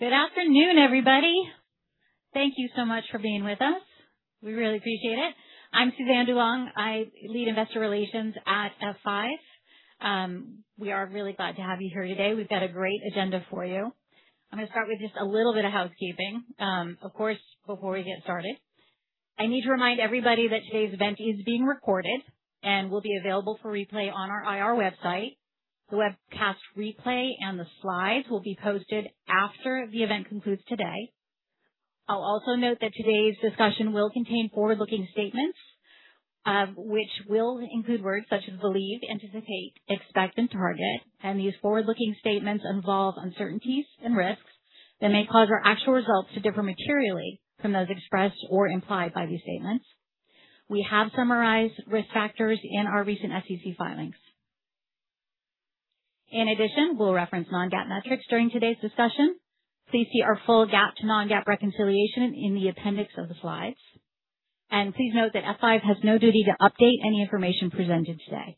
Good afternoon, everybody. Thank you so much for being with us. We really appreciate it. I'm Suzanne DuLong. I lead investor relations at F5. We are really glad to have you here today. We've got a great agenda for you. I'm going to start with just a little bit of housekeeping. Of course, before we get started, I need to remind everybody that today's event is being recorded and will be available for replay on our IR website. The webcast replay and the slides will be posted after the event concludes today. I'll also note that today's discussion will contain forward-looking statements, which will include words such as believe, anticipate, expect, and target. These forward-looking statements involve uncertainties and risks that may cause our actual results to differ materially from those expressed or implied by these statements. We have summarized risk factors in our recent SEC filings. In addition, we'll reference non-GAAP metrics during today's discussion. Please see our full GAAP to non-GAAP reconciliation in the appendix of the slides. Please note that F5 has no duty to update any information presented today.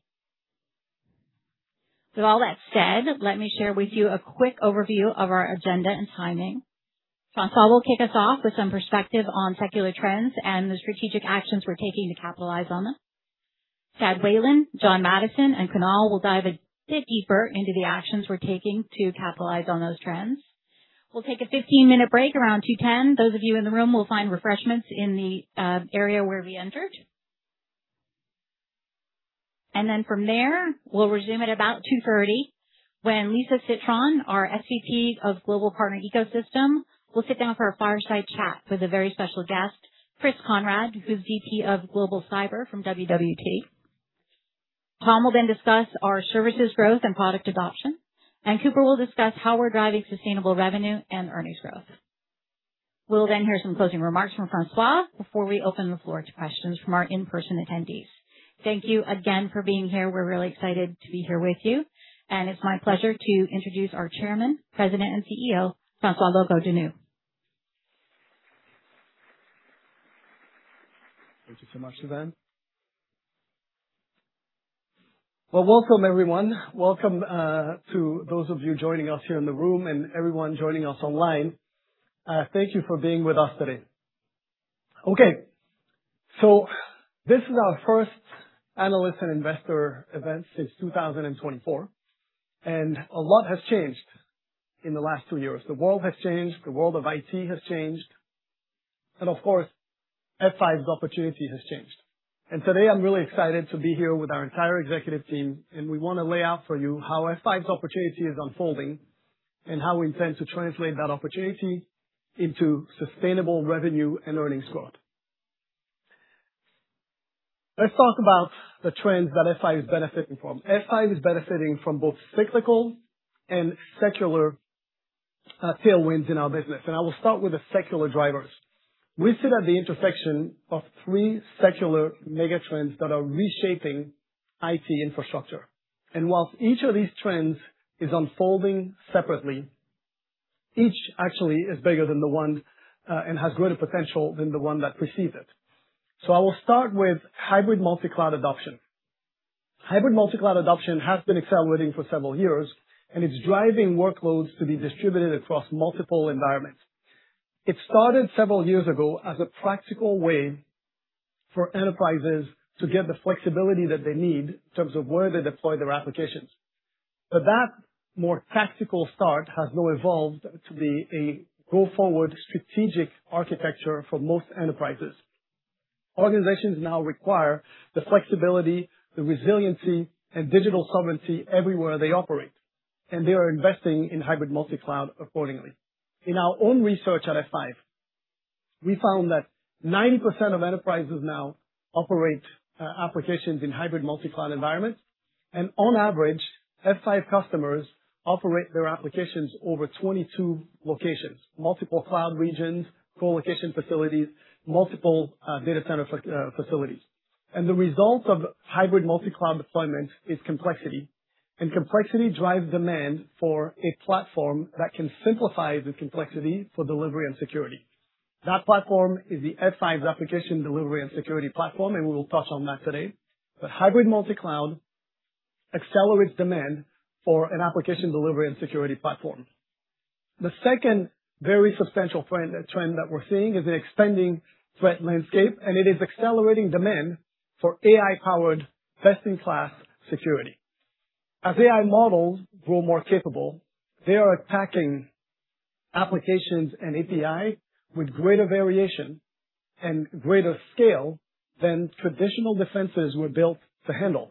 With all that said, let me share with you a quick overview of our agenda and timing. François will kick us off with some perspective on secular trends and the strategic actions we're taking to capitalize on them. Chad Whalen, John Maddison, and Kunal will dive a bit deeper into the actions we're taking to capitalize on those trends. We'll take a 15-minute break around 2:10. Those of you in the room will find refreshments in the area where we entered. From there, we'll resume at about 2:30 when Lisa Citron, our SVP of Global Partner Ecosystem, will sit down for a fireside chat with a very special guest, Chris Konrad, who's VP of Global Cyber from WWT. Tom will then discuss our services growth and product adoption, and Cooper will discuss how we're driving sustainable revenue and earnings growth. We'll then hear some closing remarks from François before we open the floor to questions from our in-person attendees. Thank you again for being here. We're really excited to be here with you, and it's my pleasure to introduce our Chairman, President, and CEO, François Locoh-Donou. Thank you so much, Suzanne. Well, welcome everyone. Welcome to those of you joining us here in the room and everyone joining us online. Thank you for being with us today. This is our first analyst and investor event since 2024, a lot has changed in the last two years. The world has changed, the world of IT has changed, of course, F5's opportunity has changed. Today, I'm really excited to be here with our entire executive team, we want to lay out for you how F5's opportunity is unfolding and how we intend to translate that opportunity into sustainable revenue and earnings growth. Let's talk about the trends that F5 is benefiting from. F5 is benefiting from both cyclical and secular tailwinds in our business, I will start with the secular drivers. We sit at the intersection of 3 secular mega trends that are reshaping IT infrastructure. While each of these trends is unfolding separately, each actually is bigger than the one, and has greater potential than the one that precedes it. I will start with hybrid multi-cloud adoption. Hybrid multi-cloud adoption has been accelerating for several years, and it's driving workloads to be distributed across multiple environments. It started several years ago as a practical way for enterprises to get the flexibility that they need in terms of where they deploy their applications. That more tactical start has now evolved to be a go-forward strategic architecture for most enterprises. Organizations now require the flexibility, the resiliency, and digital sovereignty everywhere they operate, and they are investing in hybrid multi-cloud accordingly. In our own research at F5, we found that 90% of enterprises now operate applications in hybrid multi-cloud environments. On average, F5 customers operate their applications over 22 locations, multiple cloud regions, colocation facilities, multiple data center facilities. The result of hybrid multi-cloud deployment is complexity, and complexity drives demand for a platform that can simplify the complexity for delivery and security. That platform is the F5 Application Delivery and Security Platform, and we will touch on that today. Hybrid multi-cloud accelerates demand for an Application Delivery and Security Platform. The second very substantial trend that we're seeing is the expanding threat landscape, and it is accelerating demand for AI-powered best-in-class security. As AI models grow more capable, they are attacking applications and API with greater variation and greater scale than traditional defenses were built to handle.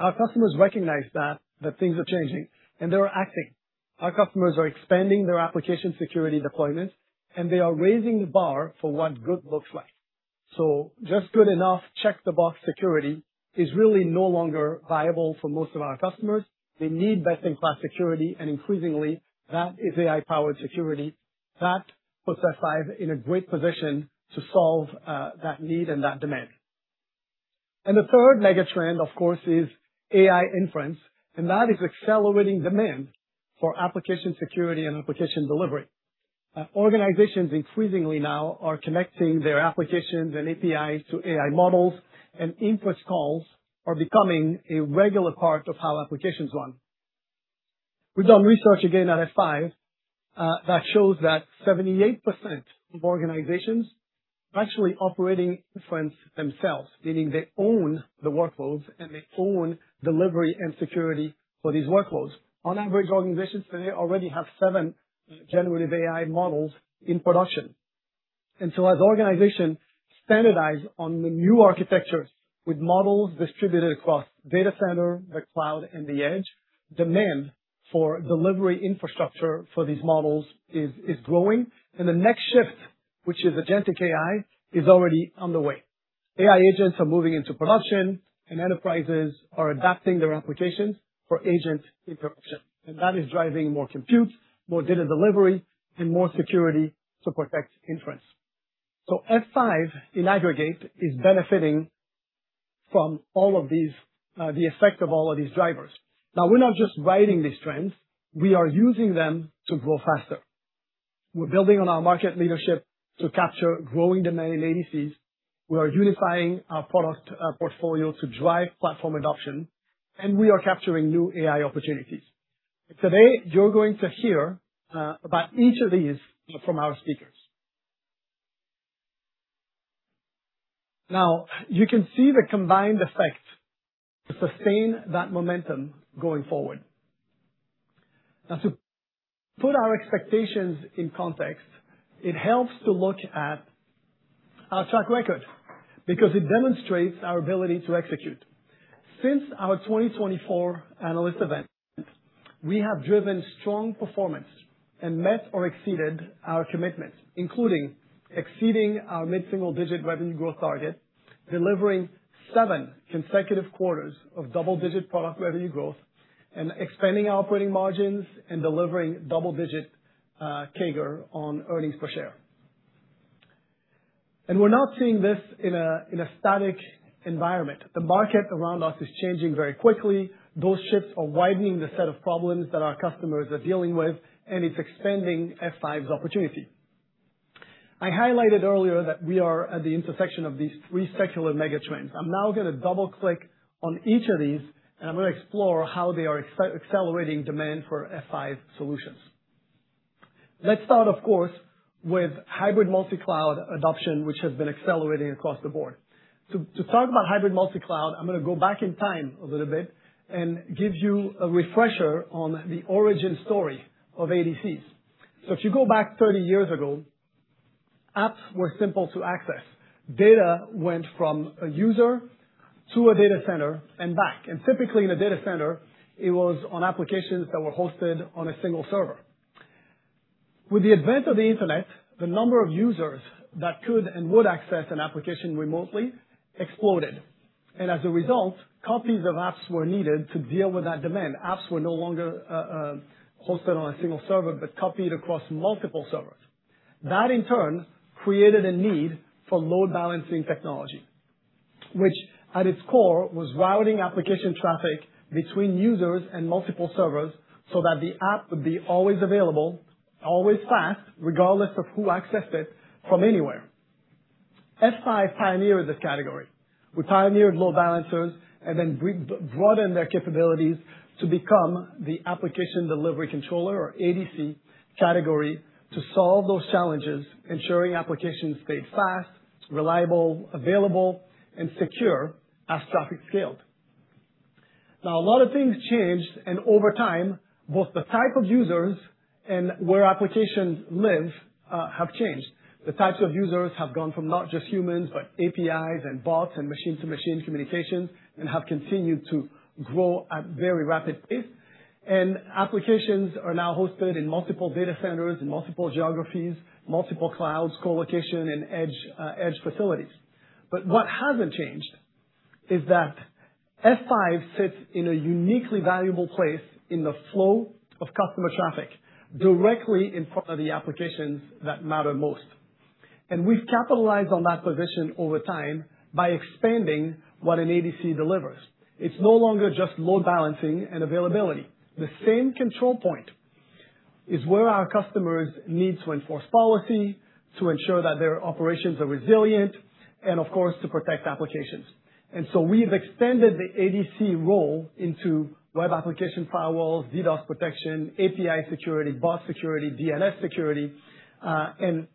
Our customers recognize that things are changing, and they are acting. Our customers are expanding their application security deployments, and they are raising the bar for what good looks like. Just good enough, check-the-box security is really no longer viable for most of our customers. They need best-in-class security, and increasingly, that is AI-powered security. That puts F5 in a great position to solve that need and that demand. The third mega trend, of course, is AI inference, and that is accelerating demand for application security and application delivery. Organizations increasingly now are connecting their applications and APIs to AI models, and inference calls are becoming a regular part of how applications run. We've done research, again, at F5, that shows that 78% of organizations are actually operating inference themselves, meaning they own the workloads and they own delivery and security for these workloads. On average, organizations today already have 7 generative AI models in production. As organizations standardize on the new architecture with models distributed across data center, the cloud, and the edge, demand for delivery infrastructure for these models is growing. The next shift, which is agentic AI, is already on the way. AI agents are moving into production, and enterprises are adapting their applications for agent infrastructure. That is driving more compute, more data delivery, and more security to protect inference. F5, in aggregate, is benefiting from the effect of all of these drivers. Now, we're not just riding these trends, we are using them to grow faster. We're building on our market leadership to capture growing demand in ADCs. We are unifying our product portfolio to drive platform adoption, and we are capturing new AI opportunities. Today, you're going to hear about each of these from our speakers. You can see the combined effect to sustain that momentum going forward. To put our expectations in context, it helps to look at our track record because it demonstrates our ability to execute. Since our 2024 analyst event, we have driven strong performance and met or exceeded our commitments, including exceeding our mid-single-digit revenue growth target, delivering seven consecutive quarters of double-digit product revenue growth, expanding our operating margins and delivering double-digit CAGR on earnings per share. We're not seeing this in a static environment. The market around us is changing very quickly. Those shifts are widening the set of problems that our customers are dealing with, and it's expanding F5's opportunity. I highlighted earlier that we are at the intersection of these three secular mega trends. I'm now going to double-click on each of these, and I'm going to explore how they are accelerating demand for F5 solutions. Let's start, of course, with hybrid multi-cloud adoption, which has been accelerating across the board. To talk about hybrid multi-cloud, I'm going to go back in time a little bit and give you a refresher on the origin story of ADCs. If you go back 30 years ago, apps were simple to access. Data went from a user to a data center and back. Typically, in a data center, it was on applications that were hosted on a single server. With the advent of the Internet, the number of users that could and would access an application remotely exploded. As a result, copies of apps were needed to deal with that demand. Apps were no longer hosted on a single server, but copied across multiple servers. That, in turn, created a need for load balancing technology, which at its core, was routing application traffic between users and multiple servers so that the app would be always available, always fast, regardless of who accessed it from anywhere. F5 pioneered this category. We pioneered load balancers and then broadened their capabilities to become the application delivery controller, or ADC category, to solve those challenges, ensuring applications stayed fast, reliable, available, and secure as traffic scaled. A lot of things changed, and over time, both the type of users and where applications live have changed. The types of users have gone from not just humans, but APIs and bots and machine-to-machine communications and have continued to grow at very rapid pace. What hasn't changed is that F5 sits in a uniquely valuable place in the flow of customer traffic, directly in front of the applications that matter most. We've capitalized on that position over time by expanding what an ADC delivers. It's no longer just load balancing and availability. The same control point is where our customers need to enforce policy to ensure that their operations are resilient and, of course, to protect applications. We have extended the ADC role into web application firewalls, DDoS protection, API security, bot security, DNS security, and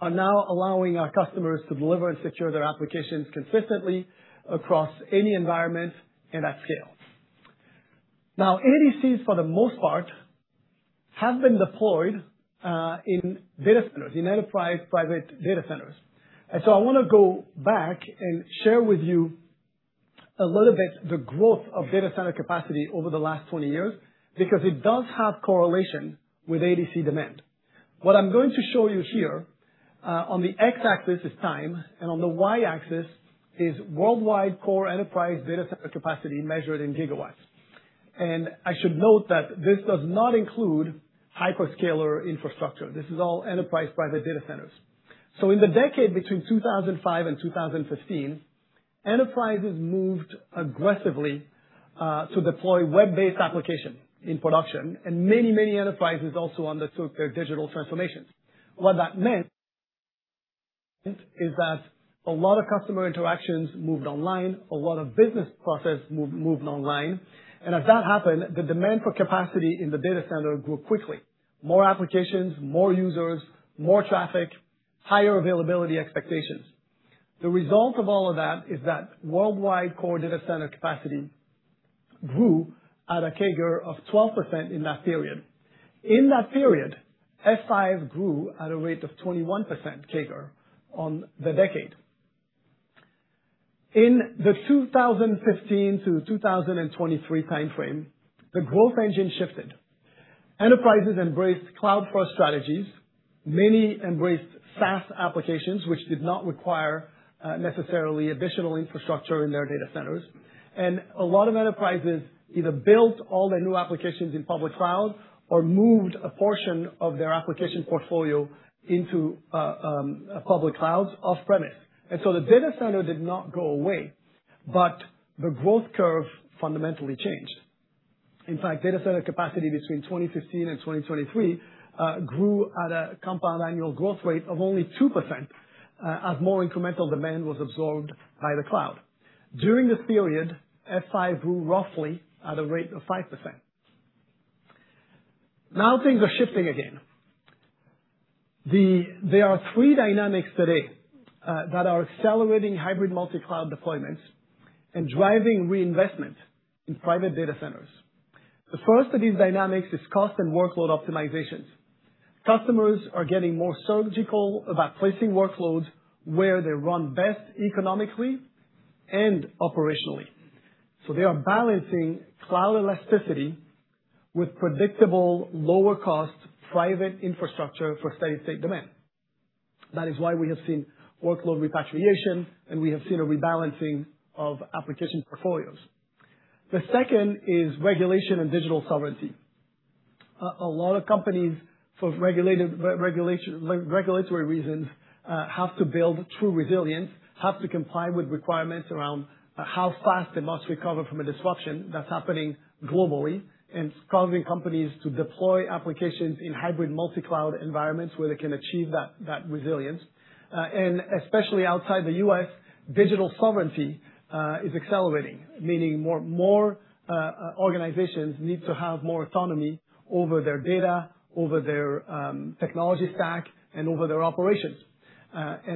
are now allowing our customers to deliver and secure their applications consistently across any environment and at scale. ADCs, for the most part, have been deployed in data centers, in enterprise private data centers. I want to go back and share with you a little bit the growth of data center capacity over the last 20 years, because it does have correlation with ADC demand. What I'm going to show you here, on the X-axis is time, and on the Y-axis is worldwide core enterprise data center capacity measured in gigawatts. I should note that this does not include hyperscaler infrastructure. This is all enterprise private data centers. In the decade between 2005 and 2015, Enterprises moved aggressively to deploy web-based application in production, and many enterprises also undertook their digital transformations. What that meant is that a lot of customer interactions moved online, a lot of business process moved online. As that happened, the demand for capacity in the data center grew quickly. More applications, more users, more traffic, higher availability expectations. The result of all of that is that worldwide core data center capacity grew at a CAGR of 12% in that period. In that period, F5 grew at a rate of 21% CAGR on the decade. In the 2015 to 2023 time frame, the growth engine shifted. Enterprises embraced cloud-first strategies. Many embraced SaaS applications, which did not require necessarily additional infrastructure in their data centers. A lot of enterprises either built all their new applications in public cloud or moved a portion of their application portfolio into a public cloud off-premise. The data center did not go away, but the growth curve fundamentally changed. In fact, data center capacity between 2015 and 2023 grew at a compound annual growth rate of only 2% as more incremental demand was absorbed by the cloud. During this period, F5 grew roughly at a rate of 5%. Now things are shifting again. There are three dynamics today that are accelerating hybrid multi-cloud deployments and driving reinvestment in private data centers. The first of these dynamics is cost and workload optimizations. Customers are getting more surgical about placing workloads where they run best economically and operationally. They are balancing cloud elasticity with predictable, lower cost, private infrastructure for steady state demand. That is why we have seen workload repatriation, and we have seen a rebalancing of application portfolios. The second is regulation and digital sovereignty. A lot of companies, for regulatory reasons, have to build true resilience, have to comply with requirements around how fast they must recover from a disruption that's happening globally and it's causing companies to deploy applications in hybrid multi-cloud environments where they can achieve that resilience. Especially outside the U.S., digital sovereignty is accelerating, meaning more organizations need to have more autonomy over their data, over their technology stack, and over their operations.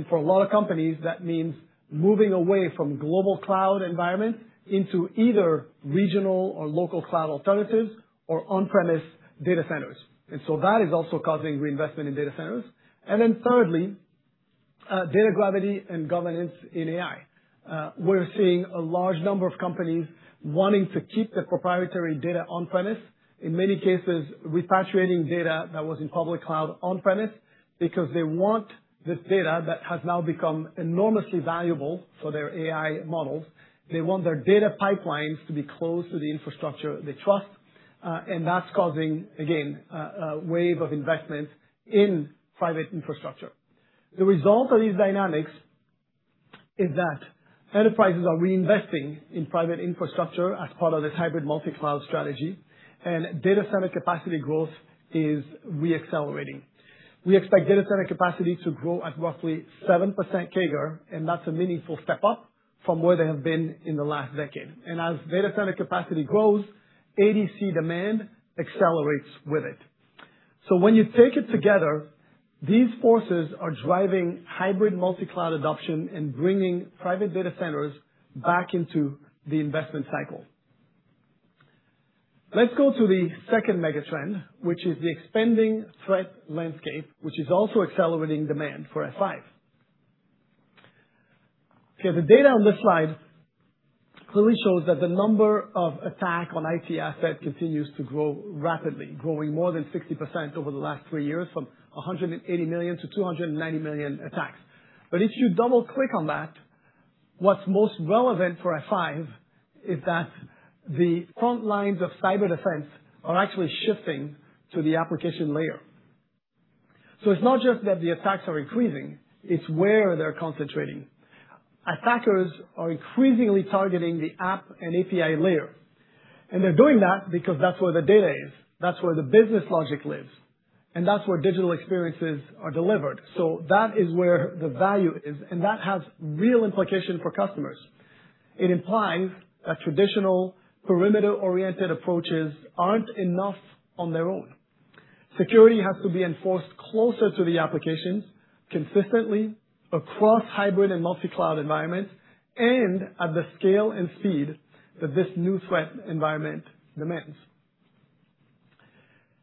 For a lot of companies, that means moving away from global cloud environment into either regional or local cloud alternatives or on-premise data centers. That is also causing reinvestment in data centers. Thirdly, data gravity and governance in AI. We're seeing a large number of companies wanting to keep their proprietary data on-premise, in many cases, repatriating data that was in public cloud on-premise because they want this data that has now become enormously valuable for their AI models. They want their data pipelines to be close to the infrastructure they trust. That's causing, again, a wave of investment in private infrastructure. The result of these dynamics is that enterprises are reinvesting in private infrastructure as part of this hybrid multi-cloud strategy, data center capacity growth is re-accelerating. We expect data center capacity to grow at roughly 7% CAGR, that's a meaningful step up from where they have been in the last decade. As data center capacity grows, ADC demand accelerates with it. When you take it together, these forces are driving hybrid multi-cloud adoption and bringing private data centers back into the investment cycle. Let's go to the second mega trend, which is the expanding threat landscape, which is also accelerating demand for F5. Okay, the data on this slide clearly shows that the number of attack on IT asset continues to grow rapidly, growing more than 60% over the last three years from 180 million to 290 million attacks. If you double click on that, what's most relevant for F5 is that the front lines of cyber defense are actually shifting to the application layer. It's not just that the attacks are increasing, it's where they're concentrating. Attackers are increasingly targeting the app and API layer, they're doing that because that's where the data is. That's where the business logic lives, and that's where digital experiences are delivered. That is where the value is, that has real implication for customers. It implies that traditional perimeter-oriented approaches aren't enough on their own. Security has to be enforced closer to the applications consistently across hybrid and multi-cloud environments and at the scale and speed that this new threat environment demands.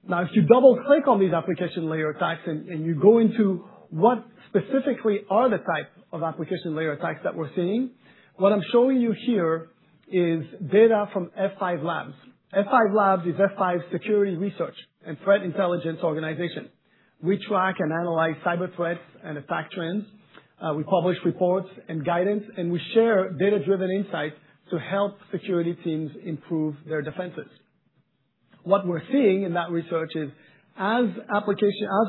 If you double click on these application layer attacks and you go into what specifically are the type of application layer attacks that we're seeing, what I'm showing you here is data from F5 Labs. F5 Labs is F5's security research and threat intelligence organization. We track and analyze cyber threats and attack trends. We publish reports and guidance, we share data-driven insights to help security teams improve their defenses. What we're seeing in that research is as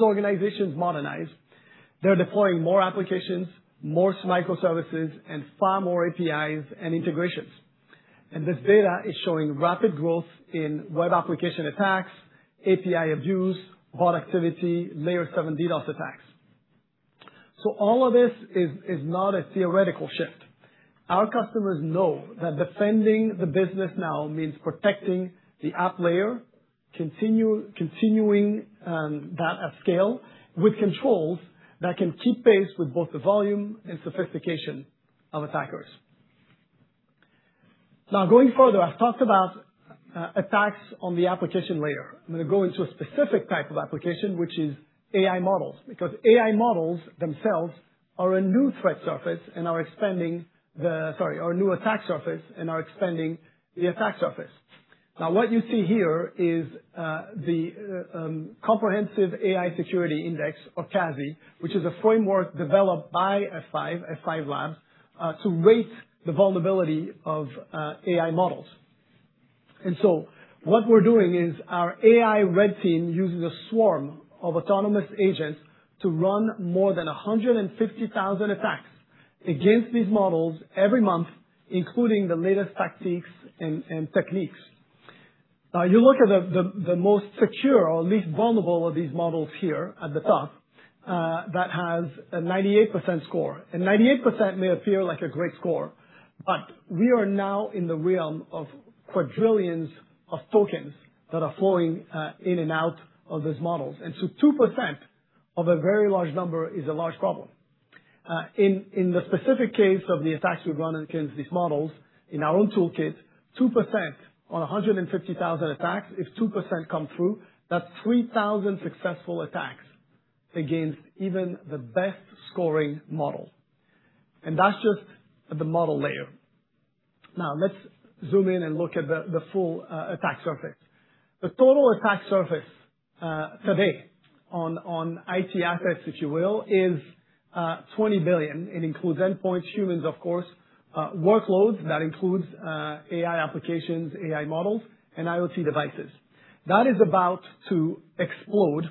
organizations modernize, they're deploying more applications, more microservices, and far more APIs and integrations. This data is showing rapid growth in web application attacks, API abuse, bot activity, Layer 7 DDoS attacks. All of this is not a theoretical shift. Our customers know that defending the business now means protecting the app layer, continuing that at scale with controls that can keep pace with both the volume and sophistication of attackers. Going further, I've talked about attacks on the application layer. I'm going to go into a specific type of application, which is AI models, because AI models themselves are a new threat surface and are expanding the Sorry, are a new attack surface and are expanding the attack surface. What you see here is the comprehensive AI Security Index, or CASI, which is a framework developed by F5 Labs to rate the vulnerability of AI models. What we're doing is our AI Red Team uses a swarm of autonomous agents to run more than 150,000 attacks against these models every month, including the latest tactics and techniques. You look at the most secure or least vulnerable of these models here at the top, that has a 98% score. 98% may appear like a great score, but we are now in the realm of quadrillions of tokens that are flowing in and out of these models. 2% of a very large number is a large problem. In the specific case of the attacks we've run against these models in our own toolkit, 2% on 150,000 attacks, if 2% come through, that's 3,000 successful attacks against even the best-scoring model. That's just the model layer. Now, let's zoom in and look at the full attack surface. The total attack surface today on IT assets, if you will, is 20 billion. It includes endpoints, humans, of course, workloads that includes AI applications, AI models, and IoT devices. That is about to explode,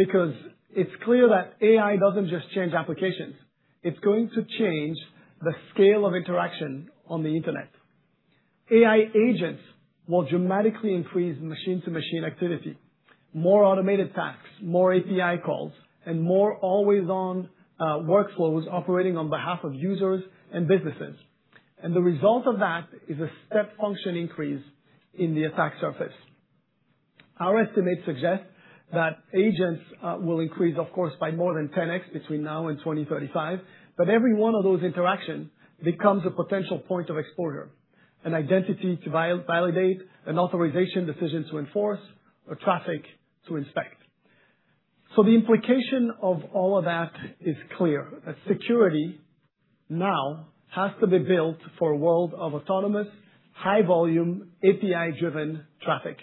because it's clear that AI doesn't just change applications. It's going to change the scale of interaction on the Internet. AI agents will dramatically increase machine-to-machine activity, more automated attacks, more API calls, and more always-on workflows operating on behalf of users and businesses. The result of that is a step function increase in the attack surface. Our estimates suggest that agents will increase, of course, by more than 10x between now and 2035, but every one of those interactions becomes a potential point of exposure, an identity to validate, an authorization decision to enforce, a traffic to inspect. The implication of all of that is clear, that security now has to be built for a world of autonomous, high volume, API-driven traffic.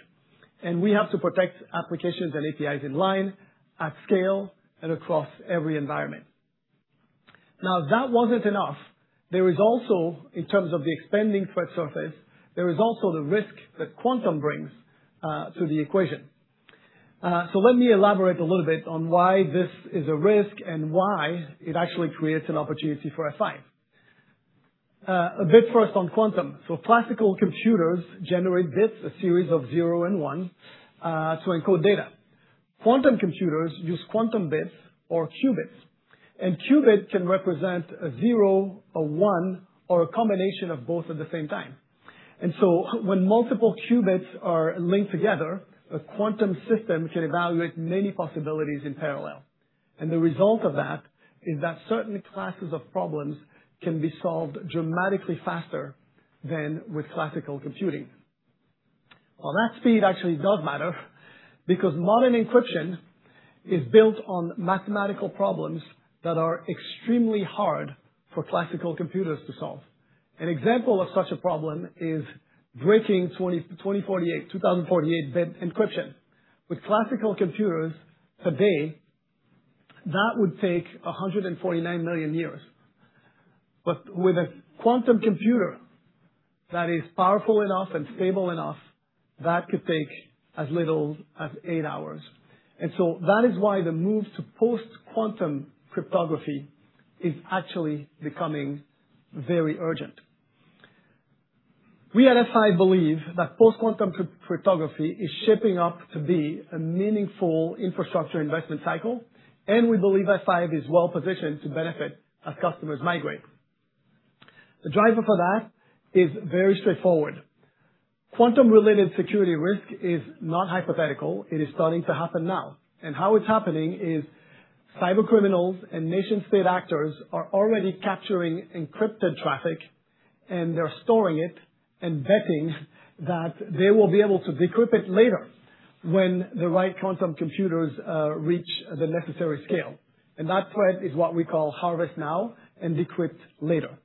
We have to protect applications and APIs in line, at scale, and across every environment. Now, that wasn't enough. There is also, in terms of the expanding threat surface, there is also the risk that quantum brings to the equation. Let me elaborate a little bit on why this is a risk and why it actually creates an opportunity for F5. A bit first on quantum. Classical computers generate bits, a series of zero and one, to encode data. Quantum computers use quantum bits or qubits. Qubit can represent a zero, a one, or a combination of both at the same time. When multiple qubits are linked together, a quantum system can evaluate many possibilities in parallel. The result of that is that certain classes of problems can be solved dramatically faster than with classical computing. That speed actually does matter because modern encryption is built on mathematical problems that are extremely hard for classical computers to solve. An example of such a problem is breaking 2,048-bit encryption. With classical computers today, that would take 149 million years. With a quantum computer that is powerful enough and stable enough, that could take as little as eight hours. That is why the move to post-quantum cryptography is actually becoming very urgent. We at F5 believe that post-quantum cryptography is shaping up to be a meaningful infrastructure investment cycle, and we believe F5 is well-positioned to benefit as customers migrate. The driver for that is very straightforward. Quantum-related security risk is not hypothetical. It is starting to happen now. How it's happening is cybercriminals and nation-state actors are already capturing encrypted traffic, and they're storing it and betting that they will be able to decrypt it later when the right quantum computers reach the necessary scale. That threat is what we call harvest now and decrypt later.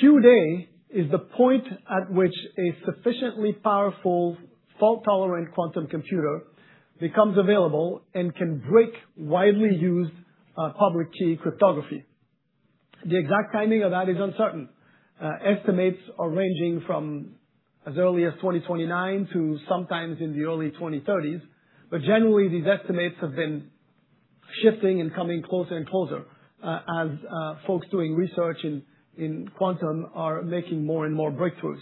Q-Day is the point at which a sufficiently powerful fault-tolerant quantum computer becomes available and can break widely used public key cryptography. The exact timing of that is uncertain. Estimates are ranging from as early as 2029 to sometime in the early 2030s. Generally, these estimates have been shifting and coming closer and closer, as folks doing research in quantum are making more and more breakthroughs.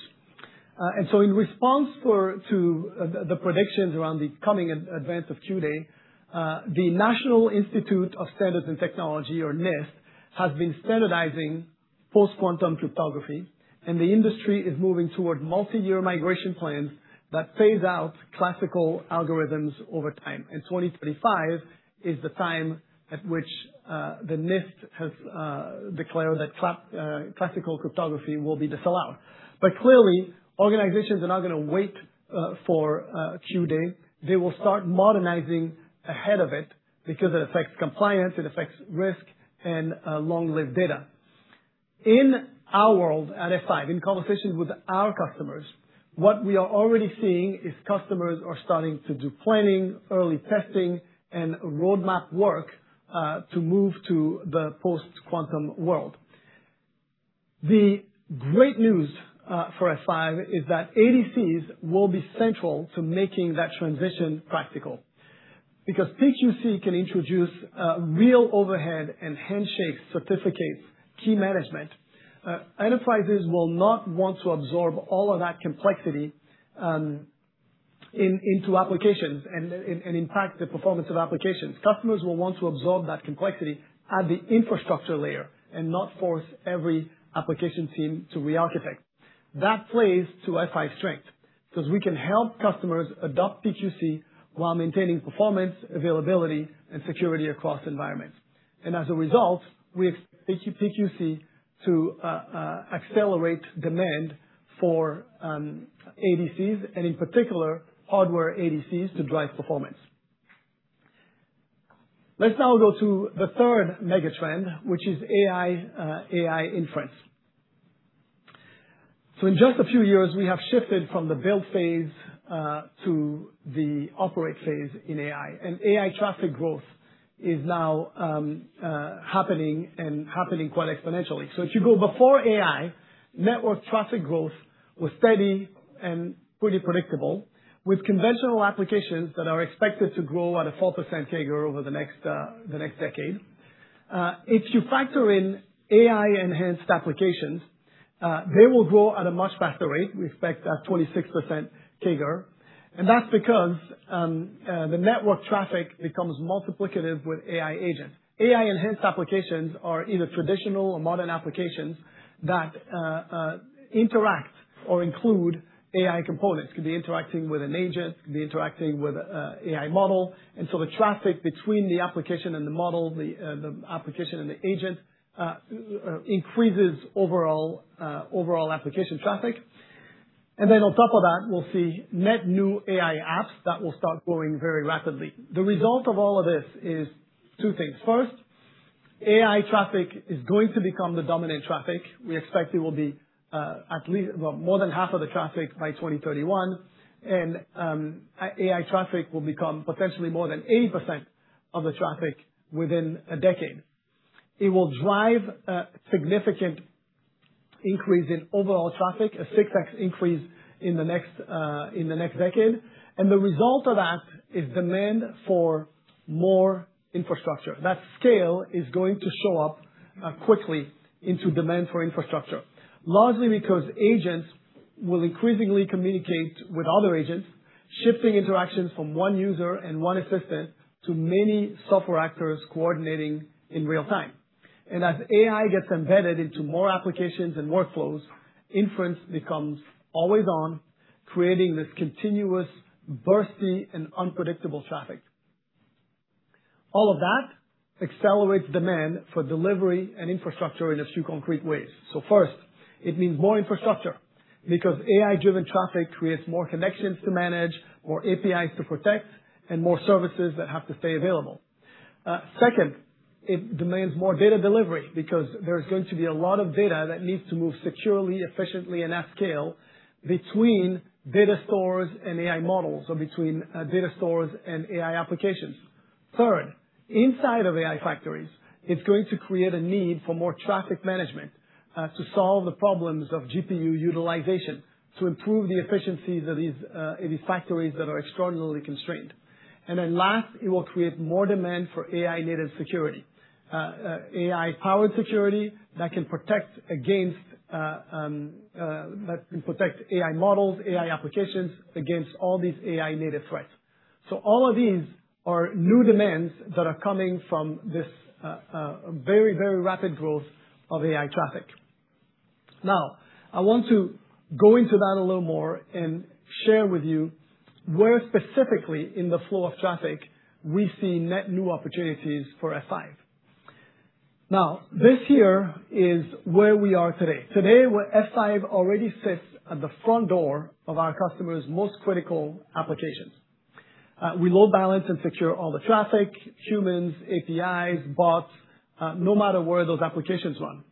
In response to the predictions around the coming advance of Q-Day, the National Institute of Standards and Technology, or NIST, has been standardizing post-quantum cryptography, and the industry is moving toward multi-year migration plans that phase out classical algorithms over time. 2025 is the time at which the NIST has declared that classical cryptography will be disallowed. Clearly, organizations are not going to wait for Q-Day. They will start modernizing ahead of it because it affects compliance, it affects risk, and long-lived data. In our world at F5, in conversations with our customers, what we are already seeing is customers are starting to do planning, early testing, and roadmap work to move to the post-quantum world. The great news for F5 is that ADCs will be central to making that transition practical. PQC can introduce real overhead and handshake certificates, key management. Enterprises will not want to absorb all of that complexity into applications and impact the performance of applications. Customers will want to absorb that complexity at the infrastructure layer and not force every application team to re-architect. That plays to F5's strength, because we can help customers adopt PQC while maintaining performance, availability, and security across environments. As a result, with PQC to accelerate demand for ADCs, and in particular, hardware ADCs to drive performance. Let's now go to the third mega-trend, which is AI inference. In just a few years, we have shifted from the build phase to the operate phase in AI, and AI traffic growth is now happening and happening quite exponentially. If you go before AI, network traffic growth was steady and pretty predictable, with conventional applications that are expected to grow at a 4% CAGR over the next decade. If you factor in AI-enhanced applications, they will grow at a much faster rate. We expect a 26% CAGR. That's because the network traffic becomes multiplicative with AI agents. AI-enhanced applications are either traditional or modern applications that interact or include AI components. It could be interacting with an agent, it could be interacting with an an AI model. The traffic between the application and the model, the application and the agent increases overall application traffic. On top of that, we'll see net new AI apps that will start growing very rapidly. The result of all of this is two things. First, AI traffic is going to become the dominant traffic. We expect it will be more than half of the traffic by 2031, and AI traffic will become potentially more than 80% of the traffic within a decade. It will drive a significant increase in overall traffic, a 6x increase in the next decade. The result of that is demand for more infrastructure. That scale is going to show up quickly into demand for infrastructure, largely because agents will increasingly communicate with other agents, shifting interactions from one user and one assistant to many software actors coordinating in real time. As AI gets embedded into more applications and workflows, inference becomes always on, creating this continuous, bursty, and unpredictable traffic. All of that accelerates demand for delivery and infrastructure in a few concrete ways. First, it means more infrastructure, because AI-driven traffic creates more connections to manage, more APIs to protect, and more services that have to stay available. Second, it demands more data delivery because there's going to be a lot of data that needs to move securely, efficiently, and at scale between data stores and AI models, or between data stores and AI applications. Third, inside of AI factories, it's going to create a need for more traffic management to solve the problems of GPU utilization, to improve the efficiency in these factories that are extraordinarily constrained. Last, it will create more demand for AI-native security. AI-powered security that can protect AI models, AI applications against all these AI-native threats. All of these are new demands that are coming from this very, very rapid growth of AI traffic. I want to go into that a little more and share with you where specifically in the flow of traffic we see net new opportunities for F5. This here is where we are today. Today, where F5 already sits at the front door of our customers' most critical applications. We load balance and secure all the traffic, humans, APIs, bots, no matter where those applications run.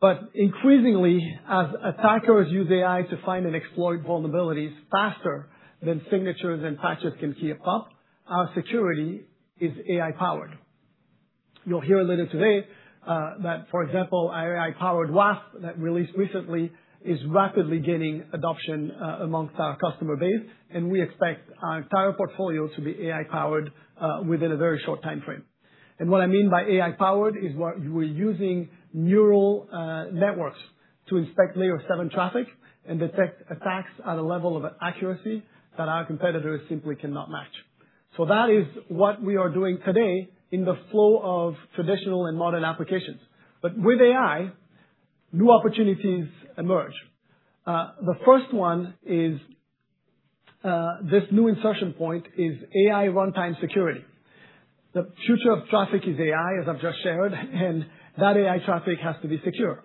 But increasingly, as attackers use AI to find and exploit vulnerabilities faster than signatures and patches can keep up, our security is AI-powered. You'll hear later today that, for example, our AI-powered WAF that released recently is rapidly gaining adoption amongst our customer base, and we expect our entire portfolio to be AI-powered within a very short timeframe. What I mean by AI-powered is we're using neural networks to inspect Layer 7 traffic and detect attacks at a level of accuracy that our competitors simply cannot match. That is what we are doing today in the flow of traditional and modern applications. With AI, new opportunities emerge. The first one is, this new insertion point is AI runtime security. The future of traffic is AI, as I've just shared, and that AI traffic has to be secure.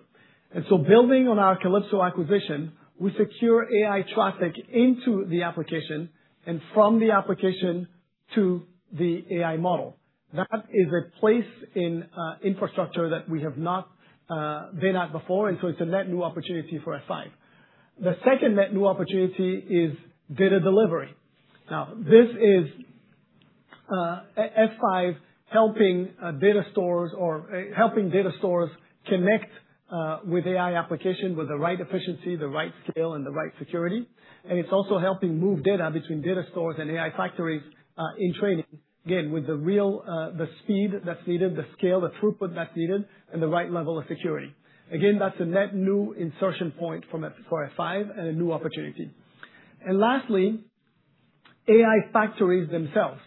Building on our Calypso acquisition, we secure AI traffic into the application and from the application to the AI model. That is a place in infrastructure that we have not been at before, so it's a net new opportunity for F5. The second net new opportunity is data delivery. This is F5 helping data stores connect with AI application with the right efficiency, the right scale, and the right security. It's also helping move data between data stores and AI factories in training, again, with the speed that's needed, the scale, the throughput that's needed, and the right level of security. Again, that's a net new insertion point for F5 and a new opportunity. Lastly, AI factories themselves.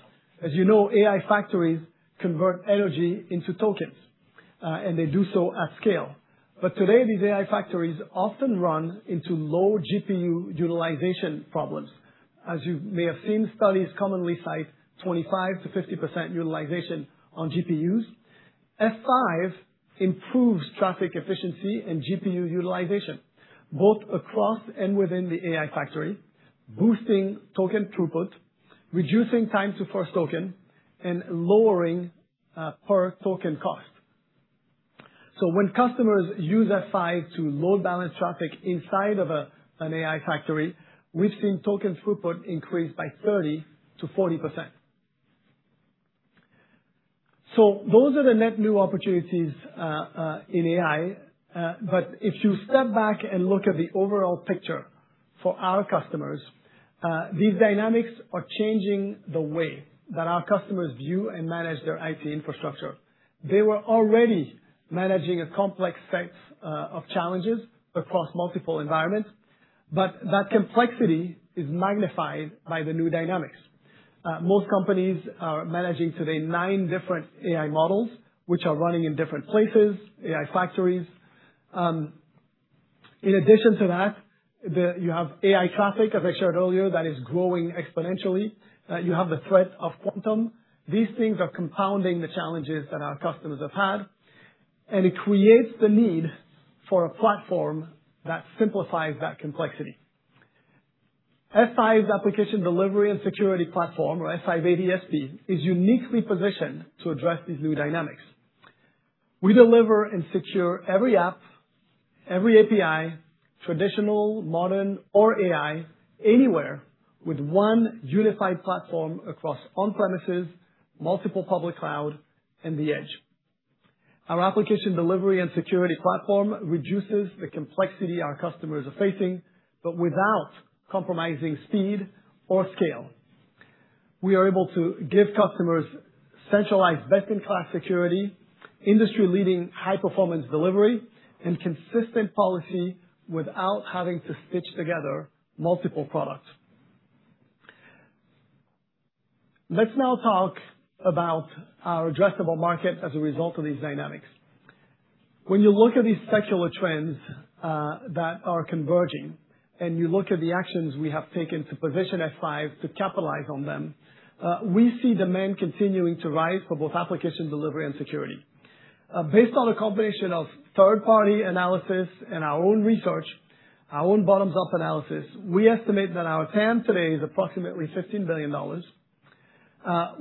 As you know, AI factories convert energy into tokens, and they do so at scale. Today, these AI factories often run into low GPU utilization problems. As you may have seen, studies commonly cite 25%-50% utilization on GPUs. F5 improves traffic efficiency and GPU utilization both across and within the AI factory, boosting token throughput, reducing time to first token, and lowering per-token cost. When customers use F5 to load balance traffic inside of an AI factory, we've seen token throughput increase by 30%-40%. Those are the net new opportunities in AI. If you step back and look at the overall picture for our customers, these dynamics are changing the way that our customers view and manage their IT infrastructure. They were already managing a complex set of challenges across multiple environments, but that complexity is magnified by the new dynamics. Most companies are managing today nine different AI models, which are running in different places, AI factories. In addition to that, you have AI traffic, as I showed earlier, that is growing exponentially. You have the threat of quantum. These things are compounding the challenges that our customers have had, it creates the need for a platform that simplifies that complexity. F5's Application Delivery and Security Platform, or F5 ADSP, is uniquely positioned to address these new dynamics. We deliver and secure every app, every API, traditional, modern, or AI, anywhere with one unified platform across on-premises, multiple public cloud, and the edge. Our Application Delivery and Security Platform reduces the complexity our customers are facing, without compromising speed or scale. We are able to give customers centralized best-in-class security, industry-leading high-performance delivery, and consistent policy without having to stitch together multiple products. Let's now talk about our addressable market as a result of these dynamics. When you look at these secular trends that are converging, you look at the actions we have taken to position F5 to capitalize on them, we see demand continuing to rise for both application delivery and security. Based on a combination of third-party analysis and our own research, our own bottoms-up analysis, we estimate that our TAM today is approximately $15 billion.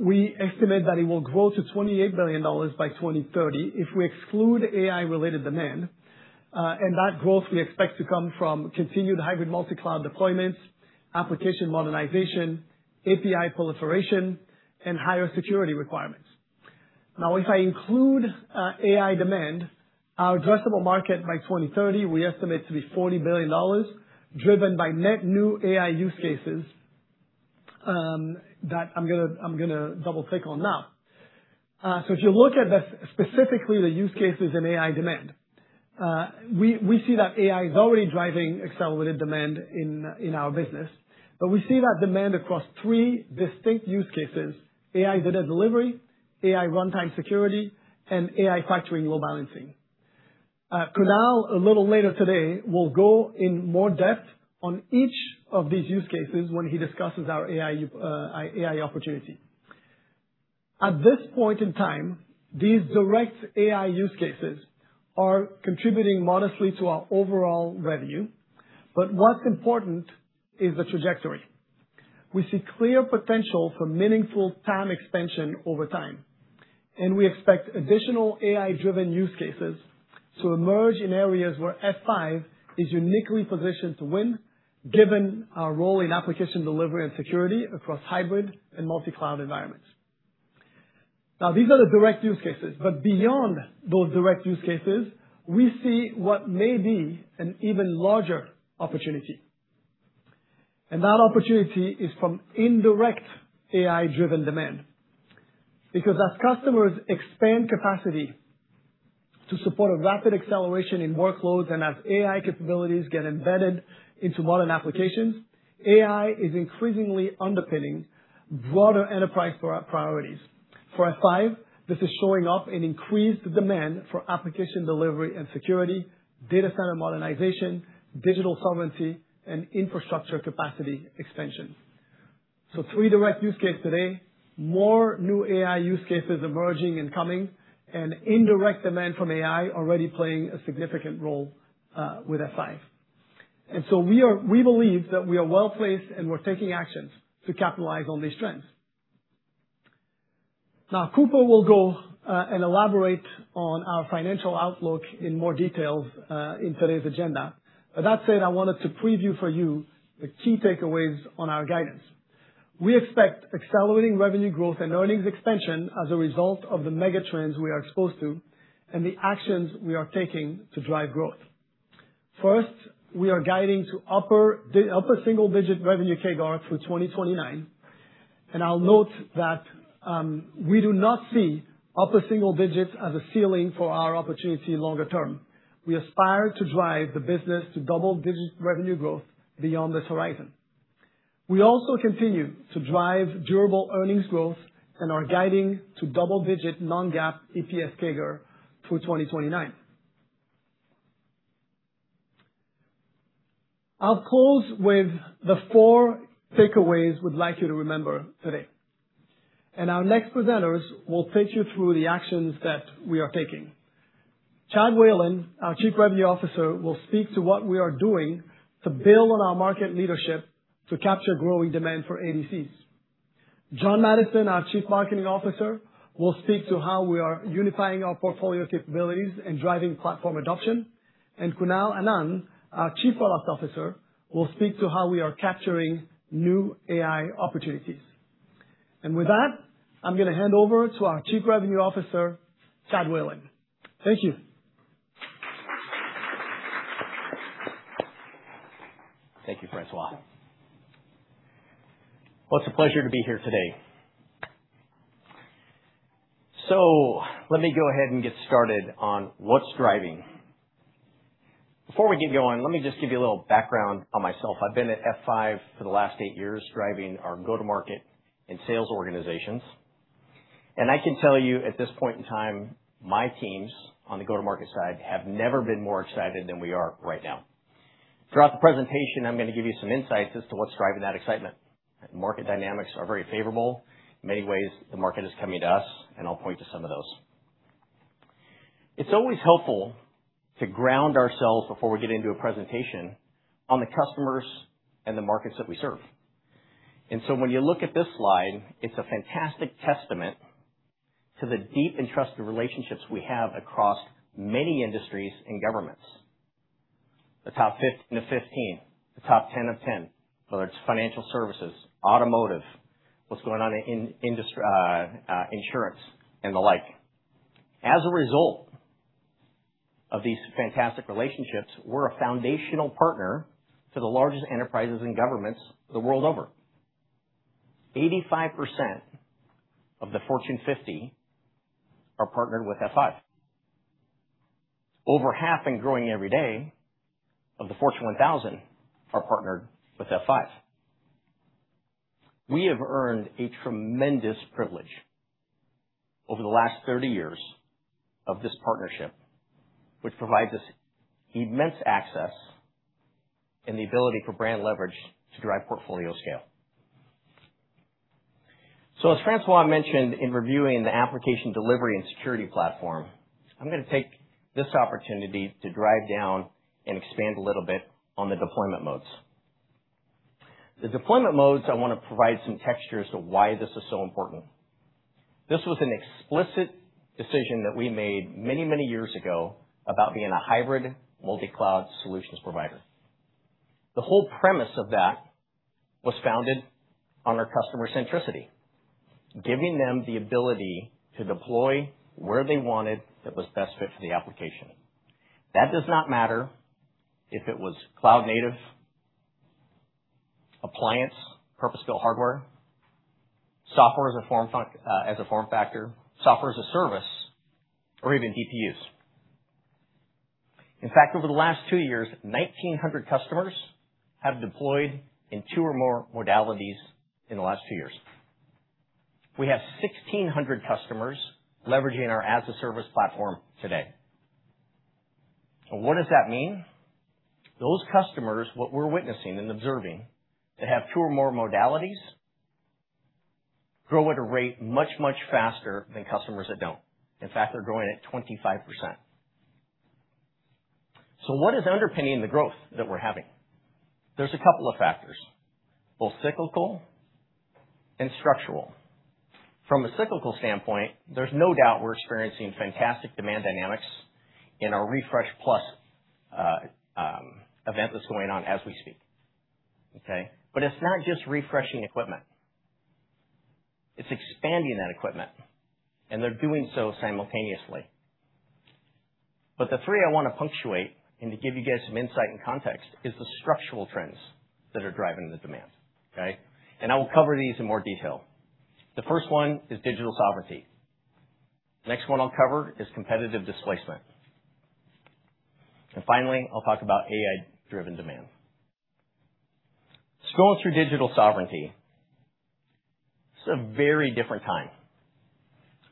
We estimate that it will grow to $28 billion by 2030 if we exclude AI-related demand. That growth we expect to come from continued hybrid multi-cloud deployments, application modernization, API proliferation, and higher security requirements. If I include AI demand, our addressable market by 2030, we estimate to be $40 billion, driven by net new AI use cases that I'm going to double-click on now. If you look at specifically the use cases in AI demand, we see that AI is already driving accelerated demand in our business, we see that demand across three distinct use cases, AI data delivery, AI runtime security, and AI factory load balancing. Kunal, a little later today, will go in more depth on each of these use cases when he discusses our AI opportunity. At this point in time, these direct AI use cases are contributing modestly to our overall revenue, what's important is the trajectory. We see clear potential for meaningful TAM expansion over time, we expect additional AI-driven use cases to emerge in areas where F5 is uniquely positioned to win, given our role in application delivery and security across hybrid and multi-cloud environments. These are the direct use cases. Beyond those direct use cases, we see what may be an even larger opportunity. That opportunity is from indirect AI-driven demand. As customers expand capacity to support a rapid acceleration in workloads, and as AI capabilities get embedded into modern applications, AI is increasingly underpinning broader enterprise priorities. For F5, this is showing up in increased demand for application delivery and security, data center modernization, digital sovereignty, and infrastructure capacity expansion. Three direct use cases today, more new AI use cases emerging and coming, and indirect demand from AI already playing a significant role with F5. We believe that we are well-placed and we're taking actions to capitalize on these trends. Cooper will go and elaborate on our financial outlook in more detail in today's agenda. That said, I wanted to preview for you the key takeaways on our guidance. We expect accelerating revenue growth and earnings expansion as a result of the mega trends we are exposed to and the actions we are taking to drive growth. First, we are guiding to upper single-digit revenue CAGR through 2029, and I'll note that we do not see upper single digits as a ceiling for our opportunity longer term. We aspire to drive the business to double-digit revenue growth beyond this horizon. We also continue to drive durable earnings growth and are guiding to double-digit non-GAAP EPS CAGR through 2029. I'll close with the four takeaways we'd like you to remember today, and our next presenters will take you through the actions that we are taking. Chad Whalen, our Chief Revenue Officer, will speak to what we are doing to build on our market leadership to capture growing demand for ADCs. John Maddison, our Chief Marketing Officer, will speak to how we are unifying our portfolio capabilities and driving platform adoption. Kunal Anand, our Chief Product Officer, will speak to how we are capturing new AI opportunities. With that, I'm going to hand over to our Chief Revenue Officer, Chad Whalen. Thank you. Thank you, François. It's a pleasure to be here today. Let me go ahead and get started on what's driving. Before we get going, let me just give you a little background on myself. I've been at F5 for the last eight years, driving our go-to-market and sales organizations. I can tell you, at this point in time, my teams on the go-to-market side have never been more excited than we are right now. Throughout the presentation, I'm going to give you some insights as to what's driving that excitement. Market dynamics are very favorable. In many ways, the market is coming to us, and I'll point to some of those. It's always helpful to ground ourselves before we get into a presentation on the customers and the markets that we serve. When you look at this slide, it's a fantastic testament to the deep and trusted relationships we have across many industries and governments. The top 10 of 15, the top 10 of 10, whether it's financial services, automotive, what's going on in insurance, and the like. As a result of these fantastic relationships, we are a foundational partner to the largest enterprises and governments the world over. 85% of the Fortune 50 are partnered with F5. Over half and growing every day of the Fortune 1000 are partnered with F5. We have earned a tremendous privilege over the last 30 years of this partnership, which provides us immense access and the ability for brand leverage to drive portfolio scale. As François mentioned in reviewing the Application Delivery and Security Platform, I am going to take this opportunity to drive down and expand a little bit on the deployment modes. The deployment modes, I want to provide some texture as to why this is so important. This was an explicit decision that we made many, many years ago about being a hybrid multi-cloud solutions provider. The whole premise of that was founded on our customer centricity. Giving them the ability to deploy where they wanted that was best fit for the application. That does not matter if it was cloud native, appliance, purpose-built hardware, software as a form factor, software as a service, or even DPUs. In fact, over the last two years, 1,900 customers have deployed in two or more modalities in the last two years. We have 1,600 customers leveraging our as a service platform today. So what does that mean? Those customers, what we are witnessing and observing, that have two or more modalities, grow at a rate much, much faster than customers that don't. In fact, they are growing at 25%. So what is underpinning the growth that we are having? There is a couple of factors, both cyclical and structural. From a cyclical standpoint, there is no doubt we are experiencing fantastic demand dynamics in our Refresh Plus event that is going on as we speak. Okay. It's not just refreshing equipment, it's expanding that equipment, and they are doing so simultaneously. The three I want to punctuate and to give you guys some insight and context is the structural trends that are driving the demand. Okay. I will cover these in more detail. The first one is digital sovereignty. The next one I will cover is competitive displacement. Finally, I will talk about AI-driven demand. Going through digital sovereignty, it's a very different time.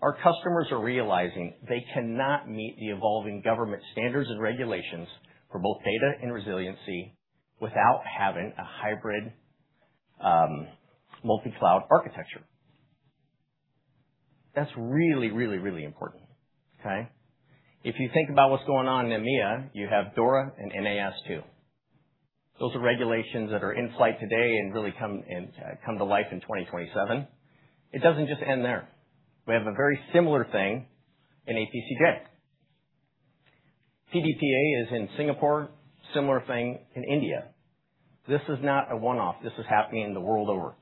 Our customers are realizing they cannot meet the evolving government standards and regulations for both data and resiliency without having a hybrid multi-cloud architecture. That is really, really, really important. Okay. If you think about what is going on in EMEA, you have DORA and NIS2. Those are regulations that are in flight today and really come to life in 2027. It does not just end there. We have a very similar thing in APCJ. PDPA is in Singapore, similar thing in India. This is not a one-off. This is happening the world over.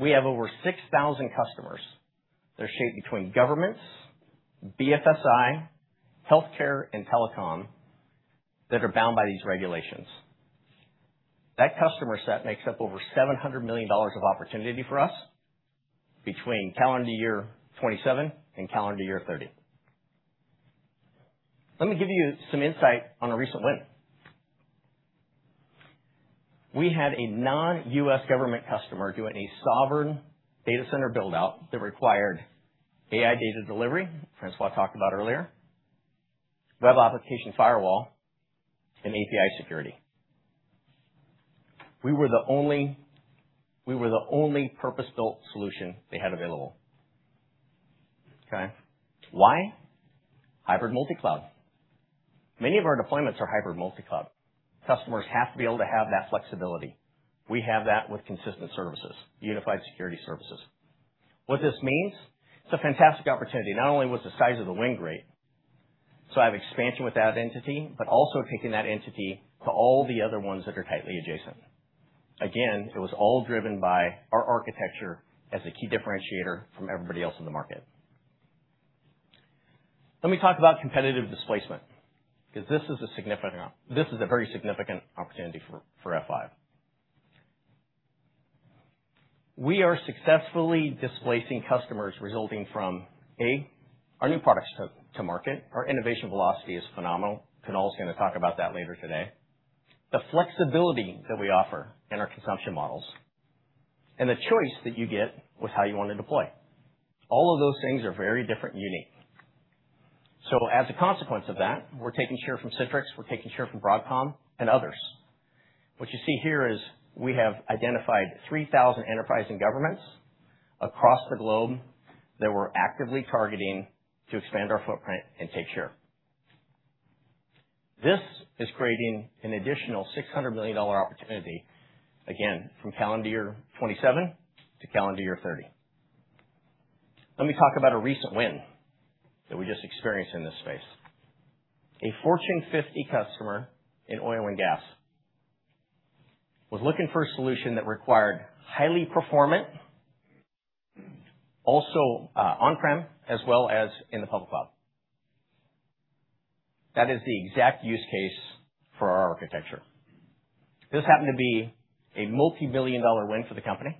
We have over 6,000 customers that are shaped between governments, BFSI, healthcare, and telecom that are bound by these regulations. That customer set makes up over $700 million of opportunity for us between calendar year 2027 and calendar year 2030. Let me give you some insight on a recent win. We had a non-U.S. government customer doing a sovereign data center build-out that required AI data delivery, Francois talked about earlier, web application firewall, and API security. We were the only purpose-built solution they had available. Okay? Why? Hybrid multi-cloud. Many of our deployments are hybrid multi-cloud. Customers have to be able to have that flexibility. We have that with consistent services, unified security services. This means, it's a fantastic opportunity. Not only was the size of the win great, I have expansion with that entity, but also taking that entity to all the other ones that are tightly adjacent. Again, it was all driven by our architecture as a key differentiator from everybody else in the market. Let me talk about competitive displacement, because this is a very significant opportunity for F5. We are successfully displacing customers resulting from, A, our new products to market. Our innovation velocity is phenomenal. Kunal's going to talk about that later today. The flexibility that we offer in our consumption models, and the choice that you get with how you want to deploy. All of those things are very different and unique. As a consequence of that, we're taking share from Citrix, we're taking share from Broadcom, and others. What you see here is we have identified 3,000 enterprising governments across the globe that we're actively targeting to expand our footprint and take share. This is creating an additional $600 million opportunity, again, from calendar year 2027 to calendar year 2030. Let me talk about a recent win that we just experienced in this space. A Fortune 50 customer in oil and gas was looking for a solution that required highly performant, also on-prem, as well as in the public cloud. That is the exact use case for our architecture. This happened to be a multi-million dollar win for the company,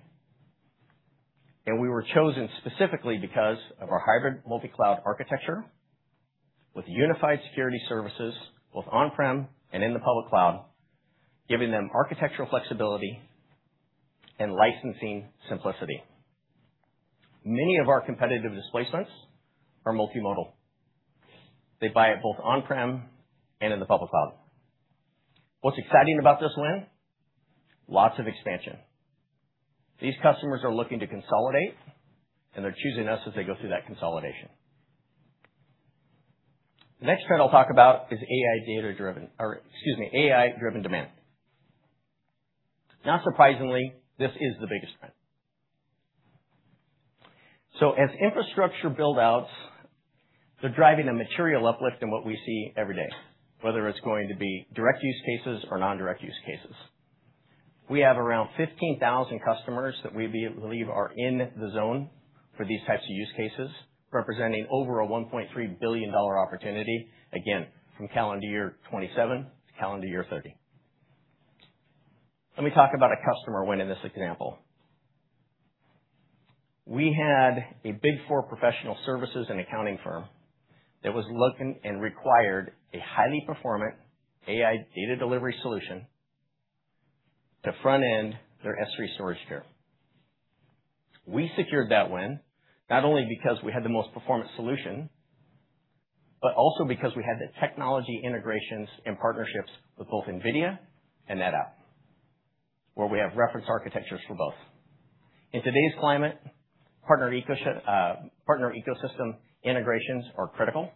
we were chosen specifically because of our hybrid multi-cloud architecture with unified security services, both on-prem and in the public cloud, giving them architectural flexibility and licensing simplicity. Many of our competitive displacements are multimodal. They buy it both on-prem and in the public cloud. What's exciting about this win, lots of expansion. These customers are looking to consolidate, they're choosing us as they go through that consolidation. The next trend I'll talk about is AI data-driven or excuse me, AI-driven demand. Not surprisingly, this is the biggest trend. As infrastructure build-outs, they're driving a material uplift in what we see every day, whether it's going to be direct use cases or non-direct use cases. We have around 15,000 customers that we believe are in the zone for these types of use cases, representing over a $1.3 billion opportunity, again, from calendar year 2027 to calendar year 2030. Let me talk about a customer win in this example. We had a Big Four professional services and accounting firm that was looking and required a highly performant AI data delivery solution to front-end their S3 storage tier. We secured that win not only because we had the most performant solution, but also because we had the technology integrations and partnerships with both NVIDIA and NetApp. Where we have reference architectures for both. In today's climate, partner ecosystem integrations are critical,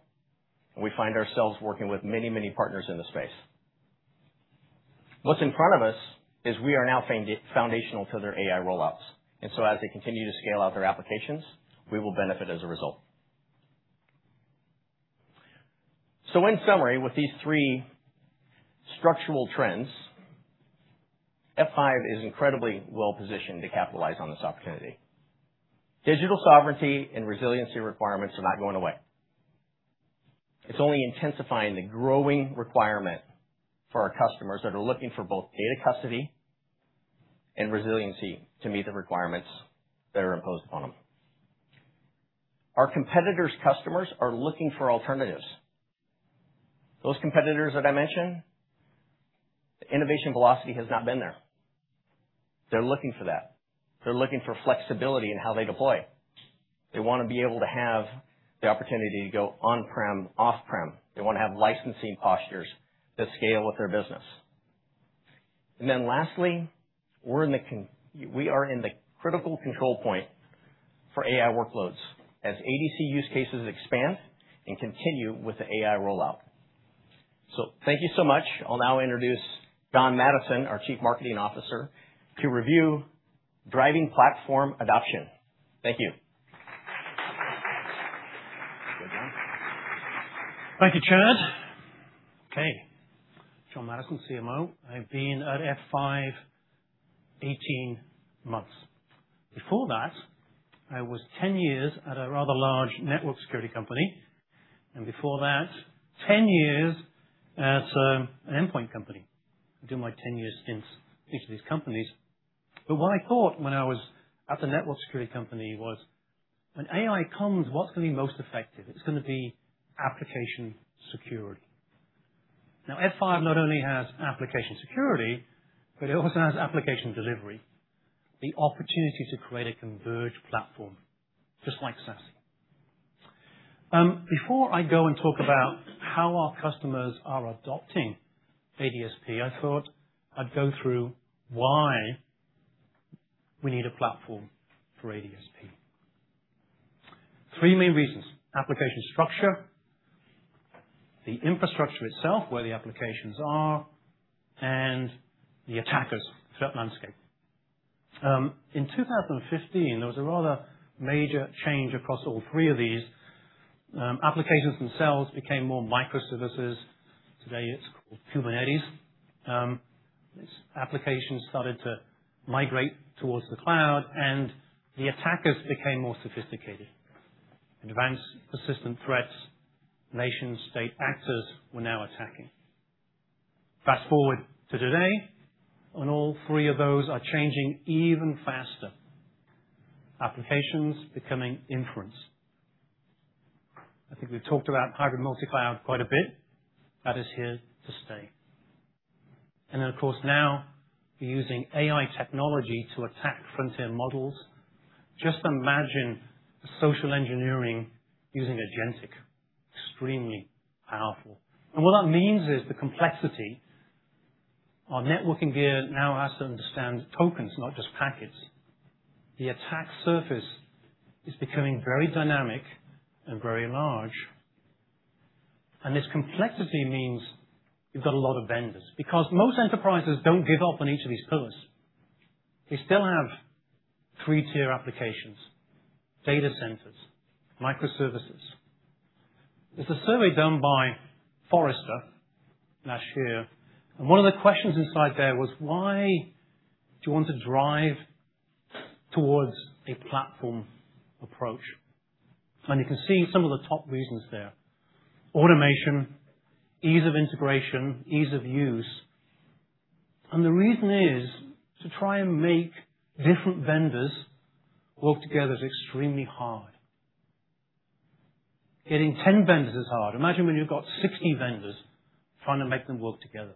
we find ourselves working with many, many partners in the space. What's in front of us is we are now foundational to their AI rollouts. As they continue to scale out their applications, we will benefit as a result. In summary, with these three structural trends, F5 is incredibly well-positioned to capitalize on this opportunity. Digital sovereignty and resiliency requirements are not going away. It's only intensifying the growing requirement for our customers that are looking for both data custody and resiliency to meet the requirements that are imposed upon them. Our competitors' customers are looking for alternatives. Those competitors that I mentioned, the innovation velocity has not been there. They're looking for that. They're looking for flexibility in how they deploy. They want to be able to have the opportunity to go on-prem, off-prem. They want to have licensing postures that scale with their business. Lastly, we are in the critical control point for AI workloads as ADC use cases expand and continue with the AI rollout. Thank you so much. I'll now introduce John Maddison, our Chief Marketing Officer, to review driving platform adoption. Thank you. Good one. Thank you, Chad. Okay. John Maddison, CMO. I've been at F5 18 months. Before that, I was 10 years at a rather large network security company. Before that, 10 years at an endpoint company. I do my 10-year stints in each of these companies. What I thought when I was at the network security company was, when AI comes, what's going to be most effective? It's going to be application security. F5 not only has application security, but it also has application delivery, the opportunity to create a converged platform just like SASE. Before I go and talk about how our customers are adopting ADSP, I thought I'd go through why we need a platform for ADSP. Three main reasons: application structure, the infrastructure itself, where the applications are, the attackers, threat landscape. In 2015, there was a rather major change across all three of these. Applications themselves became more microservices. Today, it's called Kubernetes. Applications started to migrate towards the cloud. The attackers became more sophisticated. Advanced persistent threats, nation-state actors were now attacking. Fast-forward to today, all three of those are changing even faster. Applications becoming inference. I think we've talked about hybrid multi-cloud quite a bit. That is here to stay. Of course, now we're using AI technology to attack front-end models. Just imagine the social engineering using agentic. Extremely powerful. What that means is the complexity. Our networking gear now has to understand tokens, not just packets. The attack surface is becoming very dynamic and very large. This complexity means you've got a lot of vendors, because most enterprises don't give up on each of these pillars. They still have three-tier applications, data centers, microservices. There's a survey done by Forrester last year, one of the questions inside there was, why do you want to drive towards a platform approach? You can see some of the top reasons there. Automation, ease of integration, ease of use. The reason is, to try and make different vendors work together is extremely hard. Getting 10 vendors is hard. Imagine when you've got 60 vendors, trying to make them work together.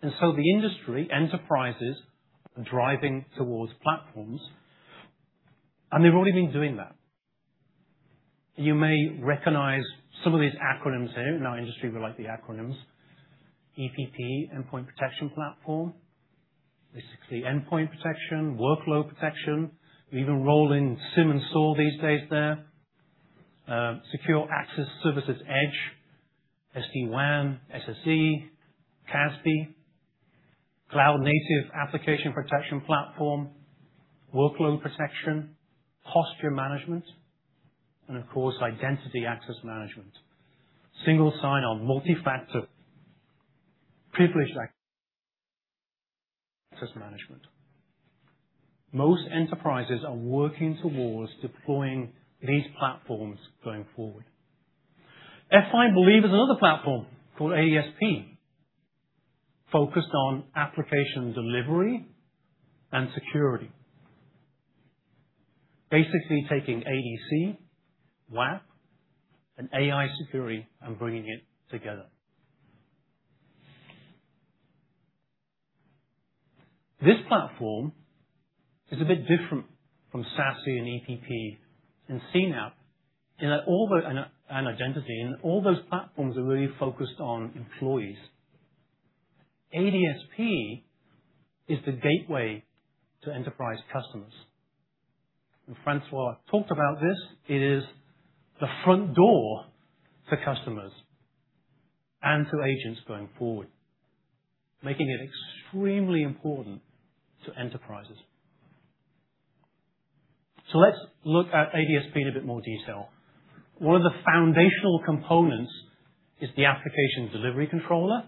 The industry enterprises are driving towards platforms, and they've already been doing that. You may recognize some of these acronyms here. In our industry, we like the acronyms. EPP, Endpoint Protection Platform. Basically, endpoint protection, workload protection. We even roll in SIEM and SOAR these days there. Secure Access Service Edge, SD-WAN, SSE, CASB, Cloud Native Application Protection Platform, workload protection, posture management, and of course, identity access management. Single sign-on, multi-factor, privileged access management. Most enterprises are working towards deploying these platforms going forward. F5, believe, is another platform called ADSP, focused on application delivery and security. Basically taking ADC, WAF, and AI security and bringing it together. This platform It's a bit different from SASE and EPP and CNAPP and identity, and all those platforms are really focused on employees. ADSP is the gateway to enterprise customers. Francois talked about this, it is the front door to customers and to agents going forward, making it extremely important to enterprises. Let's look at ADSP in a bit more detail. One of the foundational components is the application delivery controller,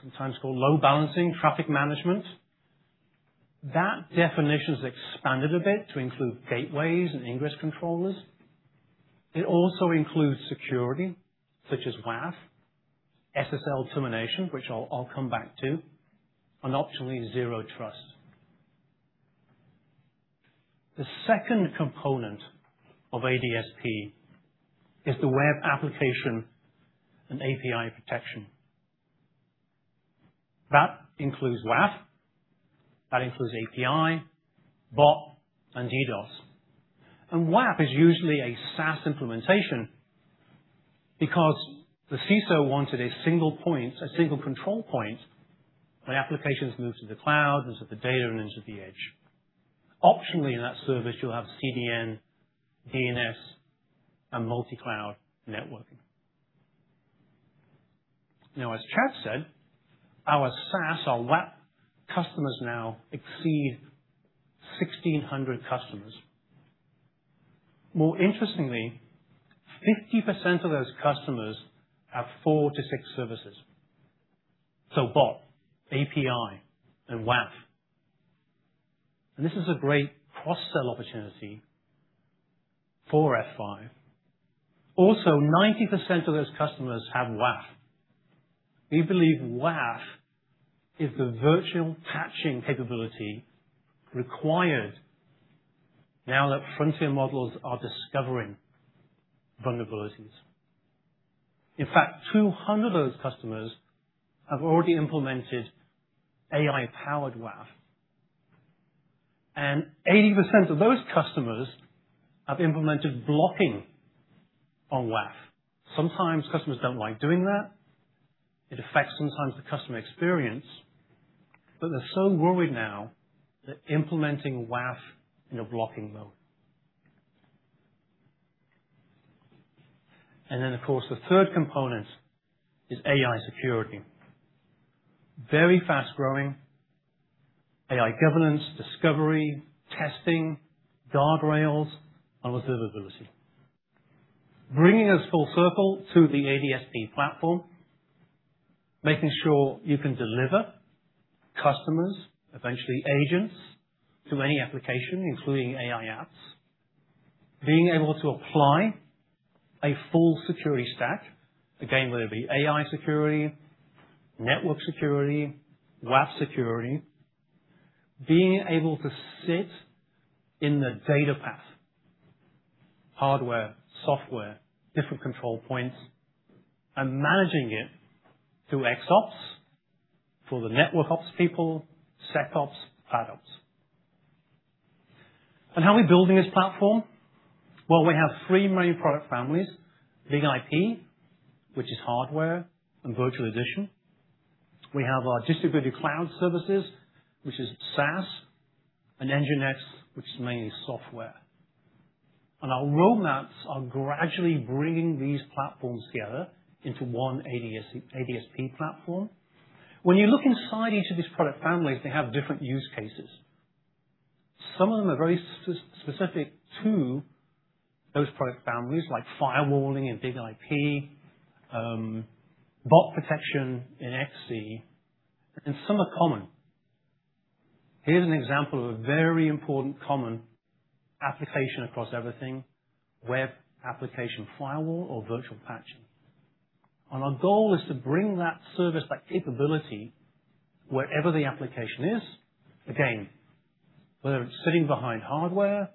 sometimes called load balancing, traffic management. That definition's expanded a bit to include gateways and ingress controllers. It also includes security, such as WAF, SSL termination, which I'll come back to, and optionally, Zero Trust. The second component of ADSP is the Web Application and API Protection. That includes WAF, that includes API, bot, and DDoS. WAF is usually a SaaS implementation because the CISO wanted a single control point where applications move to the cloud, move to the data, and into the edge. Optionally, in that service, you'll have CDN, DNS, and multi-cloud networking. Now, as Chad said, our SaaS, our WAAP customers now exceed 1,600 customers. More interestingly, 50% of those customers have four to six services. So bot, API, and WAF. This is a great cross-sell opportunity for F5. Also, 90% of those customers have WAF. We believe WAF is the virtual patching capability required now that frontier models are discovering vulnerabilities. In fact, 200 of those customers have already implemented AI-powered WAF, and 80% of those customers have implemented blocking on WAF. Sometimes customers don't like doing that. It affects sometimes the customer experience, but they're so worried now they're implementing WAF in a blocking mode. Of course, the third component is AI security. Very fast-growing, AI governance, discovery, testing, guardrails, and observability. Bringing us full circle to the ADSP platform, making sure you can deliver customers, eventually agents, to any application, including AI apps. Being able to apply a full security stack, again, whether it be AI security, network security, WAF security, being able to sit in the data path, hardware, software, different control points, and managing it through XOps for the network ops people, SecOps, FinOps. How are we building this platform? Well, we have three main product families, BIG-IP, which is hardware and virtual edition. We have our distributed cloud services, which is SaaS, and NGINX, which is mainly software. Our roadmaps are gradually bringing these platforms together into one ADSP platform. When you look inside each of these product families, they have different use cases. Some of them are very specific to those product families, like firewalling and BIG-IP, bot protection in XC, and some are common. Here's an example of a very important common application across everything, web application firewall or virtual patching. Our goal is to bring that service, that capability, wherever the application is, again, whether it's sitting behind hardware,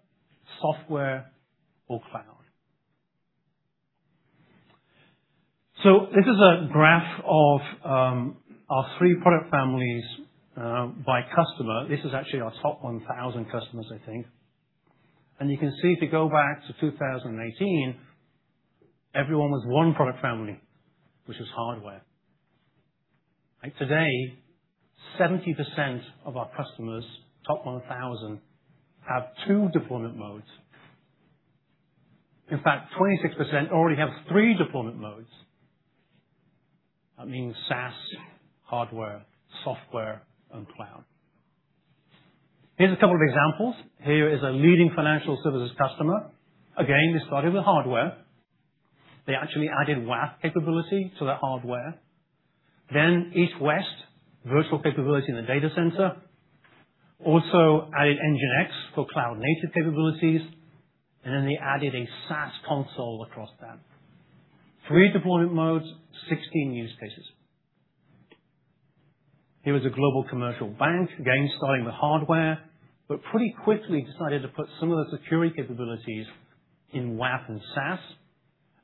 software, or cloud. This is a graph of our three product families, by customer. This is actually our top 1,000 customers, I think. You can see if you go back to 2018, everyone was one product family, which was hardware. Today, 70% of our customers, top 1,000, have two deployment modes. In fact, 26% already have three deployment modes. That means SaaS, hardware, software, and cloud. Here's a couple of examples. Here is a leading financial services customer. Again, they started with hardware. They actually added WAF capability to the hardware. Then east-west virtual capability in the data center, also added NGINX for cloud-native capabilities, and then they added a SaaS console across that. Three deployment modes, 16 use cases. Here is a global commercial bank, again, starting with hardware, but pretty quickly decided to put some of the security capabilities in WAF and SaaS.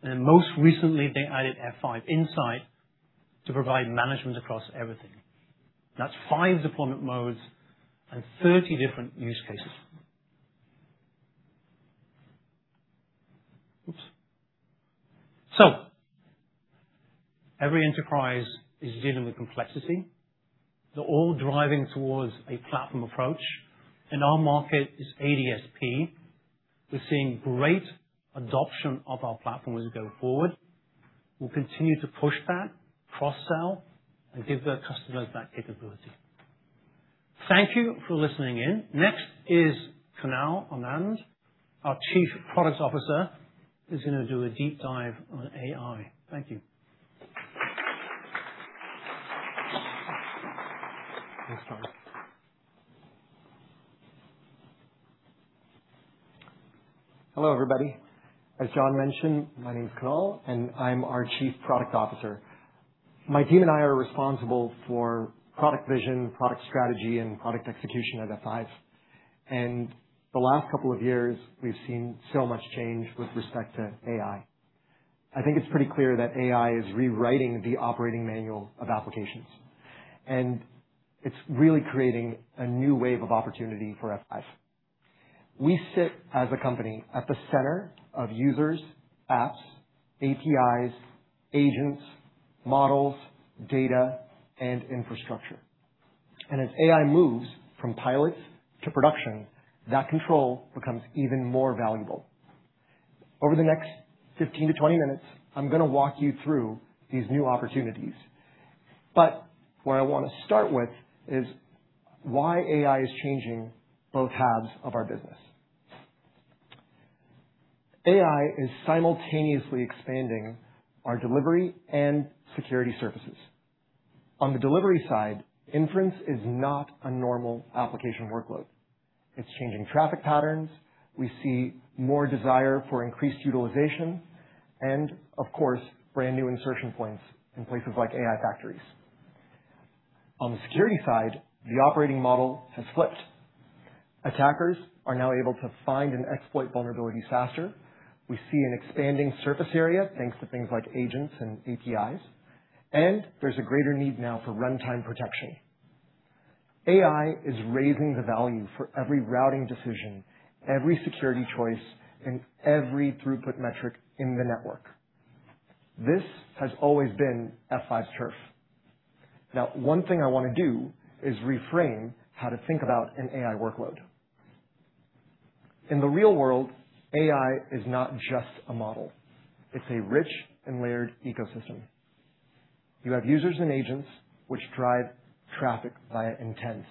Most recently, they added F5 Insight to provide management across everything. That's five deployment modes and 30 different use cases. Oops. Every enterprise is dealing with complexity. They're all driving towards a platform approach, and our market is ADSP. We're seeing great adoption of our platform as we go forward. We'll continue to push that, cross-sell, and give the customers that capability. Thank you for listening in. Next is Kunal Anand, our Chief Product Officer, who's going to do a deep dive on AI. Thank you. Thanks, Kunal. Hello, everybody. As John mentioned, my name is Kunal, and I'm our Chief Product Officer. My team and I are responsible for product vision, product strategy, and product execution at F5. The last couple of years, we've seen so much change with respect to AI. I think it's pretty clear that AI is rewriting the operating manual of applications. It's really creating a new wave of opportunity for F5. We sit as a company at the center of users, apps, APIs, agents, models, data, and infrastructure. As AI moves from pilots to production, that control becomes even more valuable. Over the next 15 to 20 minutes, I'm going to walk you through these new opportunities. What I want to start with is why AI is changing both halves of our business. AI is simultaneously expanding our delivery and security services. On the delivery side, inference is not a normal application workload. It's changing traffic patterns. We see more desire for increased utilization and, of course, brand-new insertion points in places like AI factories. On the security side, the operating model has flipped. Attackers are now able to find and exploit vulnerabilities faster. We see an expanding surface area thanks to things like agents and APIs, and there's a greater need now for runtime protection. AI is raising the value for every routing decision, every security choice, and every throughput metric in the network. This has always been F5's turf. One thing I want to do is reframe how to think about an AI workload. In the real world, AI is not just a model. It's a rich and layered ecosystem. You have users and agents which drive traffic via intent.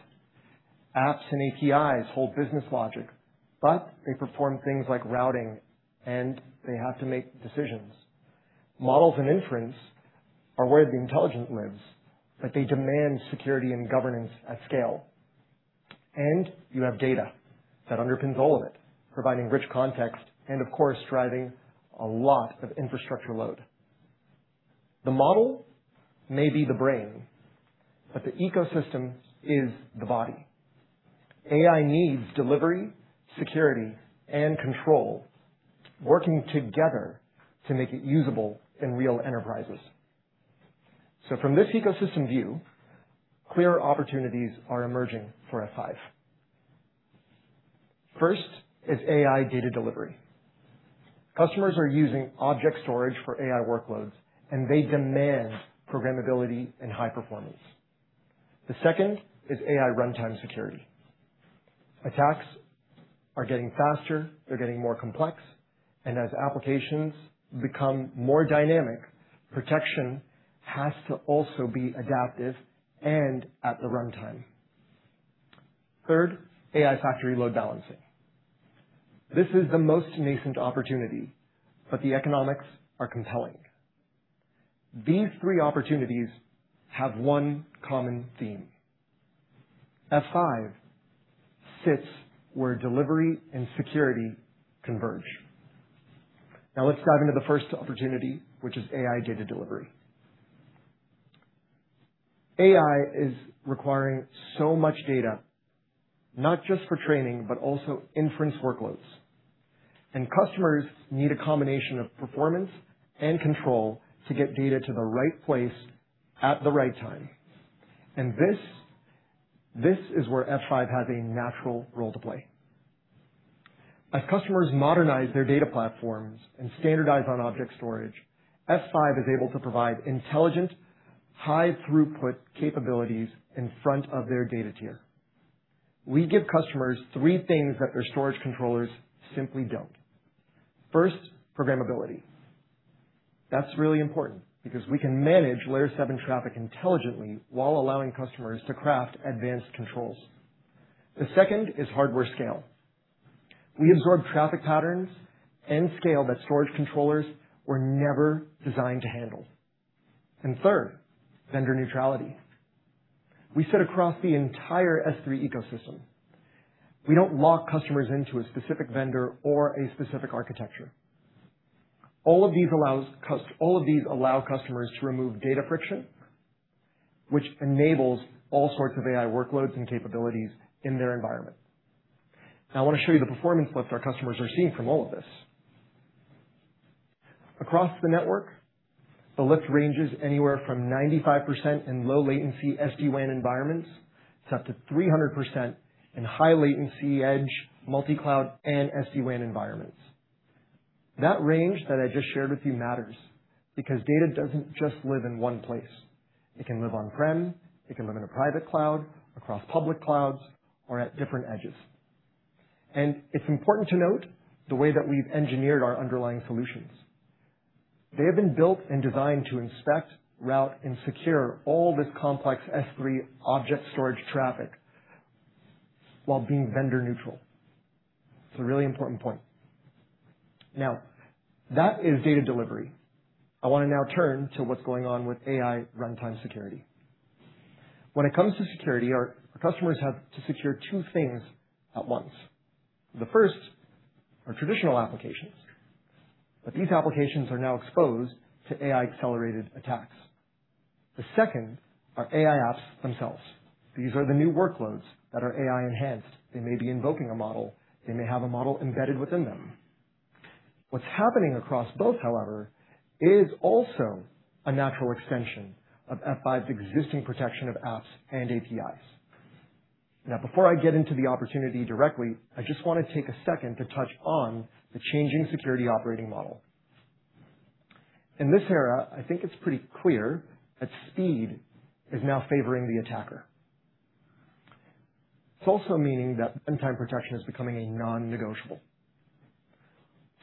Apps and APIs hold business logic, but they perform things like routing, and they have to make decisions. Models and inference are where the intelligence lives, but they demand security and governance at scale. You have data that underpins all of it, providing rich context and, of course, driving a lot of infrastructure load. The model may be the brain, but the ecosystem is the body. AI needs delivery, security, and control working together to make it usable in real enterprises. From this ecosystem view, clear opportunities are emerging for F5. First is AI data delivery. Customers are using object storage for AI workloads, and they demand programmability and high performance. The second is AI runtime security. Attacks are getting faster, they're getting more complex, and as applications become more dynamic, protection has to also be adaptive and at the runtime. Third, AI factory load balancing. This is the most nascent opportunity, but the economics are compelling. These three opportunities have one common theme. F5 sits where delivery and security converge. Let's dive into the first opportunity, which is AI data delivery. AI is requiring so much data, not just for training, but also inference workloads. Customers need a combination of performance and control to get data to the right place at the right time. This is where F5 has a natural role to play. As customers modernize their data platforms and standardize on object storage, F5 is able to provide intelligent, high-throughput capabilities in front of their data tier. We give customers three things that their storage controllers simply don't. First, programmability. That's really important because we can manage Layer 7 traffic intelligently while allowing customers to craft advanced controls. The second is hardware scale. We absorb traffic patterns and scale that storage controllers were never designed to handle. Third, vendor neutrality. We sit across the entire S3 ecosystem. We don't lock customers into a specific vendor or a specific architecture. All of these allow customers to remove data friction, which enables all sorts of AI workloads and capabilities in their environment. I want to show you the performance lift our customers are seeing from all of this. Across the network, the lift ranges anywhere from 95% in low latency SD-WAN environments, to up to 300% in high latency edge, multi-cloud, and SD-WAN environments. That range that I just shared with you matters because data doesn't just live in one place. It can live on-prem, it can live in a private cloud, across public clouds, or at different edges. It's important to note the way that we've engineered our underlying solutions. They have been built and designed to inspect, route, and secure all this complex S3 object storage traffic while being vendor neutral. It's a really important point. That is data delivery. I want to now turn to what's going on with AI runtime security. When it comes to security, our customers have to secure two things at once. The first are traditional applications. These applications are now exposed to AI-accelerated attacks. The second are AI apps themselves. These are the new workloads that are AI-enhanced. They may be invoking a model, they may have a model embedded within them. What's happening across both, however, is also a natural extension of F5's existing protection of apps and APIs. Before I get into the opportunity directly, I just want to take a second to touch on the changing security operating model. In this era, I think it's pretty clear that speed is now favoring the attacker. It's also meaning that runtime protection is becoming a non-negotiable.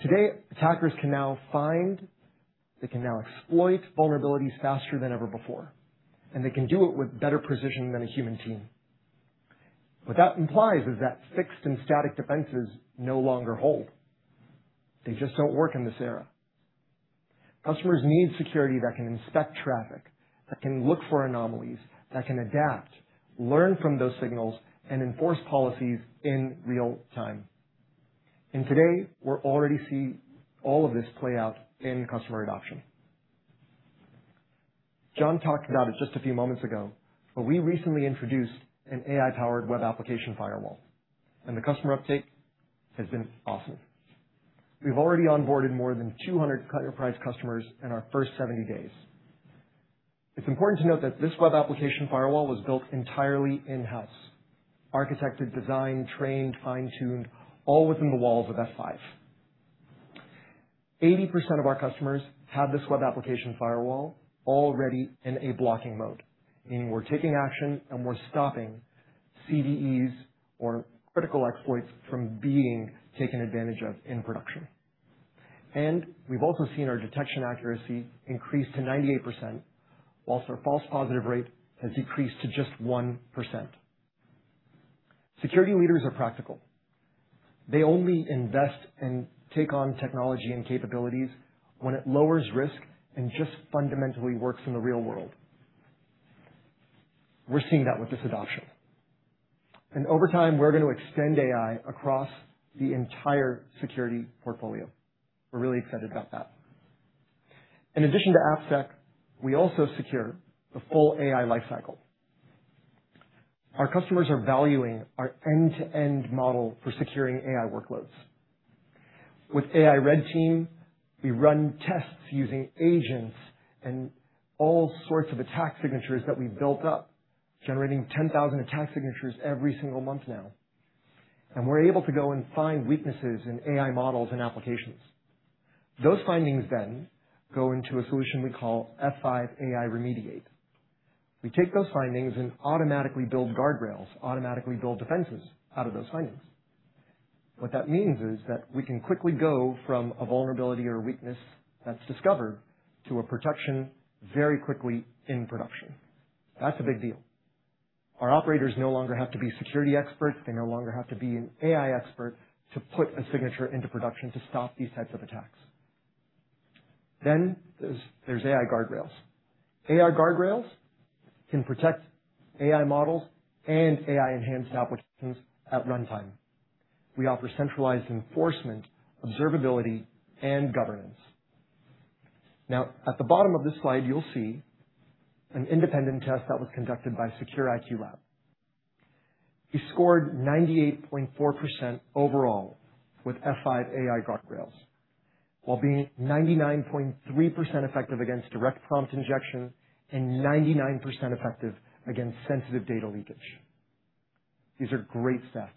Today, attackers can now find, they can now exploit vulnerabilities faster than ever before, and they can do it with better precision than a human team. What that implies is that fixed and static defenses no longer hold. They just don't work in this era. Customers need security that can inspect traffic, that can look for anomalies, that can adapt, learn from those signals, and enforce policies in real-time. Today, we're already seeing all of this play out in customer adoption. John talked about it just a few moments ago, but we recently introduced an AI-powered Web Application Firewall, and the customer uptake has been awesome. We've already onboarded more than 200 enterprise customers in our first 70 days. It's important to note that this Web Application Firewall was built entirely in-house, architected, designed, trained, fine-tuned, all within the walls of F5. Eighty percent of our customers have this Web Application Firewall already in a blocking mode, meaning we're taking action, and we're stopping CVEs or critical exploits from being taken advantage of in production. We've also seen our detection accuracy increase to 98%, whilst our false positive rate has decreased to just 1%. Security leaders are practical. They only invest and take on technology and capabilities when it lowers risk and just fundamentally works in the real world. We're seeing that with this adoption. Over time, we're going to extend AI across the entire security portfolio. We're really excited about that. In addition to AppSec, we also secure the full AI life cycle. Our customers are valuing our end-to-end model for securing AI workloads. With AI Red Team, we run tests using agents and all sorts of attack signatures that we've built up, generating 10,000 attack signatures every single month now. We're able to go and find weaknesses in AI models and applications. Those findings then go into a solution we call F5 AI Remediate. We take those findings and automatically build guardrails, automatically build defenses out of those findings. What that means is that we can quickly go from a vulnerability or weakness that's discovered to a protection very quickly in production. That's a big deal. Our operators no longer have to be security experts. They no longer have to be an AI expert to put a signature into production to stop these types of attacks. There's AI Guardrails. AI Guardrails can protect AI models and AI-enhanced applications at runtime. We offer centralized enforcement, observability, and governance. At the bottom of this slide, you'll see an independent test that was conducted by SecureIQLab. We scored 98.4% overall with F5 AI Guardrails, while being 99.3% effective against direct prompt injection and 99% effective against sensitive data leakage. These are great stats.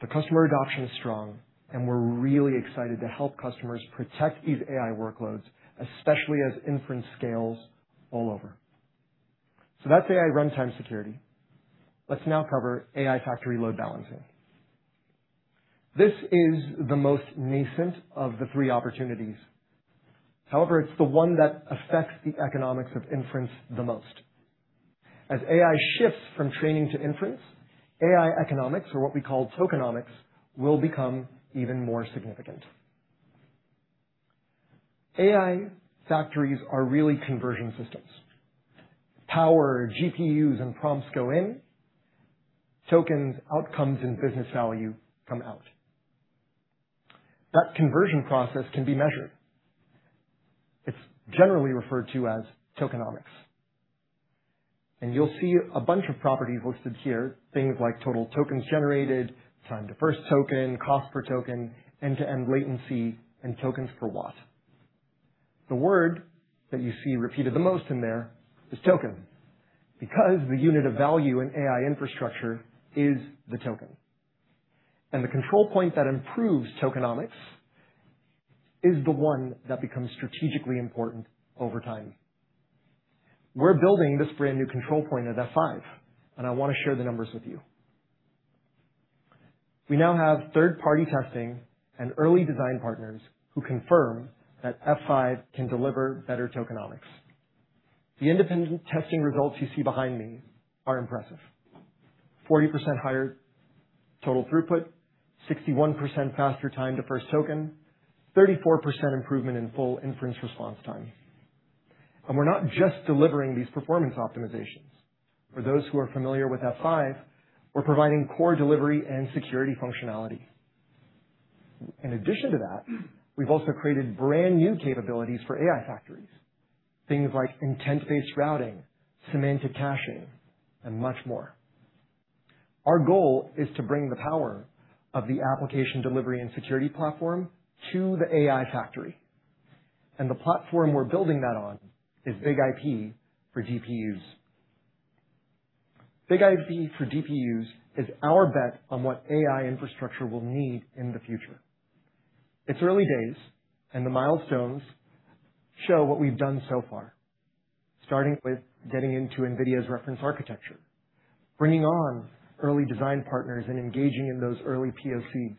The customer adoption is strong, and we're really excited to help customers protect these AI workloads, especially as inference scales all over. That's AI runtime security. Let's now cover AI factory load balancing. This is the most nascent of the three opportunities. However, it's the one that affects the economics of inference the most. As AI shifts from training to inference, AI economics, or what we call tokenomics, will become even more significant. AI factories are really conversion systems. Power, GPUs, and prompts go in, tokens, outcomes, and business value come out. That conversion process can be measured. It's generally referred to as tokenomics. You'll see a bunch of properties listed here, things like total tokens generated, time to first token, cost per token, end-to-end latency, and tokens per watt. The word that you see repeated the most in there is token, because the unit of value in AI infrastructure is the token. The control point that improves tokenomics is the one that becomes strategically important over time. We're building this brand-new control point at F5, and I want to share the numbers with you. We now have third-party testing and early design partners who confirm that F5 can deliver better tokenomics. The independent testing results you see behind me are impressive. 40% higher total throughput, 61% faster time to first token, 34% improvement in full inference response time. We're not just delivering these performance optimizations. For those who are familiar with F5, we're providing core delivery and security functionality. In addition to that, we've also created brand-new capabilities for AI factories. Things like intent-based routing, semantic caching, and much more. Our goal is to bring the power of the Application Delivery and Security Platform to the AI factory. The platform we're building that on is BIG-IP for DPUs. BIG-IP for DPUs is our bet on what AI infrastructure will need in the future. It's early days, and the milestones show what we've done so far. Starting with getting into NVIDIA's reference architecture, bringing on early design partners and engaging in those early POCs,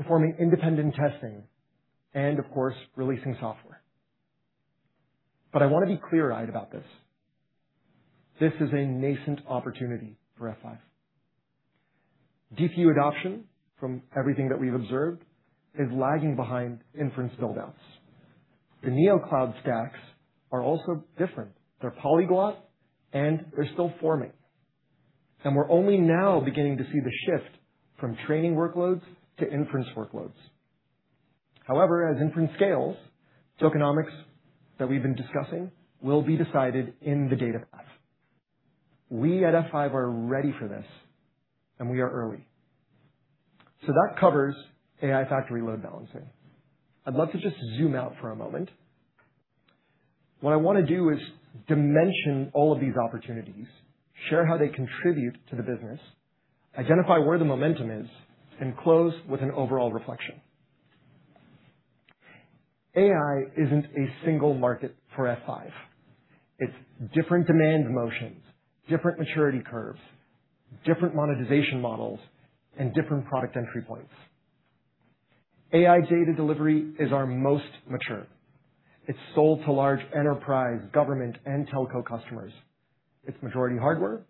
performing independent testing, and of course, releasing software. I want to be clear-eyed about this. This is a nascent opportunity for F5. DPU adoption, from everything that we've observed, is lagging behind inference build-outs. The Neoclouds stacks are also different. They're polyglot, and they're still forming. We're only now beginning to see the shift from training workloads to inference workloads. However, as inference scales, tokenomics that we've been discussing will be decided in the data path. We at F5 are ready for this, and we are early. That covers AI factory load balancing. I'd love to just zoom out for a moment. What I want to do is dimension all of these opportunities, share how they contribute to the business, identify where the momentum is, and close with an overall reflection. AI isn't a single market for F5. It's different demand motions, different maturity curves, different monetization models, and different product entry points. AI data delivery is our most mature. It's sold to large enterprise, government, and telco customers. It's majority hardware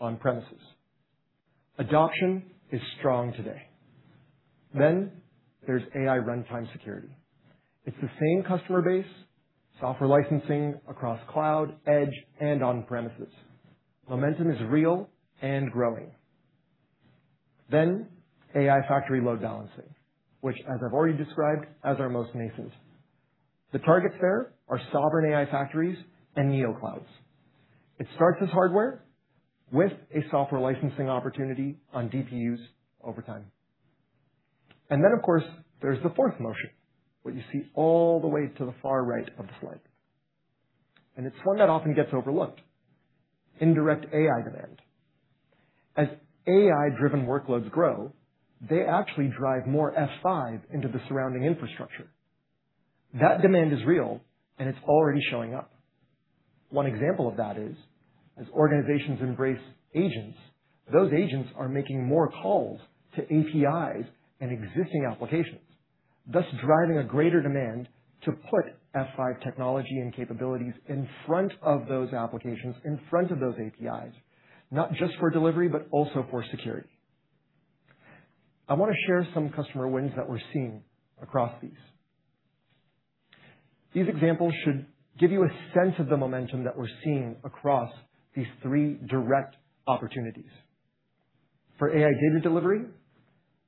on premises. Adoption is strong today. There's AI runtime security. It's the same customer base, software licensing across cloud, edge, and on premises. Momentum is real and growing. AI factory load balancing, which as I've already described, as our most nascent. The targets there are sovereign AI factories and Neoclouds. It starts as hardware with a software licensing opportunity on DPUs over time. Of course, there's the fourth motion, what you see all the way to the far right of the slide. It's one that often gets overlooked, indirect AI demand. As AI-driven workloads grow, they actually drive more F5 into the surrounding infrastructure. That demand is real, and it's already showing up. One example of that is, as organizations embrace agents, those agents are making more calls to APIs and existing applications, thus driving a greater demand to put F5 technology and capabilities in front of those applications, in front of those APIs, not just for delivery, but also for security. I want to share some customer wins that we're seeing across these. These examples should give you a sense of the momentum that we're seeing across these three direct opportunities. For AI data delivery,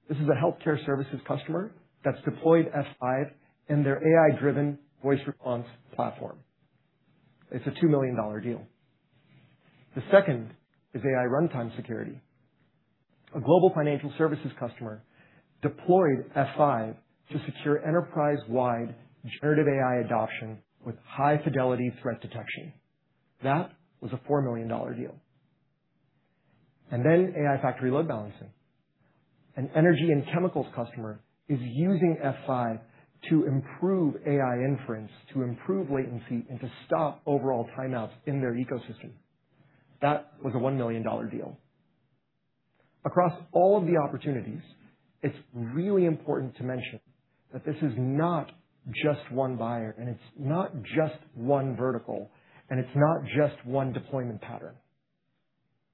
this is a healthcare services customer that's deployed F5 in their AI-driven voice response platform. It's a $2 million deal. The second is AI runtime security. A global financial services customer deployed F5 to secure enterprise-wide generative AI adoption with high-fidelity threat detection. That was a $4 million deal. AI factory load balancing. An energy and chemicals customer is using F5 to improve AI inference, to improve latency, and to stop overall timeouts in their ecosystem. That was a $1 million deal. Across all of the opportunities, it's really important to mention that this is not just one buyer, it's not just one vertical, it's not just one deployment pattern.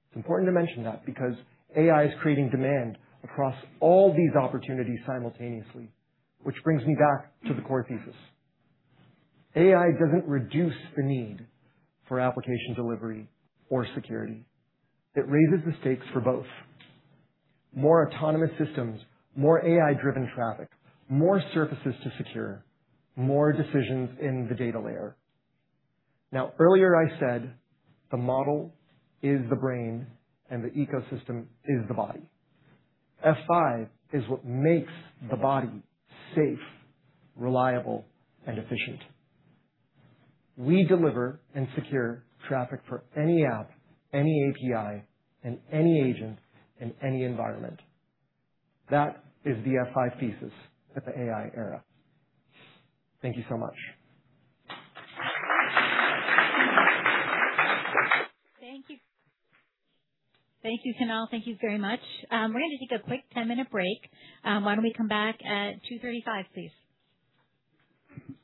It's important to mention that because AI is creating demand across all these opportunities simultaneously, which brings me back to the core thesis. AI doesn't reduce the need for application delivery or security. It raises the stakes for both. More autonomous systems, more AI-driven traffic, more surfaces to secure, more decisions in the data layer. Earlier I said the model is the brain and the ecosystem is the body. F5 is what makes the body safe, reliable, and efficient. We deliver and secure traffic for any app, any API, and any agent in any environment. That is the F5 thesis at the AI era. Thank you so much. Thank you, Kunal. Thank you very much. We're going to take a quick 10-minute break. Why don't we come back at 2:35 P.M., please?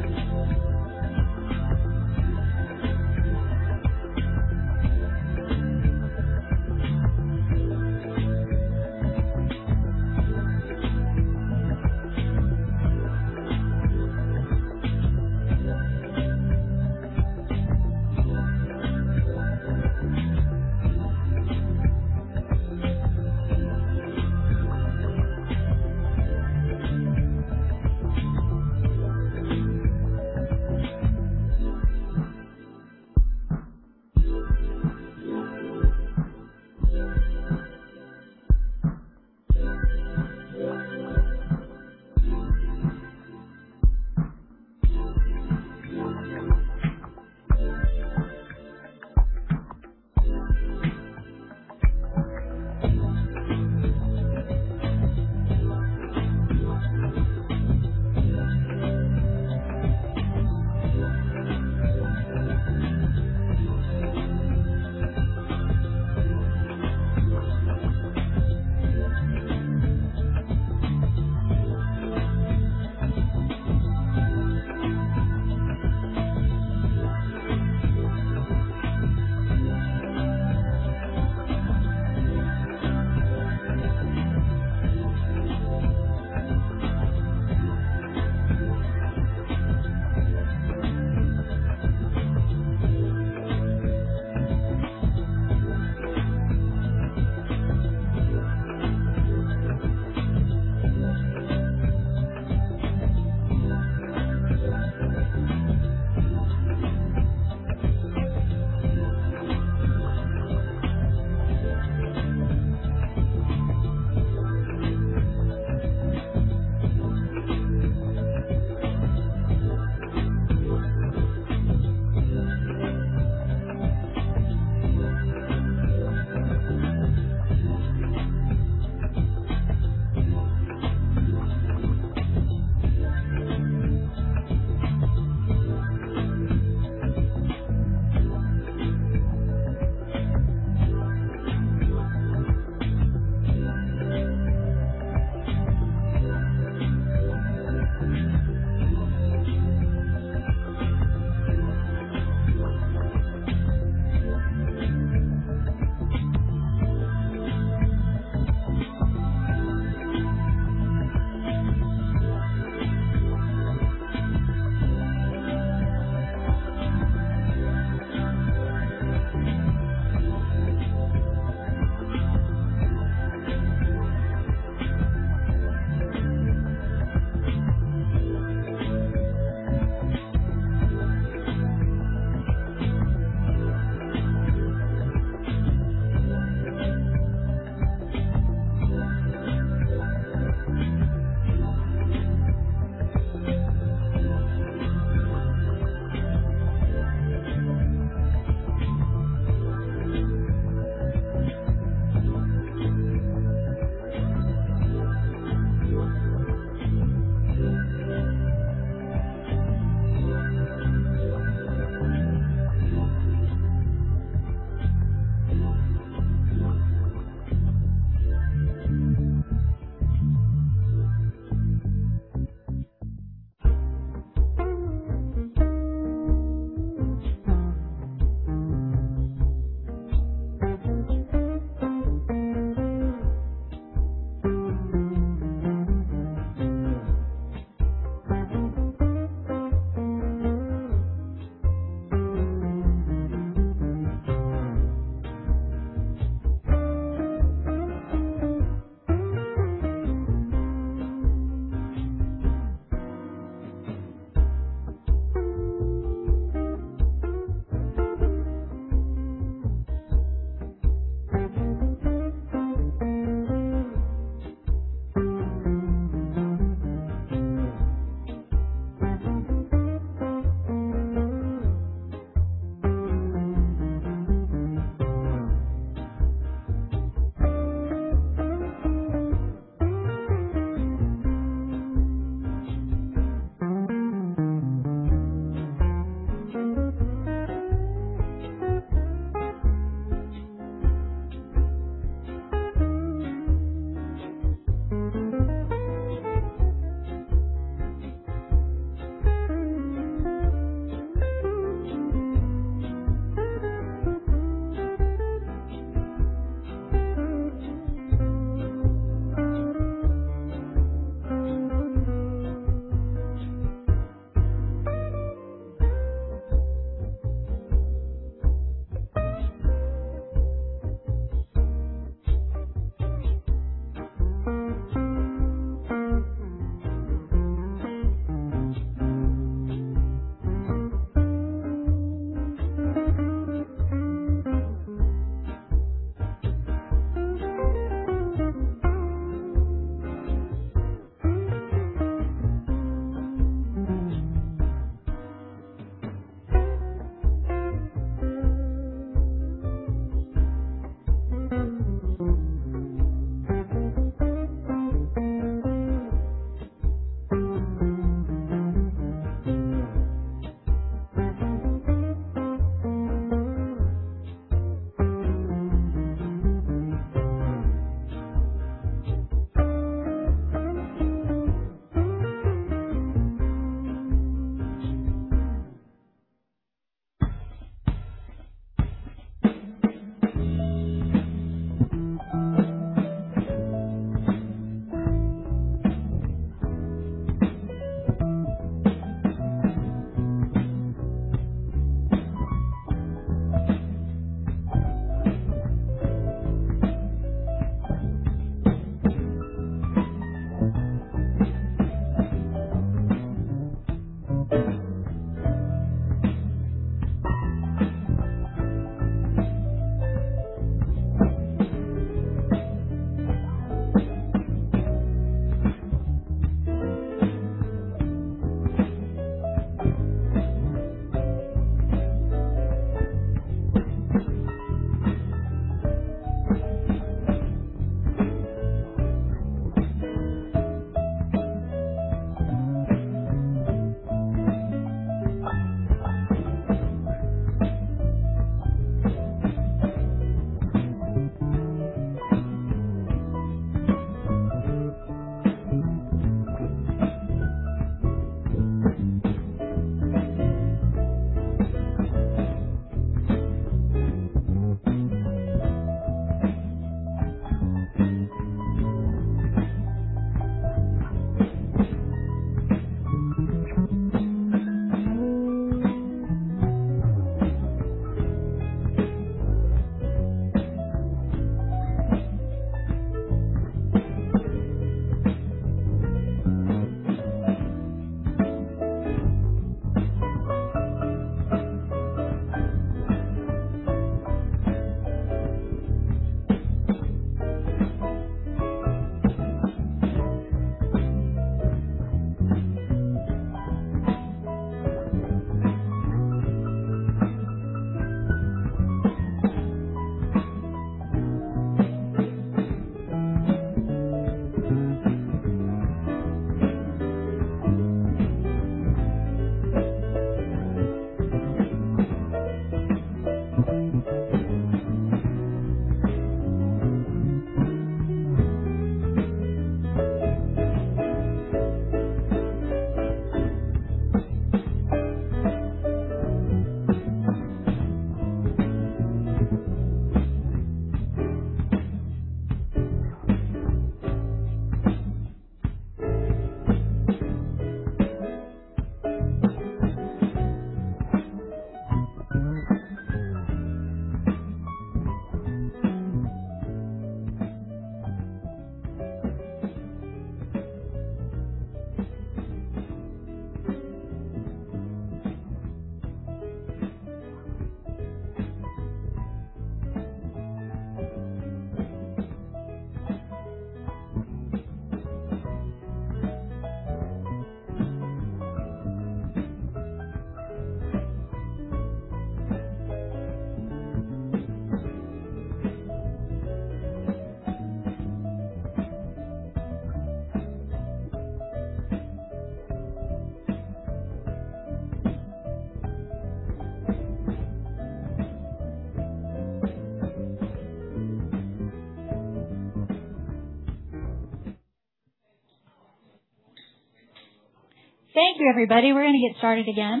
Thank you everybody. We're going to get started again.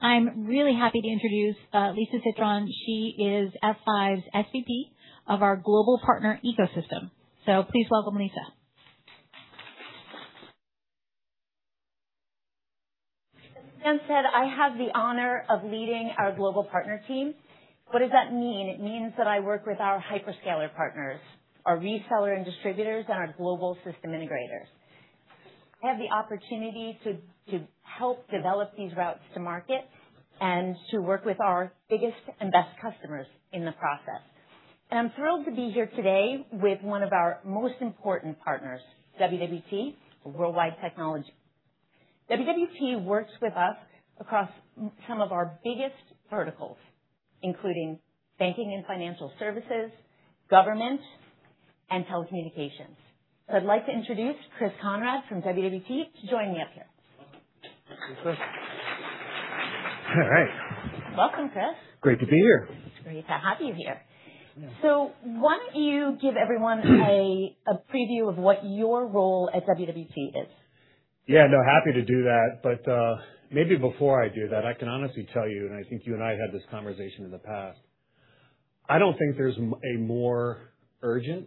I'm really happy to introduce Lisa Citron. She is F5's SVP of our global partner ecosystem. Please welcome Lisa. As Sam said, I have the honor of leading our global partner team. What does that mean? It means that I work with our hyperscaler partners, our reseller and distributors, and our global system integrators. I have the opportunity to help develop these routes to market and to work with our biggest and best customers in the process. I'm thrilled to be here today with one of our most important partners, WWT, World Wide Technology. WWT works with us across some of our biggest verticals, including banking and financial services, government, and telecommunications. I'd like to introduce Chris Konrad from WWT to join me up here. All right. Welcome, Chris. Great to be here. It's great to have you here. Yeah. Why don't you give everyone a preview of what your role at WWT is? Yeah, no, happy to do that. Maybe before I do that, I can honestly tell you, I think you and I have had this conversation in the past, I don't think there's a more urgent,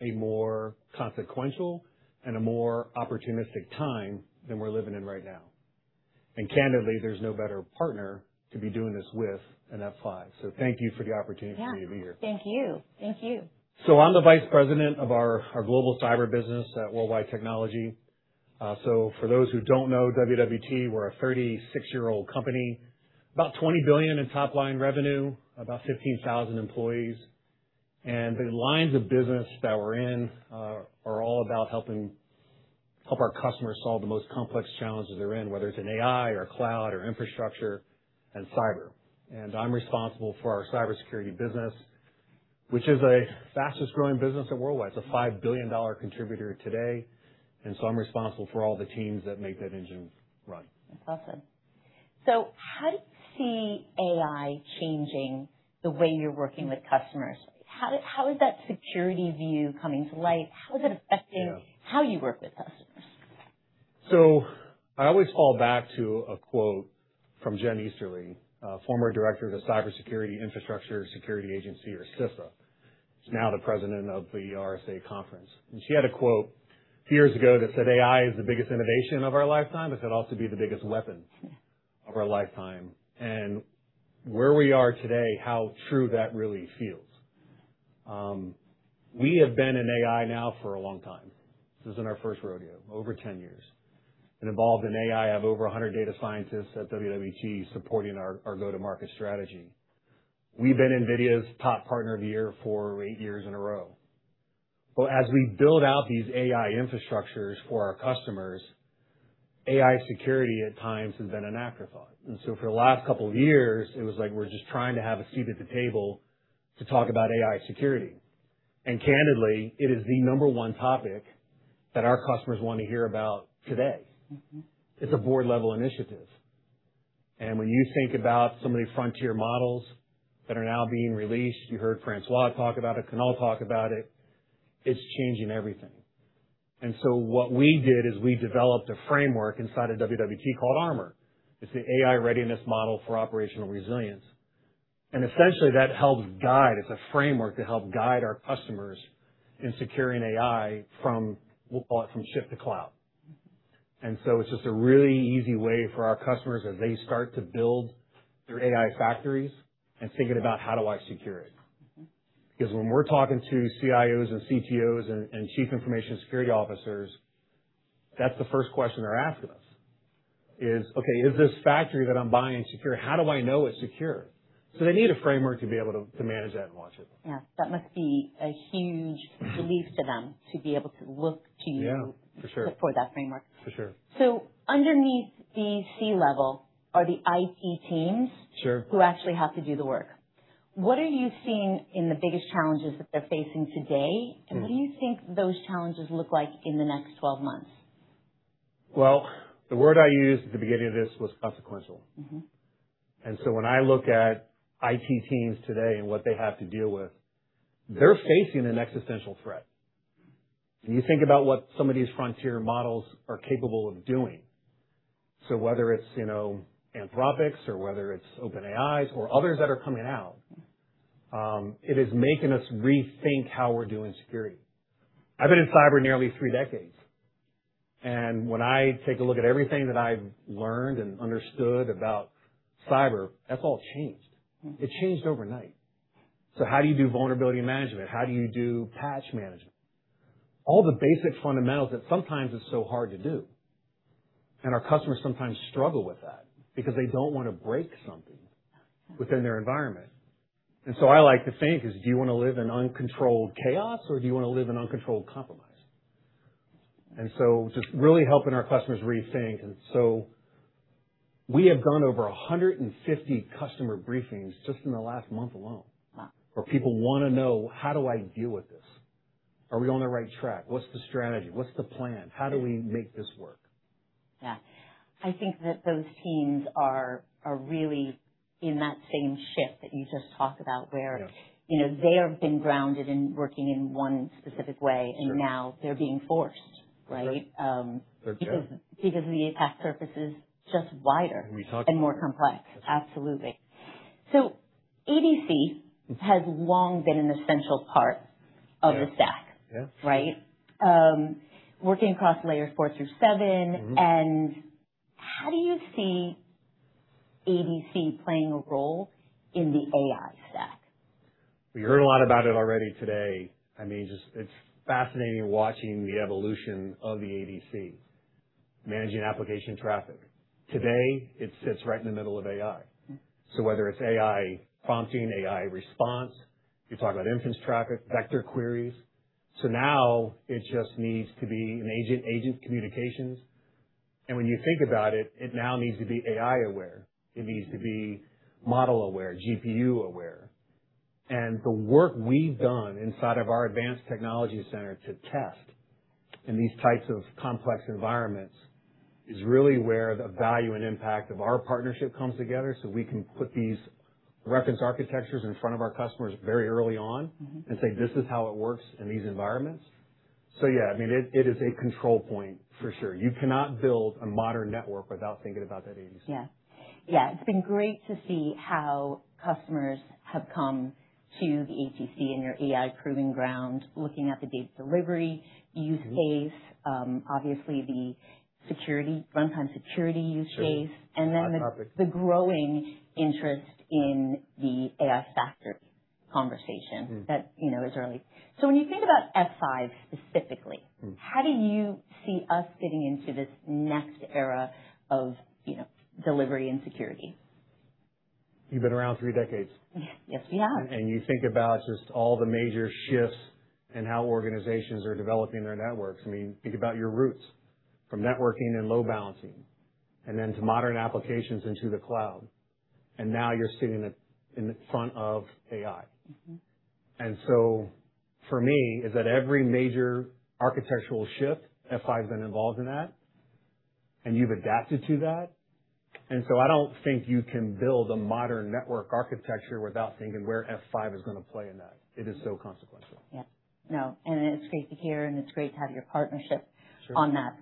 a more consequential, and a more opportunistic time than we're living in right now. Candidly, there's no better partner to be doing this with than F5. Thank you for the opportunity to be here. Yeah. Thank you. I'm the vice president of our global cyber business at World Wide Technology. For those who don't know WWT, we're a 36-year-old company, about $20 billion in top-line revenue, about 15,000 employees. The lines of business that we're in are all about help our customers solve the most complex challenges they're in, whether it's in AI or cloud or infrastructure and cyber. I'm responsible for our cybersecurity business, which is the fastest-growing business at Worldwide. It's a $5 billion contributor today, I'm responsible for all the teams that make that engine run. That's awesome. How do you see AI changing the way you're working with customers? How is that security view coming to light? How is it affecting- Yeah how you work with customers? I always fall back to a quote from Jen Easterly, former director of the Cybersecurity and Infrastructure Security Agency or CISA, who's now the president of the RSA Conference. She had a quote a few years ago that said, "AI is the biggest innovation of our lifetime. It could also be the biggest weapon of our lifetime." Where we are today, how true that really feels. We have been in AI now for a long time. This isn't our first rodeo, over 10 years. Involved in AI of over 100 data scientists at WWT supporting our go-to-market strategy. We've been NVIDIA's top partner of the year for eight years in a row. As we build out these AI infrastructures for our customers, AI security at times has been an afterthought. For the last couple of years, it was like we're just trying to have a seat at the table to talk about AI security. Candidly, it is the number one topic that our customers want to hear about today. It's a board-level initiative. When you think about some of the frontier models that are now being released, you heard François talk about it, Kunal talk about it's changing everything. What we did is we developed a framework inside of WWT called ARMR. It's the AI Readiness Model for Operational Resilience. Essentially that helps guide, it's a framework to help guide our customers in securing AI from chip to cloud. It's just a really easy way for our customers as they start to build their AI factories and thinking about how do I secure it. When we're talking to CIOs and CTOs and Chief Information Security Officers, that's the first question they're asking us is, "Okay, is this factory that I'm buying secure? How do I know it's secure?" They need a framework to be able to manage that and watch it. Yeah. That must be a huge relief to them to be able to look to you. Yeah. For sure. For that framework. For sure. Underneath the C-level are the IT teams. Sure Who actually have to do the work. What are you seeing in the biggest challenges that they're facing today? What do you think those challenges look like in the next 12 months? Well, the word I used at the beginning of this was consequential. When I look at IT teams today and what they have to deal with, they're facing an existential threat. When you think about what some of these frontier models are capable of doing, whether it's Anthropic or whether it's OpenAI or others that are coming out. It is making us rethink how we're doing security. I've been in cyber nearly three decades, and when I take a look at everything that I've learned and understood about cyber, that's all changed. It changed overnight. How do you do vulnerability management? How do you do patch management? All the basic fundamentals that sometimes it's so hard to do, and our customers sometimes struggle with that because they don't want to break something within their environment. I like to think is, do you want to live in uncontrolled chaos or do you want to live in uncontrolled compromise? Just really helping our customers rethink. We have done over 150 customer briefings just in the last month alone. Wow where people want to know, how do I deal with this? Are we on the right track? What's the strategy? What's the plan? How do we make this work? Yeah. I think that those teams are really in that same ship that you just talked about where. Yeah They have been grounded in working in one specific way. Sure Now they're being forced, right? Sure. They're trapped. The attack surface is just wider. We talked. More complex. Absolutely. ADC has long been an essential part of the stack. Yeah. Right? Working across Layer 4 through 7. How do you see ADC playing a role in the AI stack? We heard a lot about it already today. It's fascinating watching the evolution of the ADC managing application traffic. Today, it sits right in the middle of AI. Whether it's AI prompting, AI response, you talk about inference traffic, vector queries. Now it just needs to be an agent-agent communications. When you think about it now needs to be AI aware. It needs to be model aware, GPU aware. The work we've done inside of our Advanced Technology Center to test in these types of complex environments is really where the value and impact of our partnership comes together so we can put these reference architectures in front of our customers very early on. say, "This is how it works in these environments." Yeah, it is a control point for sure. You cannot build a modern network without thinking about that ADC. Yeah. It's been great to see how customers have come to the ATC and your AI proving ground, looking at the data delivery use case. Obviously the runtime security use case. Sure. Hot topic. the growing interest in the AI factory conversation- that is early. When you think about F5 specifically- how do you see us fitting into this next era of delivery and security? You've been around three decades. Yes, we have. You think about just all the major shifts in how organizations are developing their networks. Think about your roots from networking and load balancing, then to modern applications into the cloud, now you're sitting in front of AI. For me is that every major architectural shift, F5's been involved in that, you've adapted to that. I don't think you can build a modern network architecture without thinking where F5 is going to play in that. It is so consequential. Yeah. No, it's great to hear, it's great to have your partnership. Sure on that.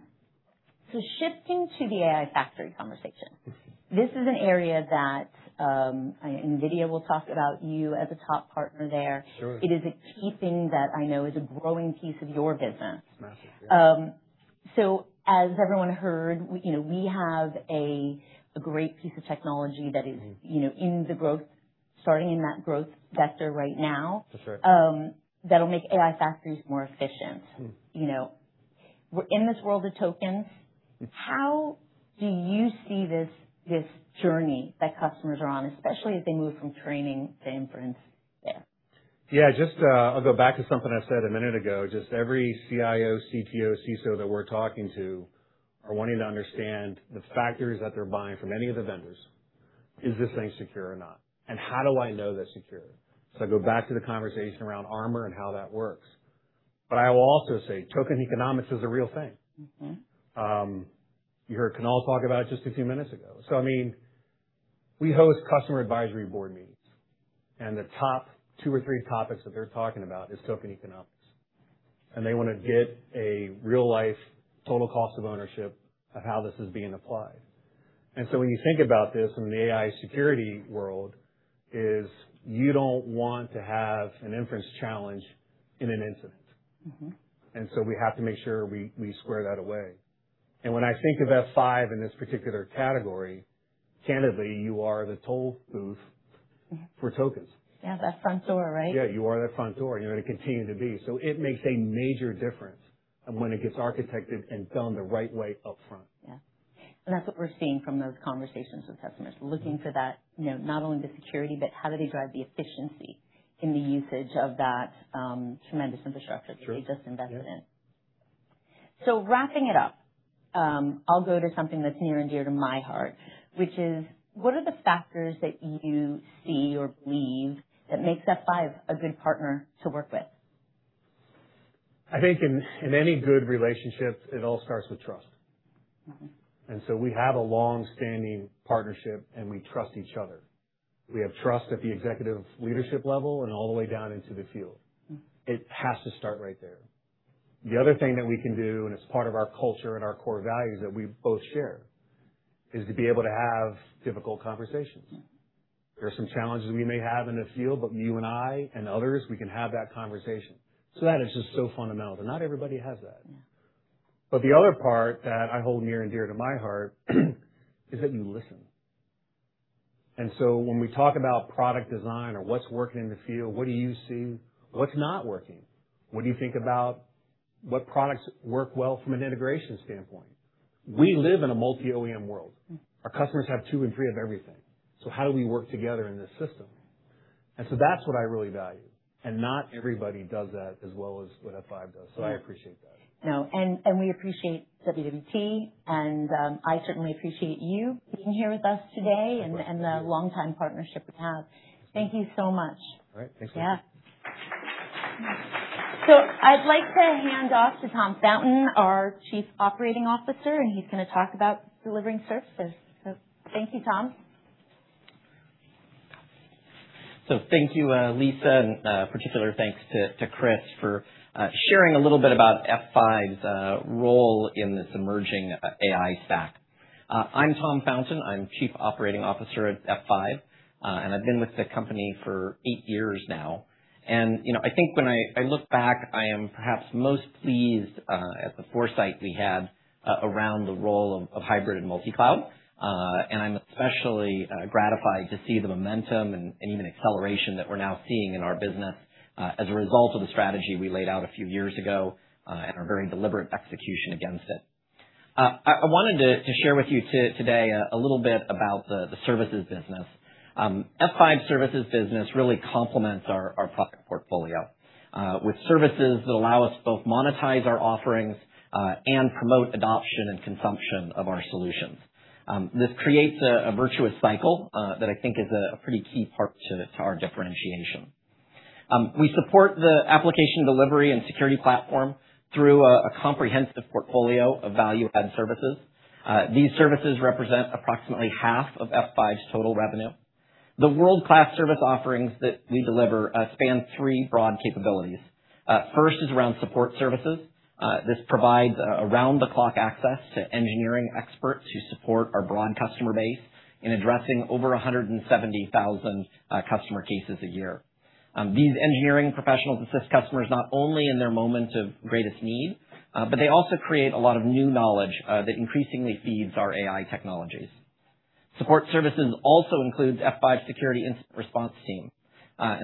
Shifting to the AI factory conversation. This is an area that NVIDIA will talk about you as a top partner there. Sure. It is a key thing that I know is a growing piece of your business. Massive, yeah. As everyone heard, we have a great piece of technology that is starting in that growth vector right now For sure. that'll make AI factories more efficient. We're in this world of tokens. How do you see this journey that customers are on, especially as they move from training to inference there? Yeah. I'll go back to something I said a minute ago. Every CIO, CTO, CISO that we're talking to are wanting to understand the factors that they're buying from any of the vendors, is this thing secure or not? How do I know that's secure? Go back to the conversation around ARMR and how that works. I will also say tokenomics is a real thing. You heard Kunal talk about it just a few minutes ago. We host customer advisory board meetings, and the top two or three topics that they're talking about is tokenomics. They want to get a real-life total cost of ownership of how this is being applied. When you think about this from an AI security world, is you don't want to have an inference challenge in an incident. We have to make sure we square that away. When I think of F5 in this particular category, candidly, you are the toll booth for tokens. Yeah. That front door, right? Yeah, you are that front door, and you're going to continue to be. It makes a major difference when it gets architected and done the right way up front. Yeah. That's what we're seeing from those conversations with customers, looking for that, not only the security, but how do they drive the efficiency in the usage of that tremendous infrastructure. Sure They just invested in. Wrapping it up, I'll go to something that's near and dear to my heart. Which is, what are the factors that you see or believe that makes F5 a good partner to work with? I think in any good relationship, it all starts with trust. We have a longstanding partnership, and we trust each other. We have trust at the executive leadership level and all the way down into the field. It has to start right there. The other thing that we can do, and it's part of our culture and our core values that we both share, is to be able to have difficult conversations. Yeah. There are some challenges we may have in the field. You and I and others, we can have that conversation. That is just so fundamental. Not everybody has that. Yeah. The other part that I hold near and dear to my heart is that you listen. When we talk about product design or what's working in the field, what do you see? What's not working? What do you think about what products work well from an integration standpoint? We live in a multi-OEM world. Our customers have two and three of everything. How do we work together in this system? That's what I really value. Not everybody does that as well as what F5 does. I appreciate that. No. We appreciate WWT, and I certainly appreciate you being here with us today. My pleasure. The longtime partnership we have. Thank you so much. All right. Thanks. Yeah. I'd like to hand off to Tom Fountain, our Chief Operating Officer, and he's going to talk about delivering services. Thank you, Tom. Thank you, Lisa, and particular thanks to Chris for sharing a little bit about F5's role in this emerging AI stack. I'm Tom Fountain. I'm Chief Operating Officer at F5. I've been with the company for eight years now. I think when I look back, I am perhaps most pleased at the foresight we had around the role of hybrid and multi-cloud. I'm especially gratified to see the momentum and even acceleration that we're now seeing in our business as a result of the strategy we laid out a few years ago, and our very deliberate execution against it. I wanted to share with you today a little bit about the services business. F5's services business really complements our product portfolio with services that allow us to both monetize our offerings, and promote adoption and consumption of our solutions. This creates a virtuous cycle that I think is a pretty key part to our differentiation. We support the Application Delivery and Security Platform through a comprehensive portfolio of value-add services. These services represent approximately half of F5's total revenue. The world-class service offerings that we deliver span three broad capabilities. First is around support services. This provides around-the-clock access to engineering experts who support our broad customer base in addressing over 170,000 customer cases a year. These engineering professionals assist customers not only in their moments of greatest need, but they also create a lot of new knowledge that increasingly feeds our AI technologies. Support services also includes F5's security incident response team.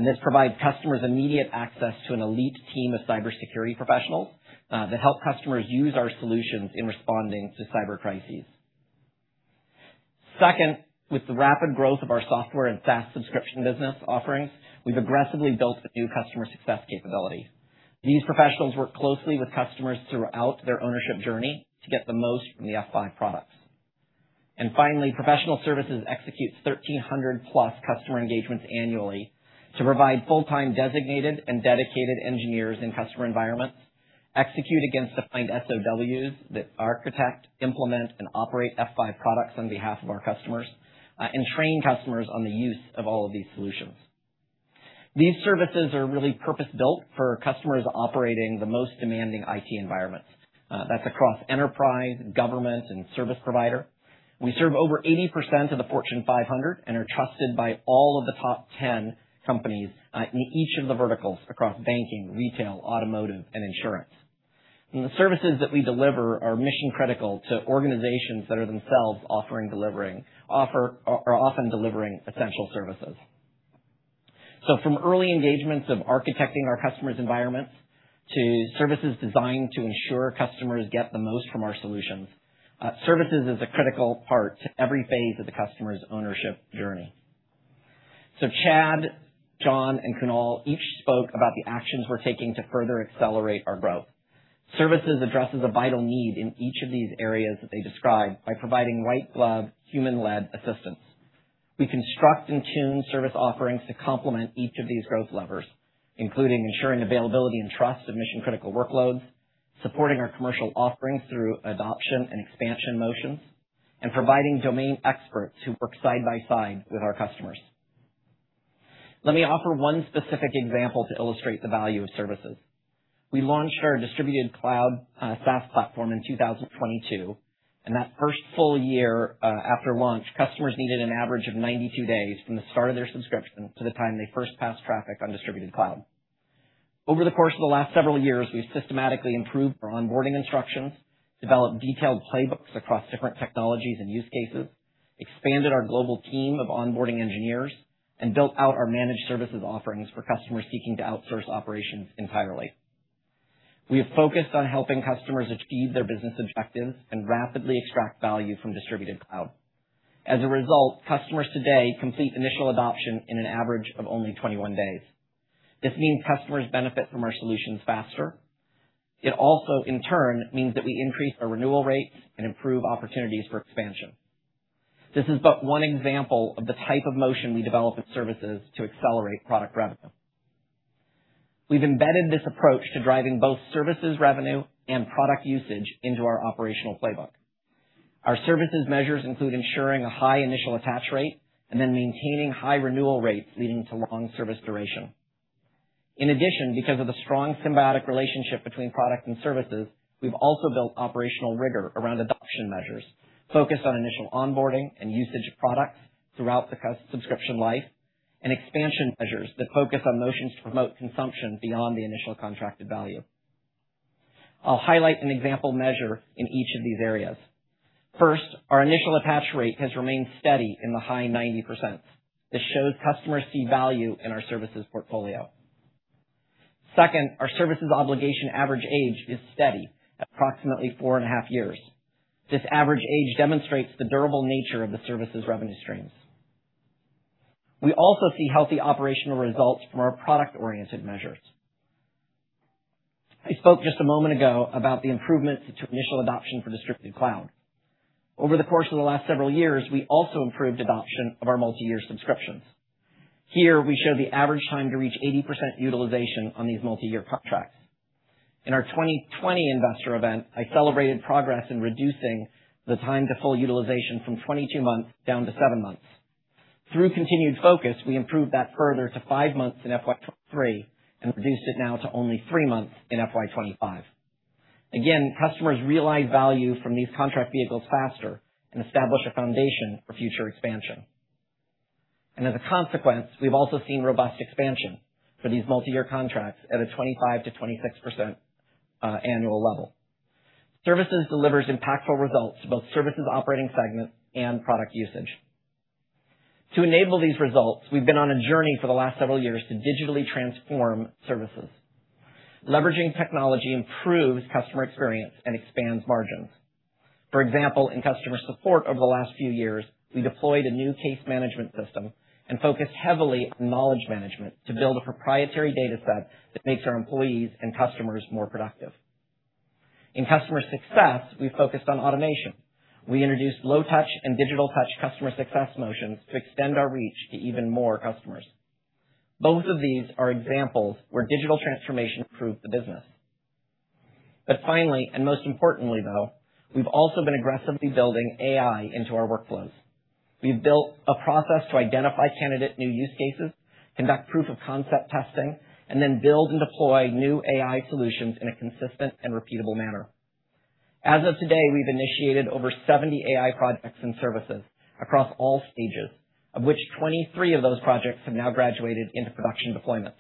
This provides customers immediate access to an elite team of cybersecurity professionals that help customers use our solutions in responding to cyber crises. Second, with the rapid growth of our software and SaaS subscription business offerings, we've aggressively built the new customer success capability. These professionals work closely with customers throughout their ownership journey to get the most from the F5 products. Finally, professional services executes 1,300-plus customer engagements annually to provide full-time designated and dedicated engineers in customer environments, execute against defined SOWs that architect, implement, and operate F5 products on behalf of our customers, and train customers on the use of all of these solutions. These services are really purpose-built for customers operating the most demanding IT environments. That's across enterprise, government, and service provider. We serve over 80% of the Fortune 500 and are trusted by all of the top 10 companies in each of the verticals across banking, retail, automotive, and insurance. The services that we deliver are mission-critical to organizations that are themselves often delivering essential services. From early engagements of architecting our customers' environments to services designed to ensure customers get the most from our solutions, services is a critical part to every phase of the customer's ownership journey. Chad, John, and Kunal each spoke about the actions we're taking to further accelerate our growth. Services addresses a vital need in each of these areas that they described by providing white glove, human-led assistance. We construct and tune service offerings to complement each of these growth levers, including ensuring availability and trust of mission-critical workloads, supporting our commercial offerings through adoption and expansion motions, and providing domain experts who work side by side with our customers. Let me offer one specific example to illustrate the value of services. We launched our Distributed Cloud SaaS platform in 2022, and that first full year after launch, customers needed an average of 92 days from the start of their subscription to the time they first passed traffic on Distributed Cloud. Over the course of the last several years, we've systematically improved our onboarding instructions, developed detailed playbooks across different technologies and use cases, expanded our global team of onboarding engineers, and built out our managed services offerings for customers seeking to outsource operations entirely. We have focused on helping customers achieve their business objectives and rapidly extract value from Distributed Cloud. As a result, customers today complete initial adoption in an average of only 21 days. This means customers benefit from our solutions faster. It also, in turn, means that we increase our renewal rates and improve opportunities for expansion. This is but one example of the type of motion we develop with services to accelerate product revenue. We've embedded this approach to driving both services revenue and product usage into our operational playbook. Our services measures include ensuring a high initial attach rate and then maintaining high renewal rates leading to long service duration. In addition, because of the strong symbiotic relationship between product and services, we've also built operational rigor around adoption measures focused on initial onboarding and usage of products throughout the subscription life, and expansion measures that focus on motions to promote consumption beyond the initial contracted value. I'll highlight an example measure in each of these areas. First, our initial attach rate has remained steady in the high 90%. This shows customers see value in our services portfolio. Second, our services obligation average age is steady at approximately 4.5 years. This average age demonstrates the durable nature of the services revenue streams. We also see healthy operational results from our product-oriented measures. I spoke just a moment ago about the improvements to initial adoption for Distributed Cloud. Over the course of the last several years, we also improved adoption of our multi-year subscriptions. Here we show the average time to reach 80% utilization on these multi-year contracts. In our 2020 investor event, I celebrated progress in reducing the time to full utilization from 22 months down to seven months. Through continued focus, we improved that further to five months in FY 2023 and reduced it now to only three months in FY 2025. Again, customers realize value from these contract vehicles faster and establish a foundation for future expansion. And as a consequence, we've also seen robust expansion for these multi-year contracts at a 25%-26%, annual level. Services delivers impactful results to both services operating segments and product usage. To enable these results, we've been on a journey for the last several years to digitally transform services. Leveraging technology improves customer experience and expands margins. For example, in customer support over the last few years, we deployed a new case management system and focused heavily on knowledge management to build a proprietary data set that makes our employees and customers more productive. In customer success, we focused on automation. We introduced low-touch and digital-touch customer success motions to extend our reach to even more customers. Both of these are examples where digital transformation improved the business. But finally, and most importantly though, we've also been aggressively building AI into our workflows. We've built a process to identify candidate new use cases, conduct proof of concept testing, and then build and deploy new AI solutions in a consistent and repeatable manner. As of today, we've initiated over 70 AI projects and services across all stages, of which 23 of those projects have now graduated into production deployments.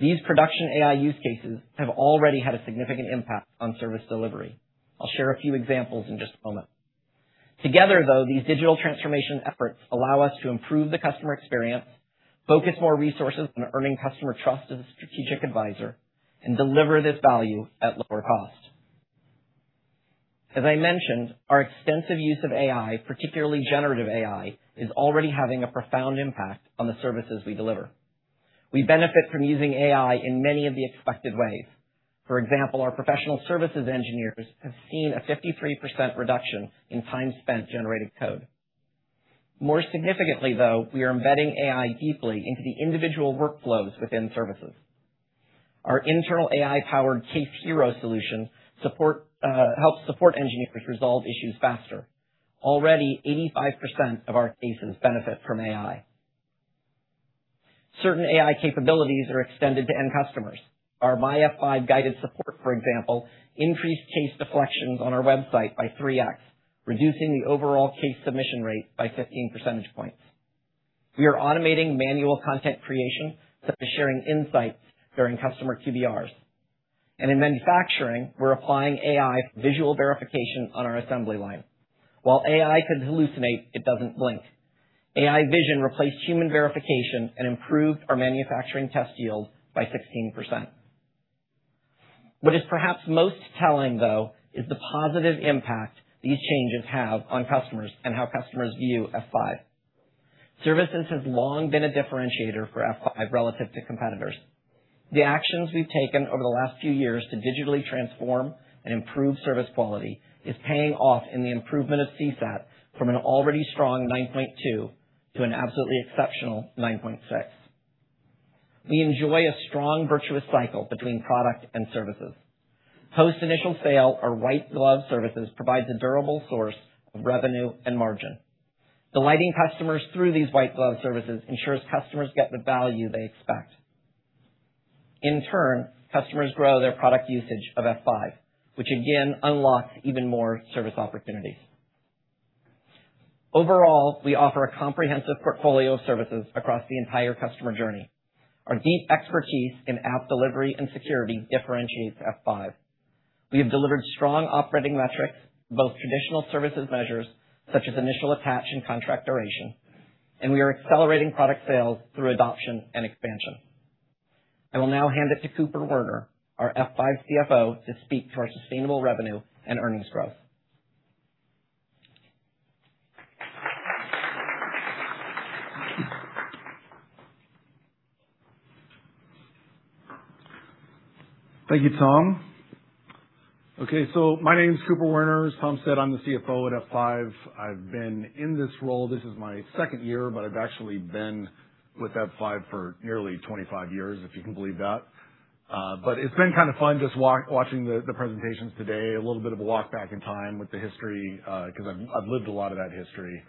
These production AI use cases have already had a significant impact on service delivery. I'll share a few examples in just a moment. Together, though, these digital transformation efforts allow us to improve the customer experience, focus more resources on earning customer trust as a strategic advisor, and deliver this value at lower cost. As I mentioned, our extensive use of AI, particularly generative AI, is already having a profound impact on the services we deliver. We benefit from using AI in many of the expected ways. For example, our professional services engineers have seen a 53% reduction in time spent generating code. More significantly, though, we are embedding AI deeply into the individual workflows within services. Our internal AI-powered Case Hero solution helps support engineers resolve issues faster. Already, 85% of our cases benefit from AI. Certain AI capabilities are extended to end customers. Our MyF5 guided support, for example, increased case deflections on our website by 3x, reducing the overall case submission rate by 15 percentage points. In manufacturing, we're applying AI for visual verification on our assembly line. While AI could hallucinate, it doesn't blink. AI vision replaced human verification and improved our manufacturing test yield by 16%. What is perhaps most telling, though, is the positive impact these changes have on customers and how customers view F5. Services has long been a differentiator for F5 relative to competitors. The actions we've taken over the last few years to digitally transform and improve service quality is paying off in the improvement of CSAT from an already strong 9.2 to an absolutely exceptional 9.6. We enjoy a strong virtuous cycle between product and services. Post initial sale, our white glove services provides a durable source of revenue and margin. Delighting customers through these white glove services ensures customers get the value they expect. In turn, customers grow their product usage of F5, which again unlocks even more service opportunities. Overall, we offer a comprehensive portfolio of services across the entire customer journey. Our deep expertise in app delivery and security differentiates F5. We have delivered strong operating metrics, both traditional services measures such as initial attach and contract duration, and we are accelerating product sales through adoption and expansion. I will now hand it to Cooper Werner, our F5 CFO, to speak to our sustainable revenue and earnings growth. Thank you, Tom. My name is Cooper Werner. As Tom said, I'm the CFO at F5. I've been in this role, this is my second year, but I've actually been with F5 for nearly 25 years, if you can believe that. It's been kind of fun just watching the presentations today. A little bit of a walk back in time with the history, because I've lived a lot of that history.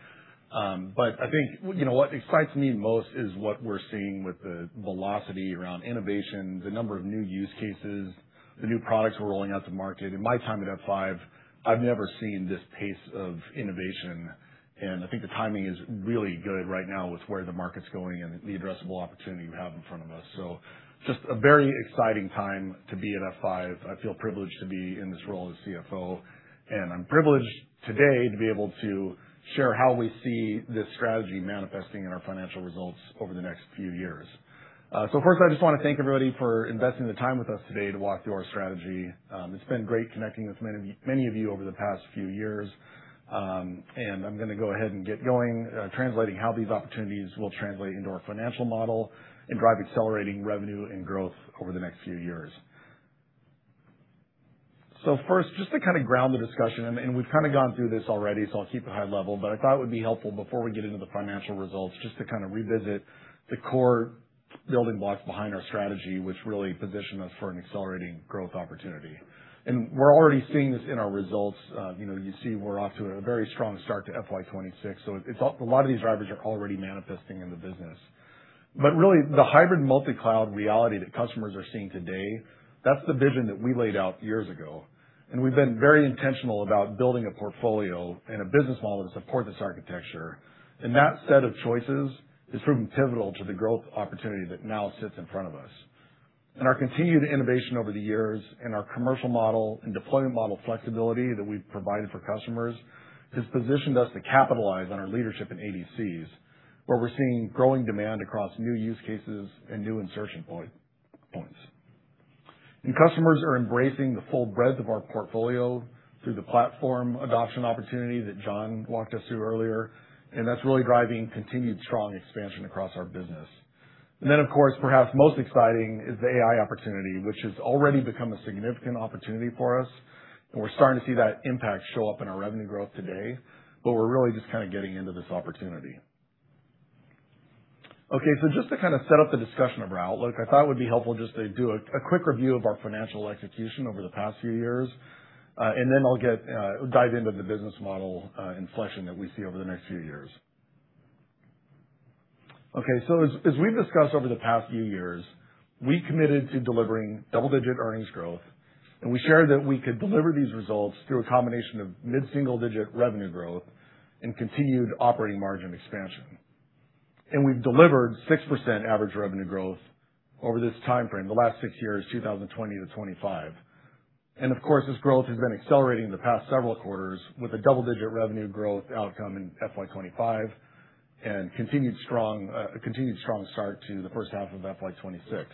I think what excites me most is what we're seeing with the velocity around innovation, the number of new use cases, the new products we're rolling out to market. In my time at F5, I've never seen this pace of innovation, and I think the timing is really good right now with where the market's going and the addressable opportunity we have in front of us. Just a very exciting time to be at F5. I feel privileged to be in this role as CFO, and I'm privileged today to be able to share how we see this strategy manifesting in our financial results over the next few years. First, I just want to thank everybody for investing the time with us today to walk through our strategy. It's been great connecting with many of you over the past few years. I'm going to go ahead and get going, translating how these opportunities will translate into our financial model and drive accelerating revenue and growth over the next few years. First, just to kind of ground the discussion, and we've kind of gone through this already, so I'll keep it high level, but I thought it would be helpful before we get into the financial results, just to kind of revisit the core building blocks behind our strategy, which really position us for an accelerating growth opportunity. We're already seeing this in our results. You see we're off to a very strong start to FY 2026. A lot of these drivers are already manifesting in the business. Really, the hybrid multi-cloud reality that customers are seeing today, that's the vision that we laid out years ago. We've been very intentional about building a portfolio and a business model to support this architecture. That set of choices has proven pivotal to the growth opportunity that now sits in front of us. Our continued innovation over the years and our commercial model and deployment model flexibility that we've provided for customers has positioned us to capitalize on our leadership in ADCs, where we're seeing growing demand across new use cases and new insertion points. Customers are embracing the full breadth of our portfolio through the platform adoption opportunity that John walked us through earlier, and that's really driving continued strong expansion across our business. Then, of course, perhaps most exciting is the AI opportunity, which has already become a significant opportunity for us, and we're starting to see that impact show up in our revenue growth today, but we're really just kind of getting into this opportunity. just to kind of set up the discussion of our outlook, I thought it would be helpful just to do a quick review of our financial execution over the past few years, I'll dive into the business model inflection that we see over the next few years. As we've discussed over the past few years, we committed to delivering double-digit earnings growth, we shared that we could deliver these results through a combination of mid-single-digit revenue growth and continued operating margin expansion. We've delivered 6% average revenue growth over this timeframe, the last 6 years, 2020 to 2025. Of course, this growth has been accelerating the past several quarters with a double-digit revenue growth outcome in FY 2025 and a continued strong start to the first half of FY 2026.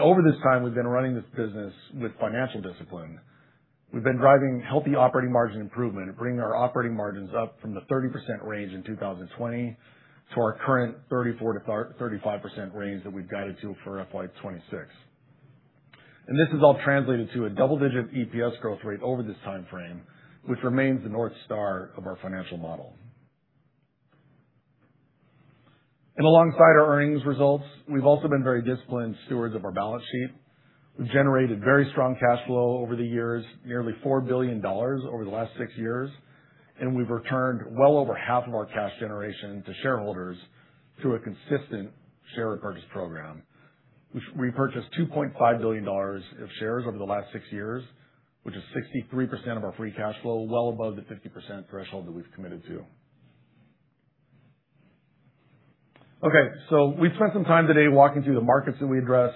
Over this time, we've been running this business with financial discipline. We've been driving healthy operating margin improvement and bringing our operating margins up from the 30% range in 2020 to our current 34%-35% range that we've guided to for FY 2026. This has all translated to a double-digit EPS growth rate over this timeframe, which remains the North Star of our financial model. Alongside our earnings results, we've also been very disciplined stewards of our balance sheet. We've generated very strong cash flow over the years, nearly $4 billion over the last 6 years, we've returned well over half of our cash generation to shareholders through a consistent share repurchase program. We've repurchased $2.5 billion of shares over the last 6 years, which is 63% of our free cash flow, well above the 50% threshold that we've committed to. We've spent some time today walking through the markets that we address,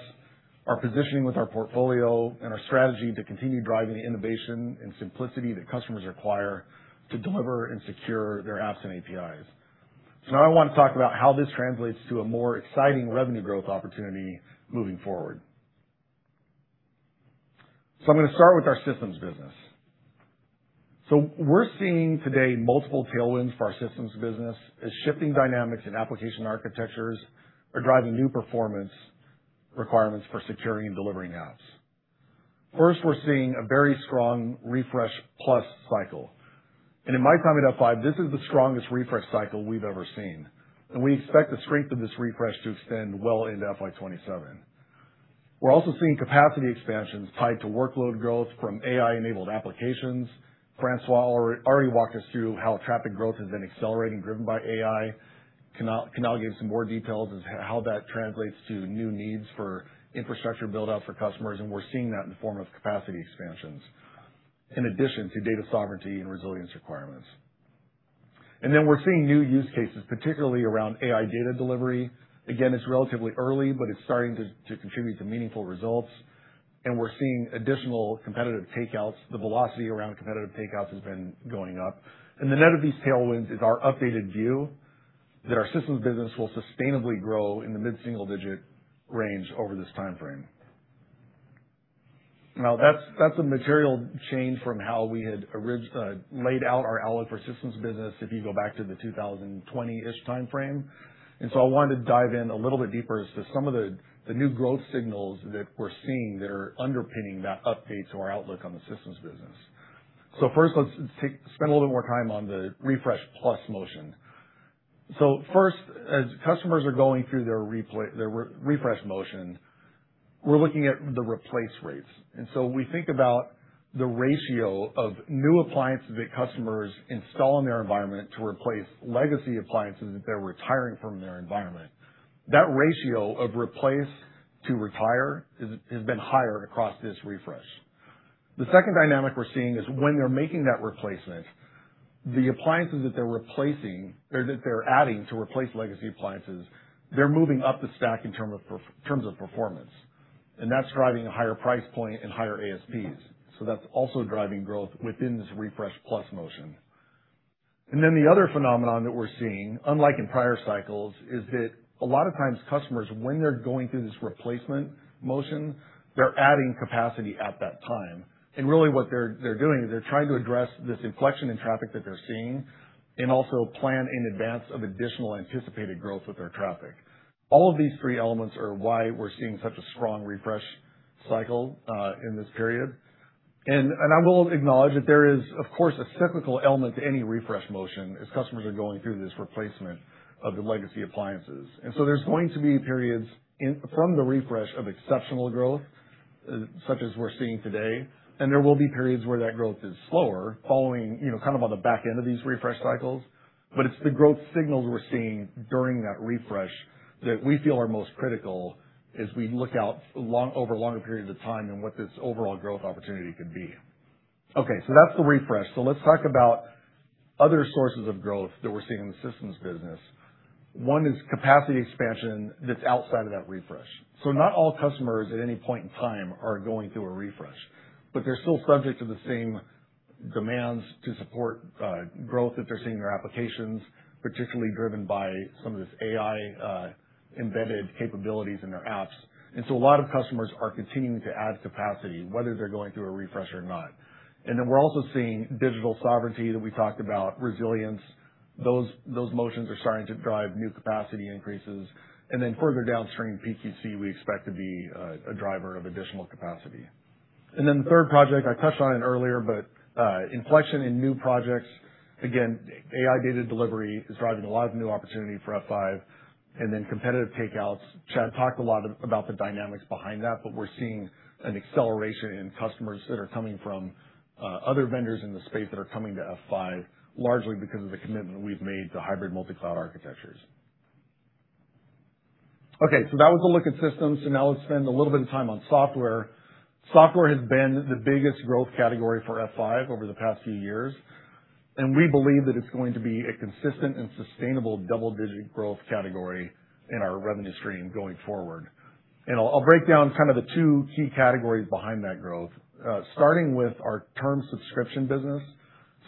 our positioning with our portfolio, and our strategy to continue driving the innovation and simplicity that customers require to deliver and secure their apps and APIs. Now I want to talk about how this translates to a more exciting revenue growth opportunity moving forward. I'm going to start with our systems business. We're seeing today multiple tailwinds for our systems business as shifting dynamics in application architectures are driving new performance requirements for securing and delivering apps. First, we're seeing a very strong refresh plus cycle. In my time at F5, this is the strongest refresh cycle we've ever seen. We expect the strength of this refresh to extend well into FY 2027. We're also seeing capacity expansions tied to workload growth from AI-enabled applications. François already walked us through how traffic growth has been accelerating, driven by AI. Kunal gave some more details as to how that translates to new needs for infrastructure build-out for customers, we're seeing that in the form of capacity expansions in addition to data sovereignty and resilience requirements. We're seeing new use cases, particularly around AI data delivery. Again, it's relatively early, but it's starting to contribute to meaningful results, we're seeing additional competitive takeouts. The velocity around competitive takeouts has been going up. The net of these tailwinds is our updated view that our systems business will sustainably grow in the mid-single-digit range over this timeframe. That's a material change from how we had laid out our outlook for systems business if you go back to the 2020-ish timeframe. I wanted to dive in a little bit deeper as to some of the new growth signals that we are seeing that are underpinning that update to our outlook on the systems business. First, let's spend a little more time on the refresh plus motion. First, as customers are going through their refresh motion, we are looking at the replace rates. We think about the ratio of new appliances that customers install in their environment to replace legacy appliances that they are retiring from their environment. That ratio of replace to retire has been higher across this refresh. The second dynamic we are seeing is when they are making that replacement, the appliances that they are adding to replace legacy appliances, they are moving up the stack in terms of performance. That is driving a higher price point and higher ASPs. That is also driving growth within this refresh plus motion. The other phenomenon that we are seeing, unlike in prior cycles, is that a lot of times customers, when they are going through this replacement motion, they are adding capacity at that time. Really what they are doing is they are trying to address this inflection in traffic that they are seeing and also plan in advance of additional anticipated growth with their traffic. All of these three elements are why we are seeing such a strong refresh cycle in this period. I will acknowledge that there is, of course, a cyclical element to any refresh motion as customers are going through this replacement of the legacy appliances. There is going to be periods from the refresh of exceptional growth, such as we are seeing today, and there will be periods where that growth is slower following on the back end of these refresh cycles. It is the growth signals we are seeing during that refresh that we feel are most critical as we look out over longer periods of time and what this overall growth opportunity could be. Okay, that is the refresh. Let's talk about other sources of growth that we are seeing in the systems business. One is capacity expansion that is outside of that refresh. Not all customers at any point in time are going through a refresh, but they are still subject to the same demands to support growth that they are seeing in their applications, particularly driven by some of this AI-embedded capabilities in their apps. A lot of customers are continuing to add capacity, whether they are going through a refresh or not. We are also seeing digital sovereignty that we talked about, resilience. Those motions are starting to drive new capacity increases. Further downstream, PQC, we expect to be a driver of additional capacity. The third project, I touched on it earlier, but inflection in new projects. Again, AI data delivery is driving a lot of new opportunity for F5, competitive takeouts. Chad Whalen talked a lot about the dynamics behind that, but we are seeing an acceleration in customers that are coming from other vendors in the space that are coming to F5, largely because of the commitment we have made to hybrid multi-cloud architectures. Okay, that was a look at systems. Now let's spend a little bit of time on software. Software has been the biggest growth category for F5 over the past few years, and we believe that it is going to be a consistent and sustainable double-digit growth category in our revenue stream going forward. I'll break down the two key categories behind that growth, starting with our term subscription business.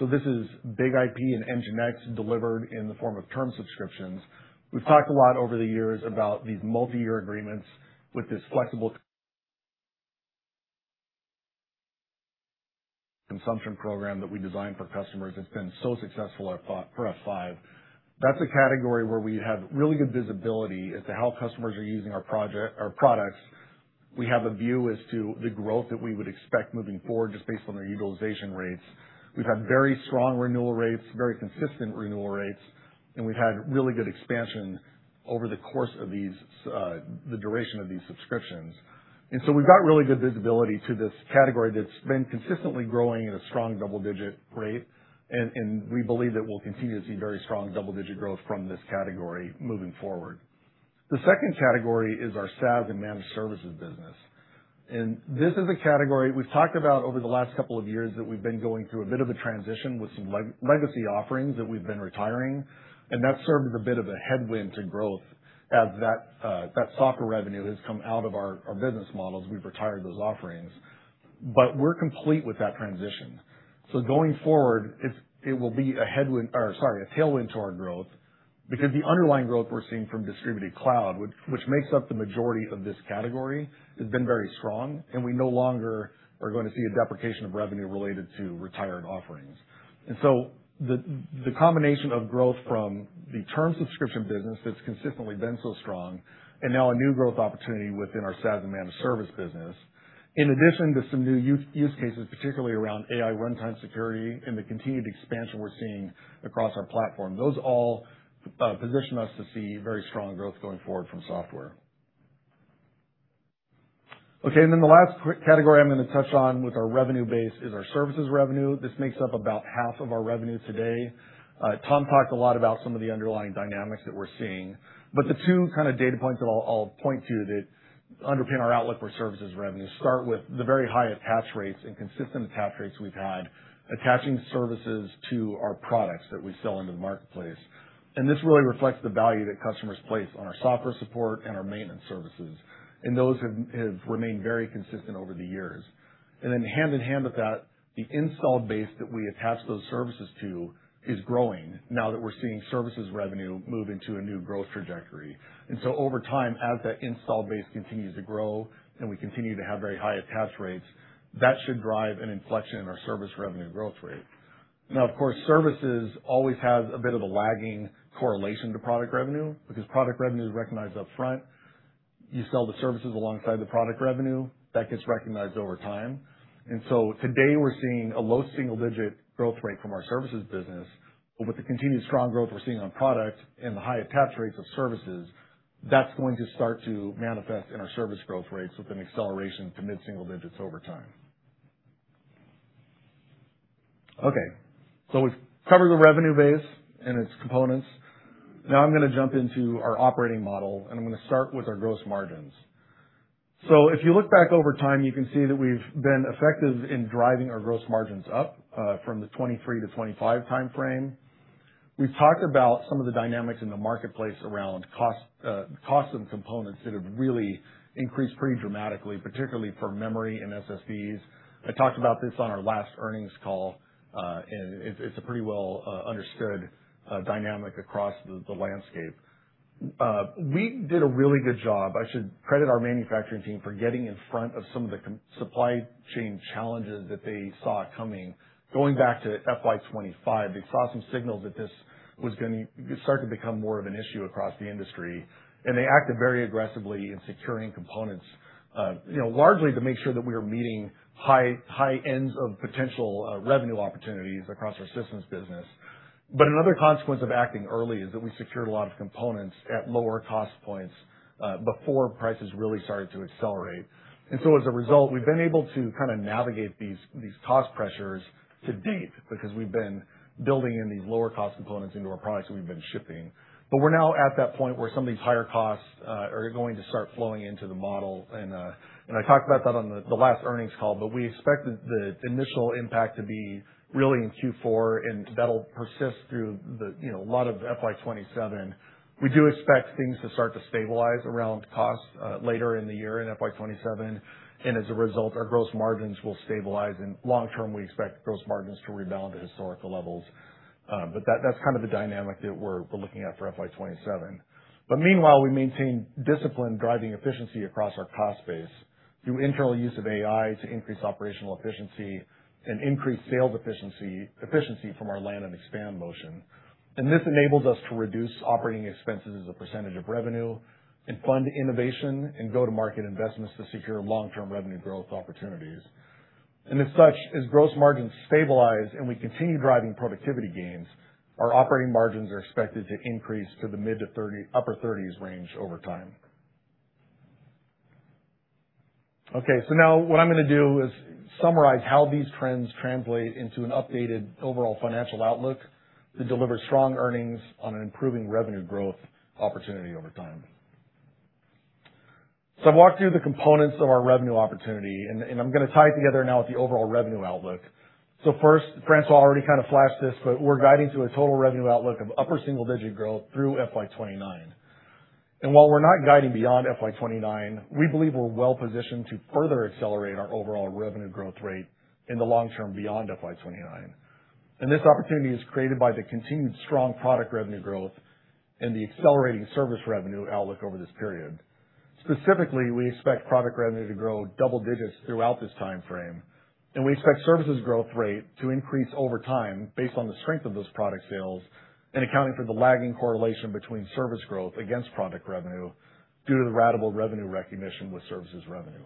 This is BIG-IP and NGINX delivered in the form of term subscriptions. We've talked a lot over the years about these multi-year agreements with this flexible consumption program that we designed for customers that's been so successful for F5. That's a category where we have really good visibility as to how customers are using our products. We have a view as to the growth that we would expect moving forward just based on their utilization rates. We've had very strong renewal rates, very consistent renewal rates, and we've had really good expansion over the course of the duration of these subscriptions. We've got really good visibility to this category that's been consistently growing at a strong double-digit rate. We believe that we'll continue to see very strong double-digit growth from this category moving forward. The second category is our SaaS and managed services business. This is a category we've talked about over the last couple of years that we've been going through a bit of a transition with some legacy offerings that we've been retiring, and that served as a bit of a headwind to growth as that software revenue has come out of our business models. We've retired those offerings. We're complete with that transition. Going forward, it will be a headwind, or sorry, a tailwind to our growth because the underlying growth we're seeing from Distributed Cloud, which makes up the majority of this category, has been very strong, and we no longer are going to see a deprecation of revenue related to retired offerings. The combination of growth from the term subscription business that's consistently been so strong and now a new growth opportunity within our SaaS and managed service business, in addition to some new use cases, particularly around AI runtime security and the continued expansion we're seeing across our platform. Those all position us to see very strong growth going forward from software. The last category I'm going to touch on with our revenue base is our services revenue. This makes up about half of our revenue today. Tom talked a lot about some of the underlying dynamics that we're seeing, but the two kind of data points that I'll point to that underpin our outlook for services revenue start with the very high attach rates and consistent attach rates we've had attaching services to our products that we sell into the marketplace. This really reflects the value that customers place on our software support and our maintenance services. Then hand in hand with that, the installed base that we attach those services to is growing now that we're seeing services revenue move into a new growth trajectory. Over time, as that install base continues to grow and we continue to have very high attach rates, that should drive an inflection in our service revenue growth rate. Now, of course, services always has a bit of a lagging correlation to product revenue because product revenue is recognized upfront. You sell the services alongside the product revenue. That gets recognized over time. Today we're seeing a low single-digit growth rate from our services business. With the continued strong growth we're seeing on product and the high attach rates of services, that's going to start to manifest in our service growth rates with an acceleration to mid-single digits over time. We've covered the revenue base and its components. Now I'm going to jump into our operating model, and I'm going to start with our gross margins. If you look back over time, you can see that we've been effective in driving our gross margins up from the FY 2023 to FY 2025 time frame. We've talked about some of the dynamics in the marketplace around cost and components that have really increased pretty dramatically, particularly for memory and SSDs. I talked about this on our last earnings call, and it's a pretty well-understood dynamic across the landscape. We did a really good job. I should credit our manufacturing team for getting in front of some of the supply chain challenges that they saw coming. Going back to FY 2025, they saw some signals that this was going to start to become more of an issue across the industry, and they acted very aggressively in securing components, largely to make sure that we are meeting high ends of potential revenue opportunities across our systems business. Another consequence of acting early is that we secured a lot of components at lower cost points before prices really started to accelerate. As a result, we've been able to kind of navigate these cost pressures to date because we've been building in these lower cost components into our products that we've been shipping. We're now at that point where some of these higher costs are going to start flowing into the model. I talked about that on the last earnings call, but we expect the initial impact to be really in Q4, and that'll persist through a lot of FY 2027. We do expect things to start to stabilize around cost later in the year in FY 2027. As a result, our gross margins will stabilize. Long term, we expect gross margins to rebound to historical levels. That's kind of the dynamic that we're looking at for FY 2027. Meanwhile, we maintain discipline driving efficiency across our cost base through internal use of AI to increase operational efficiency and increase sales efficiency from our land and expand motion. This enables us to reduce operating expenses as a percentage of revenue and fund innovation and go-to-market investments to secure long-term revenue growth opportunities. As such, as gross margins stabilize and we continue driving productivity gains, our operating margins are expected to increase to the mid to upper 30s range over time. Now what I'm going to do is summarize how these trends translate into an updated overall financial outlook to deliver strong earnings on an improving revenue growth opportunity over time. I've walked through the components of our revenue opportunity, and I'm going to tie it together now with the overall revenue outlook. First, François already kind of flashed this, but we're guiding to a total revenue outlook of upper single-digit growth through FY 2029. While we're not guiding beyond FY 2029, we believe we're well-positioned to further accelerate our overall revenue growth rate in the long term beyond FY 2029. This opportunity is created by the continued strong product revenue growth and the accelerating service revenue outlook over this period. Specifically, we expect product revenue to grow double digits throughout this time frame. We expect services growth rate to increase over time based on the strength of those product sales and accounting for the lagging correlation between service growth against product revenue due to the ratable revenue recognition with services revenue.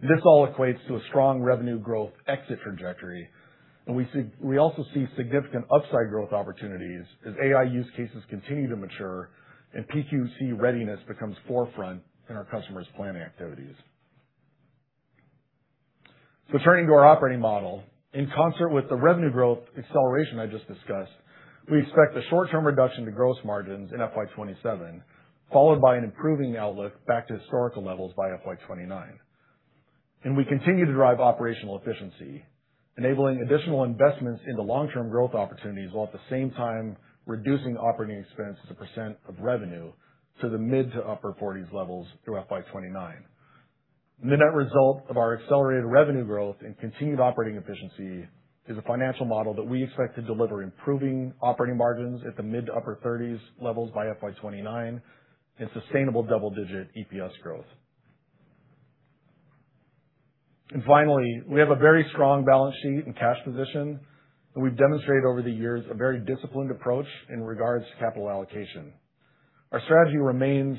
This all equates to a strong revenue growth exit trajectory. We also see significant upside growth opportunities as AI use cases continue to mature and PQC readiness becomes forefront in our customers' planning activities. Turning to our operating model. In concert with the revenue growth acceleration I just discussed, we expect a short-term reduction to gross margins in FY 2027, followed by an improving outlook back to historical levels by FY 2029. We continue to drive operational efficiency, enabling additional investments in the long-term growth opportunities, while at the same time reducing operating expense as a percent of revenue to the mid to upper 40s levels through FY 2029. The net result of our accelerated revenue growth and continued operating efficiency is a financial model that we expect to deliver improving operating margins at the mid to upper 30s levels by FY 2029 and sustainable double-digit EPS growth. Finally, we have a very strong balance sheet and cash position. We've demonstrated over the years a very disciplined approach in regards to capital allocation. Our strategy remains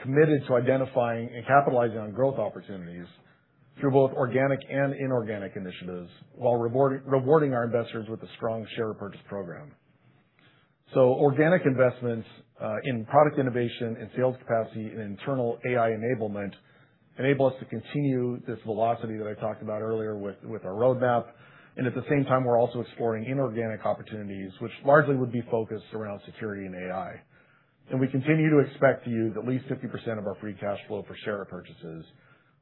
committed to identifying and capitalizing on growth opportunities through both organic and inorganic initiatives while rewarding our investors with a strong share purchase program. Organic investments in product innovation and sales capacity and internal AI enablement enable us to continue this velocity that I talked about earlier with our roadmap. At the same time, we're also exploring inorganic opportunities, which largely would be focused around security and AI. We continue to expect to use at least 50% of our free cash flow for share purchases,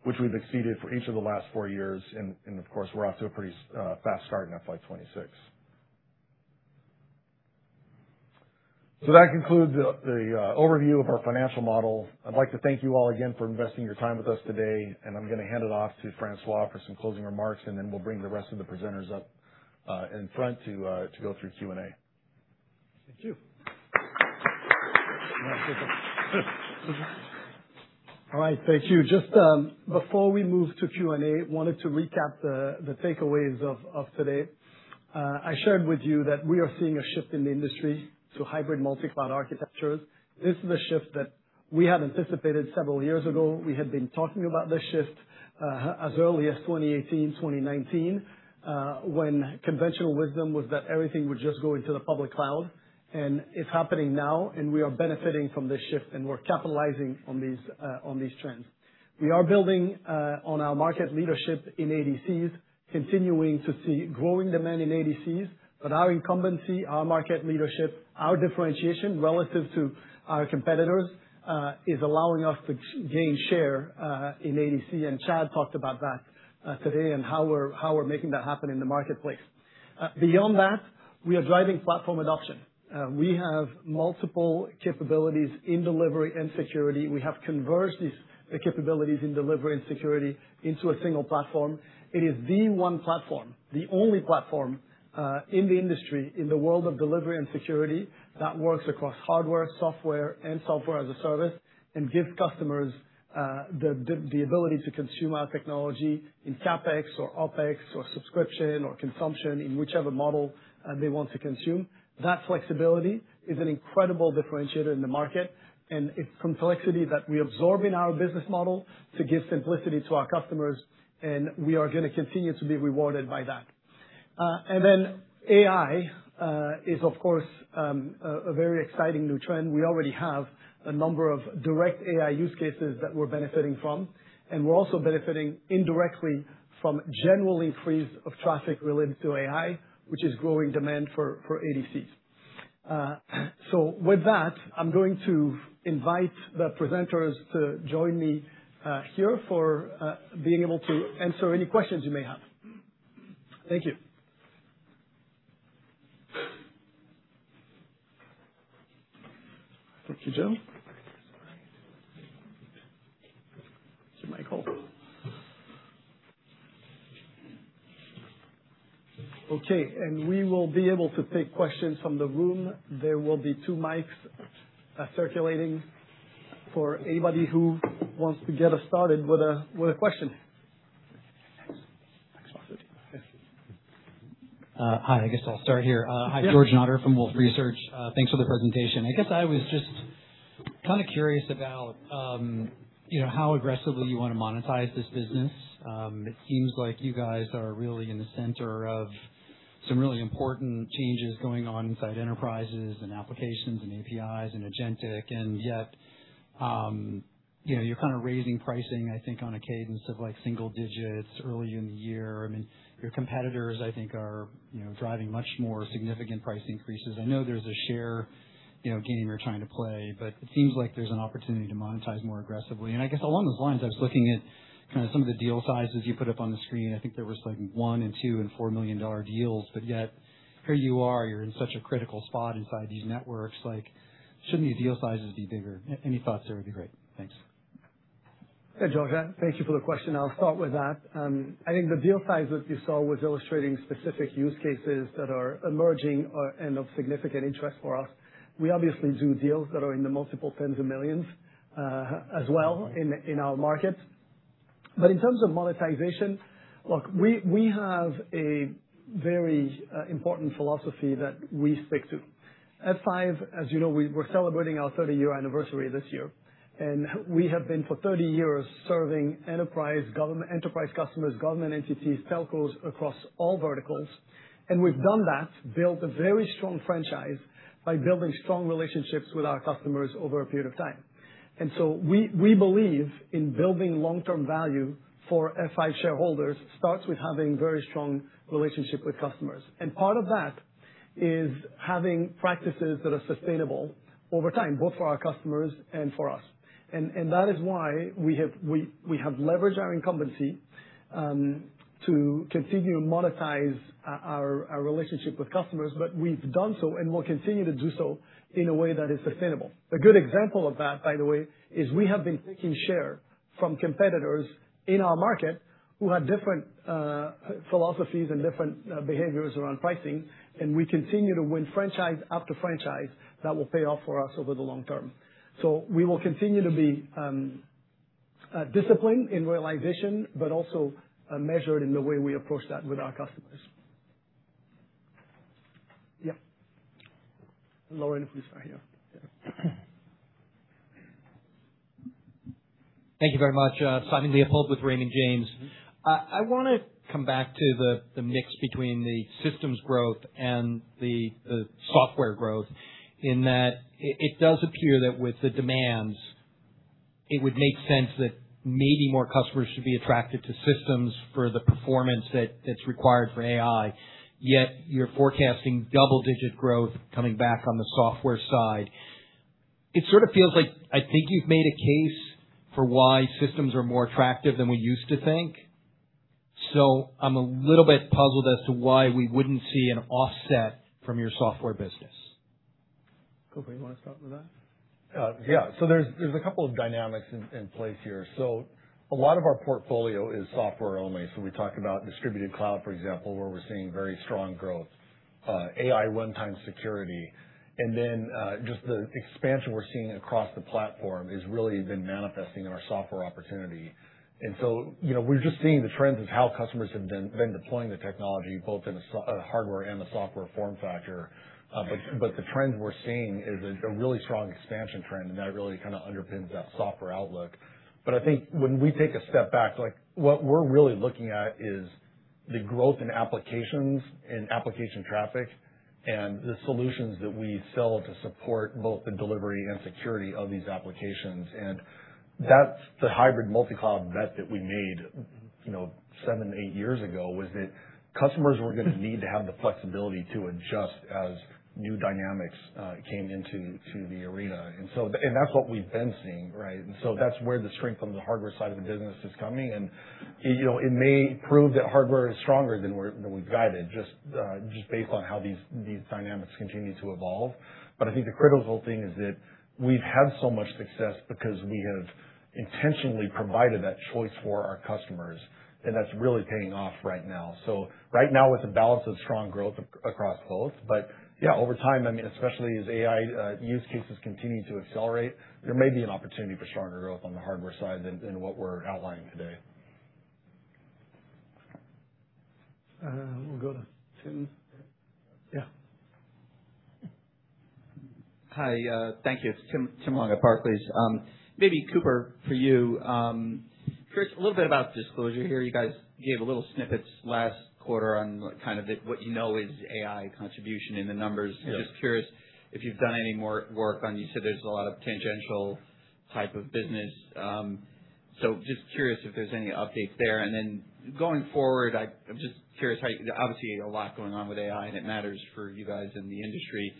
which we've exceeded for each of the last four years. Of course, we're off to a pretty fast start in FY 2026. That concludes the overview of our financial model. I'd like to thank you all again for investing your time with us today. I'm going to hand it off to François for some closing remarks. Then we'll bring the rest of the presenters up in front to go through Q&A. Thank you. All right. Thank you. Just before we move to Q&A, wanted to recap the takeaways of today. I shared with you that we are seeing a shift in the industry to hybrid multi-cloud architectures. This is a shift that we had anticipated several years ago. We had been talking about this shift as early as 2018, 2019, when conventional wisdom was that everything would just go into the public cloud. It's happening now. We are benefiting from this shift. We're capitalizing on these trends. We are building on our market leadership in ADCs, continuing to see growing demand in ADCs, but our incumbency, our market leadership, our differentiation relative to our competitors, is allowing us to gain share in ADC. Chad talked about that today and how we're making that happen in the marketplace. Beyond that, we are driving platform adoption. We have multiple capabilities in delivery and security. We have converged these capabilities in delivery and security into a single platform. It is the one platform, the only platform, in the industry, in the world of delivery and security, that works across hardware, software, and software as a service, and gives customers the ability to consume our technology in CapEx or OpEx or subscription or consumption, in whichever model they want to consume. That flexibility is an incredible differentiator in the market, and it's complexity that we absorb in our business model to give simplicity to our customers, we are going to continue to be rewarded by that. AI is, of course, a very exciting new trend. We already have a number of direct AI use cases that we're benefiting from, and we're also benefiting indirectly from general increase of traffic related to AI, which is growing demand for ADCs. With that, I'm going to invite the presenters to join me here for being able to answer any questions you may have. Thank you. Thank you, Jill. Here's your mic. Okay. We will be able to take questions from the room. There will be two mics circulating for anybody who wants to get us started with a question. Hi. I guess I'll start here. Yeah. Hi. George Notter from Wolfe Research. Thanks for the presentation. I guess I was just kind of curious about how aggressively you want to monetize this business. It seems like you guys are really in the center of some really important changes going on inside enterprises and applications and APIs and agentic, and yet, you're kind of raising pricing, I think, on a cadence of single digits early in the year. I mean, your competitors, I think are driving much more significant price increases. I know there's a share game you're trying to play, but it seems like there's an opportunity to monetize more aggressively. I guess along those lines, I was looking at some of the deal sizes you put up on the screen. I think there was $1 million and $2 million and $4 million deals. Yet here you are, you're in such a critical spot inside these networks. Shouldn't your deal sizes be bigger? Any thoughts there would be great. Thanks. Hey, George. Thank you for the question. I'll start with that. I think the deal size that you saw was illustrating specific use cases that are emerging and of significant interest for us. We obviously do deals that are in the multiple tens of millions, as well in our markets. In terms of monetization- Look, we have a very important philosophy that we stick to. F5, as you know, we're celebrating our 30-year anniversary this year, and we have been for 30 years serving enterprise customers, government entities, telcos, across all verticals. We've done that, built a very strong franchise by building strong relationships with our customers over a period of time. We believe in building long-term value for F5 shareholders starts with having very strong relationship with customers. Part of that is having practices that are sustainable over time, both for our customers and for us. That is why we have leveraged our incumbency to continue to monetize our relationship with customers, but we've done so and will continue to do so in a way that is sustainable. A good example of that, by the way, is we have been taking share from competitors in our market who have different philosophies and different behaviors around pricing, and we continue to win franchise after franchise that will pay off for us over the long term. We will continue to be disciplined in realization, but also measured in the way we approach that with our customers. Yep. Lower, please, right here. Yeah. Thank you very much. Simon Leopold with Raymond James. I want to come back to the mix between the systems growth and the software growth, in that it does appear that with the demands, it would make sense that maybe more customers should be attracted to systems for the performance that's required for AI, yet you're forecasting double-digit growth coming back on the software side. It sort of feels like, I think you've made a case for why systems are more attractive than we used to think. I'm a little bit puzzled as to why we wouldn't see an offset from your software business. Cooper, you want to start with that? There's a couple of dynamics in place here. A lot of our portfolio is software only. We talked about Distributed Cloud, for example, where we're seeing very strong growth. AI runtime security. Just the expansion we're seeing across the platform has really been manifesting in our software opportunity. We're just seeing the trends of how customers have been deploying the technology, both in the hardware and the software form factor. The trend we're seeing is a really strong expansion trend, and that really kind of underpins that software outlook. I think when we take a step back, what we're really looking at is the growth in applications and application traffic and the solutions that we sell to support both the delivery and security of these applications. That's the hybrid multi-cloud bet that we made seven, eight years ago, was that customers were going to need to have the flexibility to adjust as new dynamics came into the arena. That's what we've been seeing, right? That's where the strength on the hardware side of the business is coming, and it may prove that hardware is stronger than we've guided, just based on how these dynamics continue to evolve. I think the critical thing is that we've had so much success because we have intentionally provided that choice for our customers, and that's really paying off right now. Right now, with the balance of strong growth across both. Yeah, over time, especially as AI use cases continue to accelerate, there may be an opportunity for stronger growth on the hardware side than what we're outlining today. We'll go to Tim. Yeah. Hi. Thank you. Tim Long at Barclays. Cooper, for you, curious a little bit about disclosure here. You guys gave little snippets last quarter on kind of what you know is AI contribution in the numbers. Yeah. I'm just curious if you've done any more work on, you said there's a lot of tangential type of business. Just curious if there's any updates there. Then going forward, I'm just curious how, obviously, a lot going on with AI, and it matters for you guys in the industry.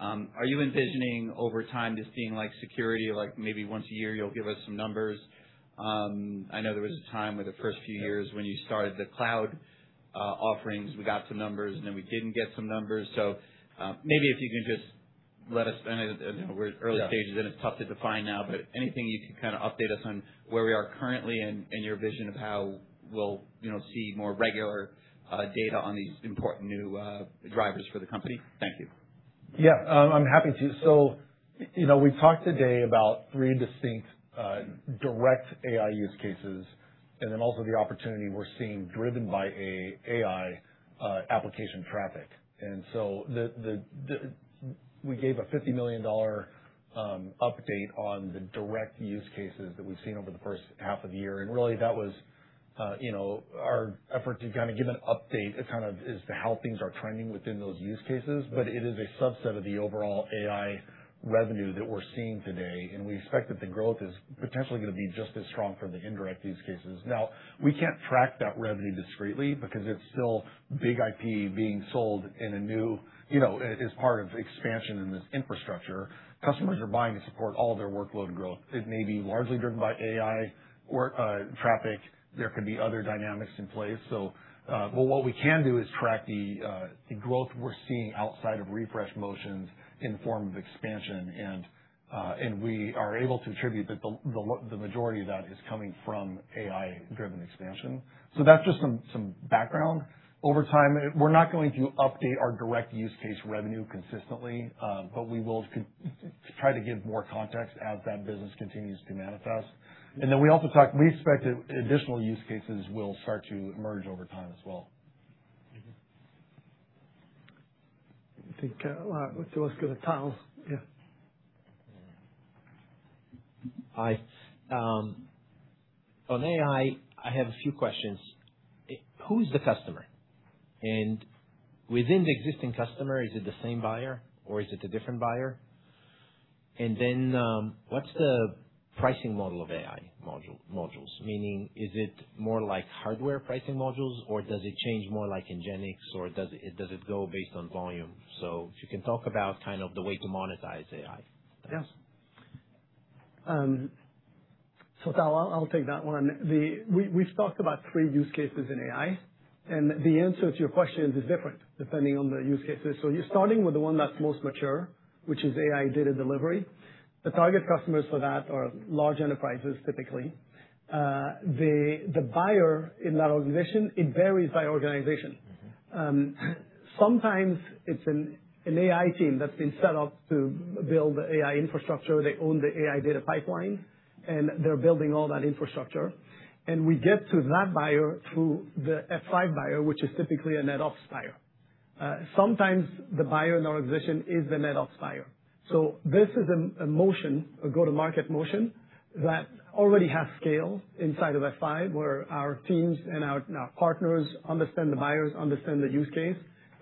Are you envisioning over time just seeing like security, like maybe once a year you'll give us some numbers? I know there was a time where the first few years when you started the cloud offerings, we got some numbers, and then we didn't get some numbers. Maybe if you can just let us, I know we're at early stages. Yeah It's tough to define now, anything you can kind of update us on where we are currently and your vision of how we'll see more regular data on these important new drivers for the company. Thank you. Yeah, I'm happy to. We've talked today about three distinct, direct AI use cases and then also the opportunity we're seeing driven by AI application traffic. We gave a $50 million update on the direct use cases that we've seen over the first half of the year, and really that was our effort to kind of give an update as kind of as to how things are trending within those use cases. It is a subset of the overall AI revenue that we're seeing today, and we expect that the growth is potentially going to be just as strong for the indirect use cases. Now, we can't track that revenue discretely because it's still BIG-IP being sold in a new, as part of expansion in this infrastructure. Customers are buying to support all of their workload growth. It may be largely driven by AI traffic. There could be other dynamics in place. What we can do is track the growth we're seeing outside of refresh motions in the form of expansion, and we are able to attribute that the majority of that is coming from AI-driven expansion. That's just some background. Over time, we're not going to update our direct use case revenue consistently, but we will try to give more context as that business continues to manifest. We also expect additional use cases will start to emerge over time as well. Hi, Kunal. Let's give it to Kunal. Yeah. Hi. On AI, I have a few questions. Who's the customer? Within the existing customer, is it the same buyer or is it a different buyer? What's the pricing model of AI modules? Meaning, is it more like hardware pricing modules, or does it change more like in NGINX, or does it go based on volume? If you can talk about kind of the way to monetize AI. Yes. Kunal, I'll take that one. We've talked about three use cases in AI, the answer to your questions is different depending on the use cases. You're starting with the one that's most mature, which is AI data delivery. The target customers for that are large enterprises, typically. The buyer in that organization, it varies by organization. Sometimes it's an AI team that's been set up to build the AI infrastructure. They own the AI data pipeline, and they're building all that infrastructure. We get to that buyer through the F5 buyer, which is typically a NetOps buyer. Sometimes the buyer in the organization is the NetOps buyer. This is a go-to-market motion that already has scale inside of F5, where our teams and our partners understand the buyers, understand the use case,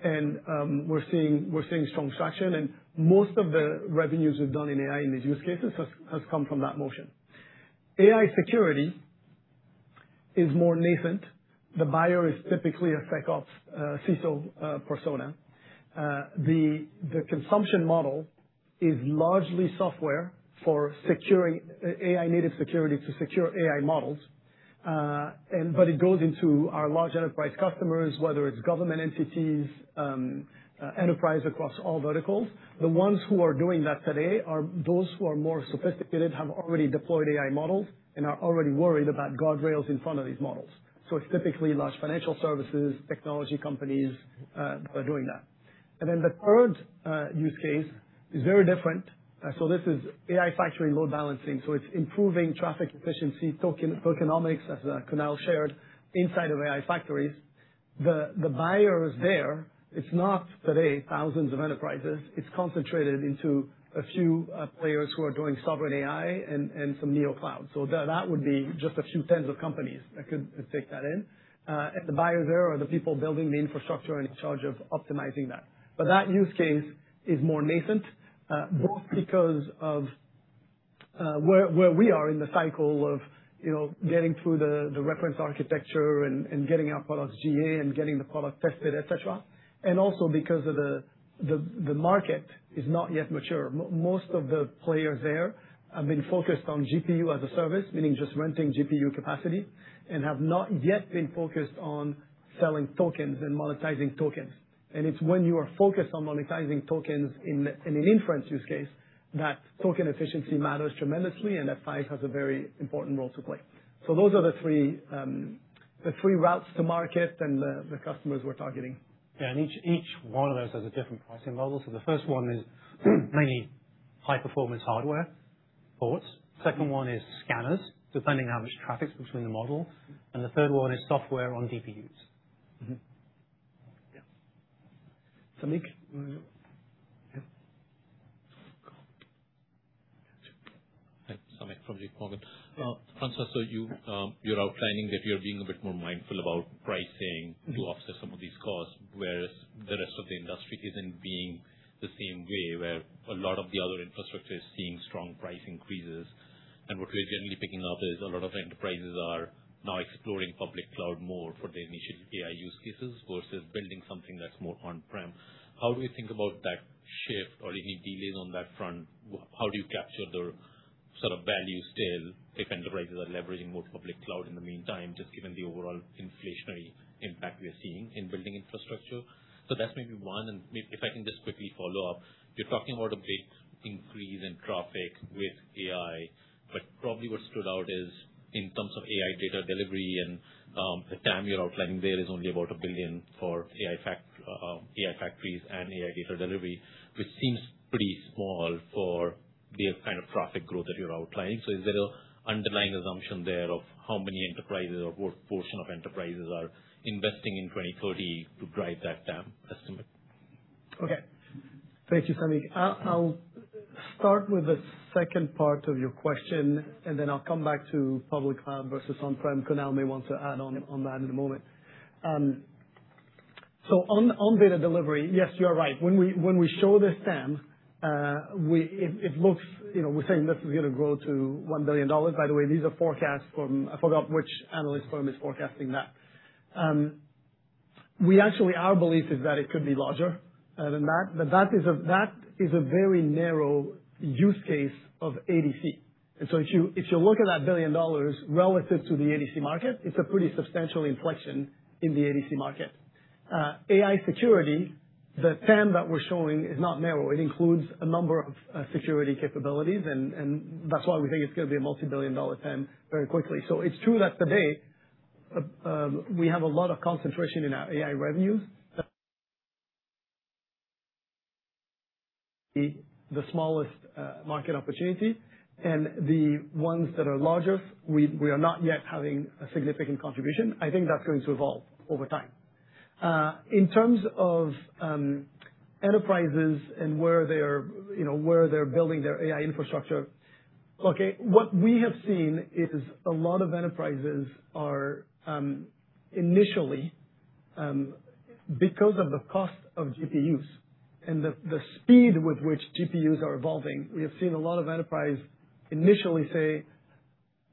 and we're seeing strong traction. Most of the revenues we've done in AI in these use cases has come from that motion. AI security is more nascent. The buyer is typically a SecOps CISO persona. The consumption model is largely software for AI native security to secure AI models. It goes into our large enterprise customers, whether it's government entities, enterprise across all verticals. The ones who are doing that today are those who are more sophisticated, have already deployed AI models, and are already worried about guardrails in front of these models. It's typically large financial services, technology companies that are doing that. The third use case is very different. This is AI factory load balancing. It's improving traffic efficiency, tokenomics, as Kunal shared, inside of AI factories. The buyers there, it's not today 1,000 of enterprises. It's concentrated into a few players who are doing sovereign AI and some Neoclouds. That would be just a few tens of companies that could take that in. The buyers there are the people building the infrastructure and in charge of optimizing that. That use case is more nascent, both because of where we are in the cycle of getting through the reference architecture and getting our products GA and getting the product tested, et cetera, and also because the market is not yet mature. Most of the players there have been focused on GPU as a service, meaning just renting GPU capacity, and have not yet been focused on selling tokens and monetizing tokens. It's when you are focused on monetizing tokens in an inference use case, that token efficiency matters tremendously, and F5 has a very important role to play. Those are the three routes to market and the customers we're targeting. Each one of those has a different pricing model. The first one is mainly high-performance hardware ports. Second one is scanners, depending how much traffic's between the model. The third one is software on DPUs. Yeah. Samik? Yeah. Hi. Samik from JPMorgan. Yeah. François, you're outlining that you're being a bit more mindful about pricing to offset some of these costs, whereas the rest of the industry isn't being the same way, where a lot of the other infrastructure is seeing strong price increases. What we're generally picking up is a lot of enterprises are now exploring public cloud more for the initial AI use cases versus building something that's more on-prem. How do we think about that shift or any delays on that front? How do you capture the sort of value still if enterprises are leveraging more public cloud in the meantime, just given the overall inflationary impact we are seeing in building infrastructure? That's maybe one. If I can just quickly follow up, you're talking about a big increase in traffic with AI, but probably what stood out is in terms of AI data delivery and the TAM you're outlining there is only about $1 billion for AI factories and AI data delivery, which seems pretty small for the kind of traffic growth that you're outlining. Is there an underlying assumption there of how many enterprises or what portion of enterprises are investing in 2030 to drive that TAM estimate? Okay. Thank you, Samik. I'll start with the second part of your question. Then I'll come back to public cloud versus on-prem. Kunal may want to add on that in a moment. On data delivery, yes, you are right. When we show this TAM, we're saying this is going to grow to $1 billion. By the way, these are forecasts from, I forgot which analyst firm is forecasting that. Actually, our belief is that it could be larger than that. That is a very narrow use case of ADC. If you look at that $1 billion relative to the ADC market, it's a pretty substantial inflection in the ADC market. AI security, the TAM that we're showing is not narrow. It includes a number of security capabilities. That's why we think it's going to be a multi-billion dollar TAM very quickly. It's true that today, we have a lot of concentration in our AI revenues. The smallest market opportunity and the ones that are larger, we are not yet having a significant contribution. I think that's going to evolve over time. In terms of enterprises and where they're building their AI infrastructure. What we have seen is a lot of enterprises are initially, because of the cost of GPUs and the speed with which GPUs are evolving, we have seen a lot of enterprise initially say,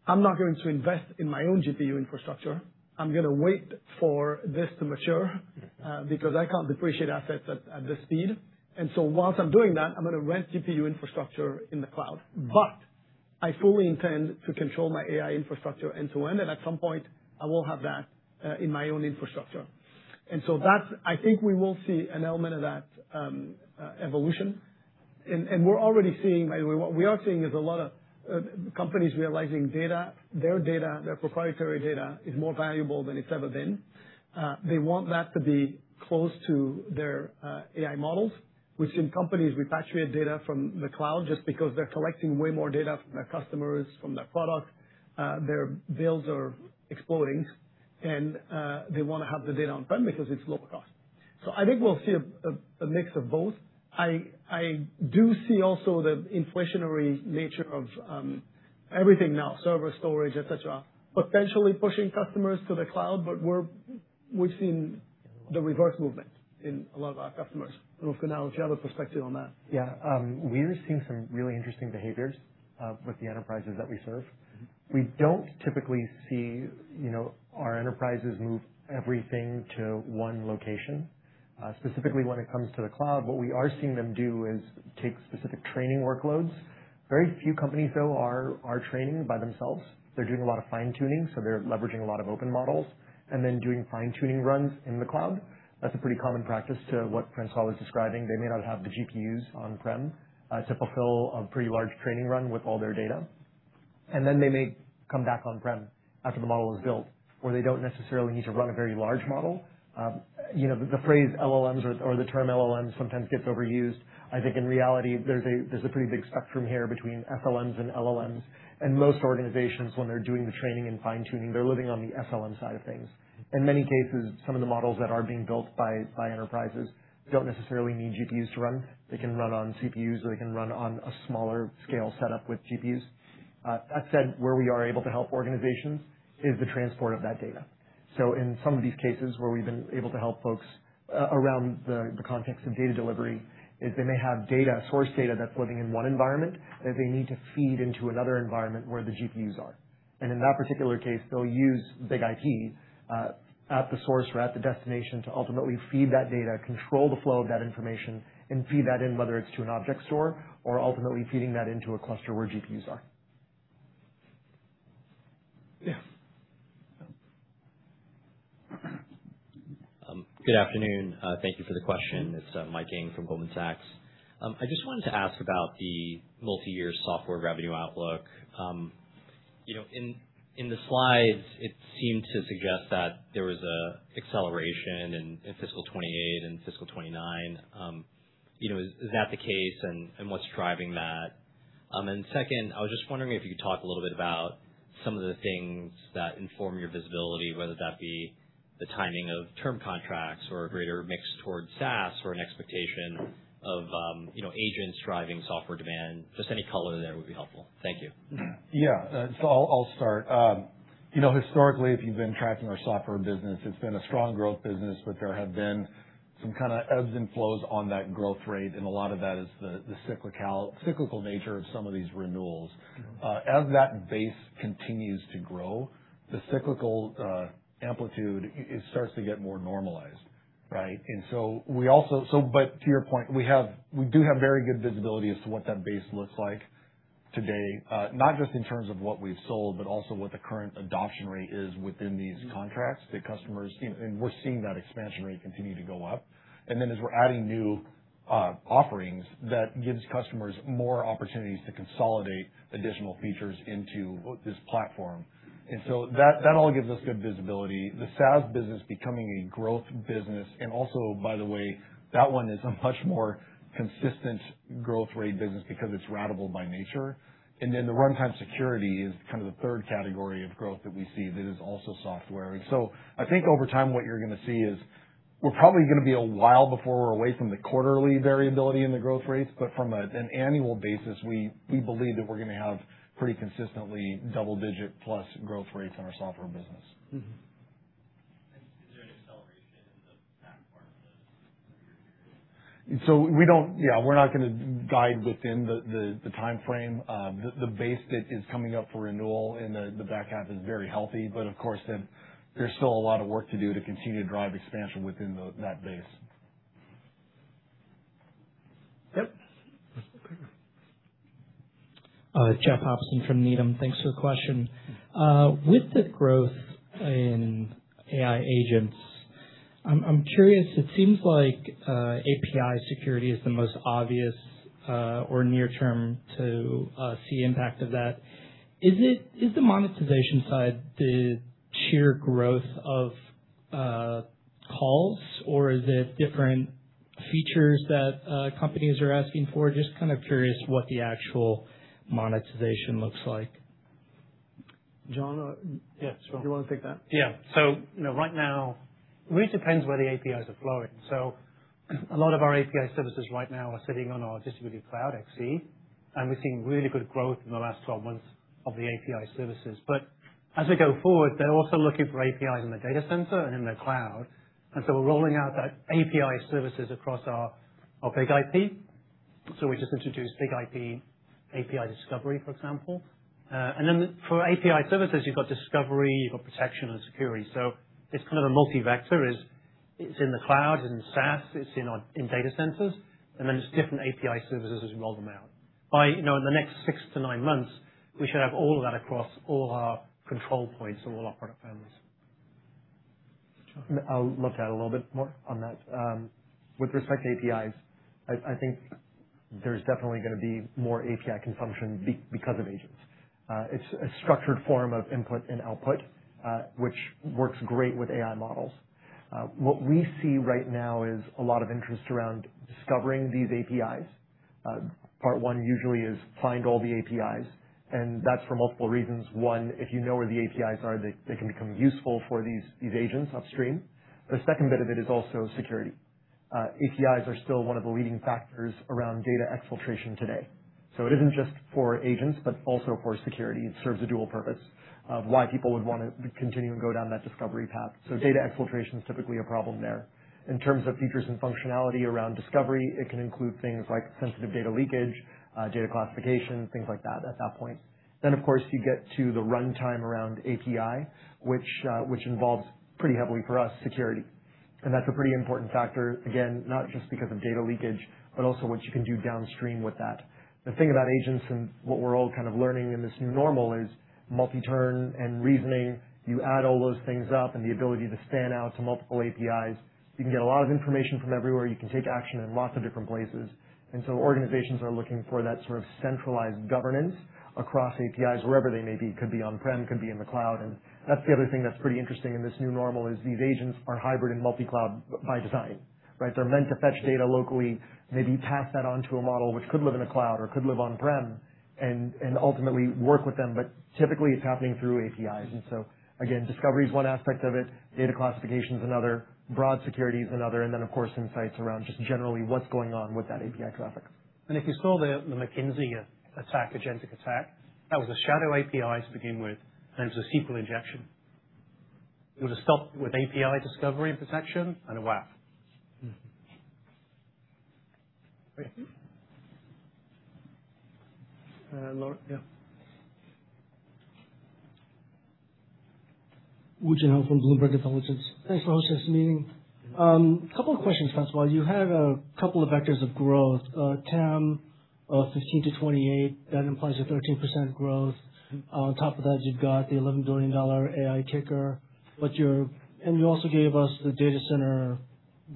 "I'm not going to invest in my own GPU infrastructure. I'm going to wait for this to mature because I can't depreciate assets at this speed. Whilst I'm doing that, I'm going to rent GPU infrastructure in the cloud. I fully intend to control my AI infrastructure end to end. At some point, I will have that in my own infrastructure." I think we will see an element of that evolution. We're already seeing, by the way, what we are seeing is a lot of companies realizing their proprietary data is more valuable than it's ever been. They want that to be close to their AI models. We've seen companies repatriate data from the cloud just because they're collecting way more data from their customers, from their products. Their bills are exploding. They want to have the data on-prem because it's lower cost. I think we'll see a mix of both. I do see also the inflationary nature of everything now, server storage, et cetera, potentially pushing customers to the cloud. We've seen the reverse movement in a lot of our customers. Kunal, do you have a perspective on that? Yeah. We're seeing some really interesting behaviors with the enterprises that we serve. We don't typically see our enterprises move everything to one location. Specifically when it comes to the cloud, what we are seeing them do is take specific training workloads. Very few companies, though, are training by themselves. They're doing a lot of fine-tuning, so they're leveraging a lot of open models and then doing fine-tuning runs in the cloud. That's a pretty common practice to what François is describing. They may not have the GPUs on-prem to fulfill a pretty large training run with all their data. Then they may come back on-prem after the model is built, where they don't necessarily need to run a very large model. The phrase LLMs or the term LLMs sometimes gets overused. I think in reality, there's a pretty big spectrum here between SLMs and LLMs. Most organizations, when they're doing the training and fine-tuning, they're living on the SLM side of things. In many cases, some of the models that are being built by enterprises don't necessarily need GPUs to run. They can run on CPUs or they can run on a smaller scale setup with GPUs. That said, where we are able to help organizations is the transport of that data. In some of these cases where we've been able to help folks around the context of data delivery, is they may have source data that's living in one environment that they need to feed into another environment where the GPUs are. In that particular case, they'll use BIG-IP at the source or at the destination to ultimately feed that data, control the flow of that information, and feed that in, whether it's to an object store or ultimately feeding that into a cluster where GPUs are. Yeah. Good afternoon. Thank you for the question. It's Mike Ng from Goldman Sachs. I just wanted to ask about the multi-year software revenue outlook. In the slides, it seemed to suggest that there was an acceleration in fiscal 2028 and fiscal 2029. Is that the case? What's driving that? Second, I was just wondering if you could talk a little bit about some of the things that inform your visibility, whether that be the timing of term contracts or a greater mix towards SaaS or an expectation of agents driving software demand. Just any color there would be helpful. Thank you. I'll start. Historically, if you've been tracking our software business, it's been a strong growth business, but there have been some kind of ebbs and flows on that growth rate, and a lot of that is the cyclical nature of some of these renewals. As that base continues to grow, the cyclical amplitude starts to get more normalized, right? To your point, we do have very good visibility as to what that base looks like today, not just in terms of what we've sold, but also what the current adoption rate is within these contracts. We're seeing that expansion rate continue to go up. As we're adding new offerings, that gives customers more opportunities to consolidate additional features into this platform. That all gives us good visibility. The SaaS business becoming a growth business, and also, by the way, that one is a much more consistent growth rate business because it's ratable by nature. The runtime security is the third category of growth that we see that is also software. I think over time, what you're going to see is we're probably going to be a while before we're away from the quarterly variability in the growth rates. From an annual basis, we believe that we're going to have pretty consistently double-digit plus growth rates in our software business. Mm-hmm. Is there an acceleration in the back part of this? We're not going to guide within the timeframe. The base that is coming up for renewal in the back half is very healthy. Of course, there's still a lot of work to do to continue to drive expansion within that base. Yep. Okay. Jeff Hopson from Needham. Thanks for the question. With the growth in AI agents, I'm curious, it seems like API security is the most obvious or near term to see impact of that. Is the monetization side the sheer growth of calls or is it different features that companies are asking for? Just kind of curious what the actual monetization looks like. John? Yeah, sure. Do you want to take that? Yeah. Right now, it really depends where the APIs are flowing. A lot of our API services right now are sitting on our distributed cloud, XC, and we've seen really good growth in the last 12 months of the API services. As we go forward, they're also looking for APIs in the data center and in the cloud, and so we're rolling out that API services across our BIG-IP. We just introduced BIG-IP API discovery, for example. Then for API services, you've got discovery, you've got protection and security. It's kind of a multi-vector. It's in the cloud, it's in SaaS, it's in data centers, and then it's different API services as you roll them out. In the next six to nine months, we should have all of that across all our control points and all our product families. I'll look to add a little bit more on that. With respect to APIs, I think there's definitely going to be more API consumption because of agents. It's a structured form of input and output, which works great with AI models. What we see right now is a lot of interest around discovering these APIs. Part one usually is find all the APIs, and that's for multiple reasons. One, if you know where the APIs are, they can become useful for these agents upstream. The second bit of it is also security. APIs are still one of the leading factors around data exfiltration today. It isn't just for agents, but also for security. It serves a dual purpose of why people would want to continue and go down that discovery path. Data exfiltration is typically a problem there. In terms of features and functionality around discovery, it can include things like sensitive data leakage, data classification, things like that at that point. Then, of course, you get to the runtime around API, which involves pretty heavily, for us, security. That's a pretty important factor, again, not just because of data leakage, but also what you can do downstream with that. The thing about agents and what we're all kind of learning in this new normal is multi-turn and reasoning. You add all those things up and the ability to fan out to multiple APIs. You can get a lot of information from everywhere. You can take action in lots of different places. Organizations are looking for that sort of centralized governance across APIs, wherever they may be. It could be on-prem, could be in the cloud. That's the other thing that's pretty interesting in this new normal is these agents are hybrid and multi-cloud by design, right? They're meant to fetch data locally, maybe pass that on to a model which could live in a cloud or could live on-prem and ultimately work with them. But typically, it's happening through APIs. Again, discovery is one aspect of it, data classification is another, broad security is another, and then of course, insights around just generally what's going on with that API traffic. If you saw the McKinsey attack, agentic attack, that was a shadow APIs to begin with, and it's a SQL injection. It was a stop with API discovery and protection and a WAF. Lauren? Yeah. Woo Jin Ho from Bloomberg Intelligence. Thanks for hosting this meeting. Couple of questions, first of all. You had a couple of vectors of growth, TAM of 15 to 28. That implies a 13% growth. On top of that, you've got the $11 billion AI kicker. You also gave us the data center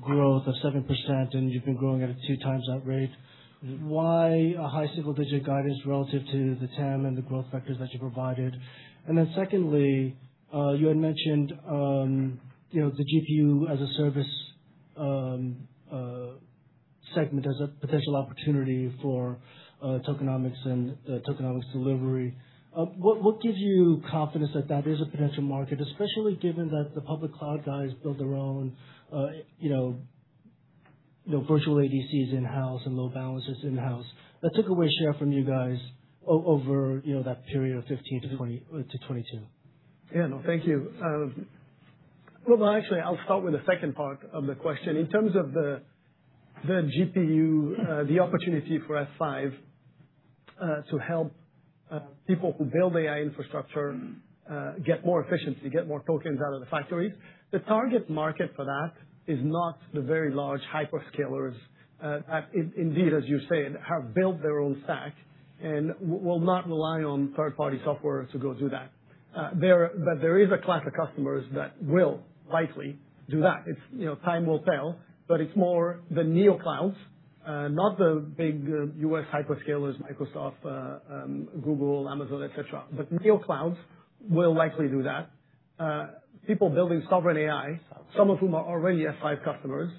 growth of 7%, and you've been growing at a two times that rate. Why a high single-digit guidance relative to the TAM and the growth vectors that you provided? Then secondly, you had mentioned the GPU-as-a-service segment as a potential opportunity for tokenomics and tokenomics delivery. What gives you confidence that that is a potential market, especially given that the public cloud guys build their own virtual ADCs in-house and load balancers in-house? That took away share from you guys over that period of 2015 to 2022. No, thank you. Well, actually, I'll start with the second part of the question. In terms of the GPU, the opportunity for F5 to help people who build AI infrastructure get more efficiency, get more tokens out of the factories. The target market for that is not the very large hyperscalers that indeed, as you said, have built their own stack and will not rely on third-party software to go do that. There is a class of customers that will likely do that. Time will tell, but it's more the Neoclouds, not the big U.S. hyperscalers, Microsoft, Google, Amazon, et cetera. Neoclouds will likely do that. People building sovereign AI, some of whom are already F5 customers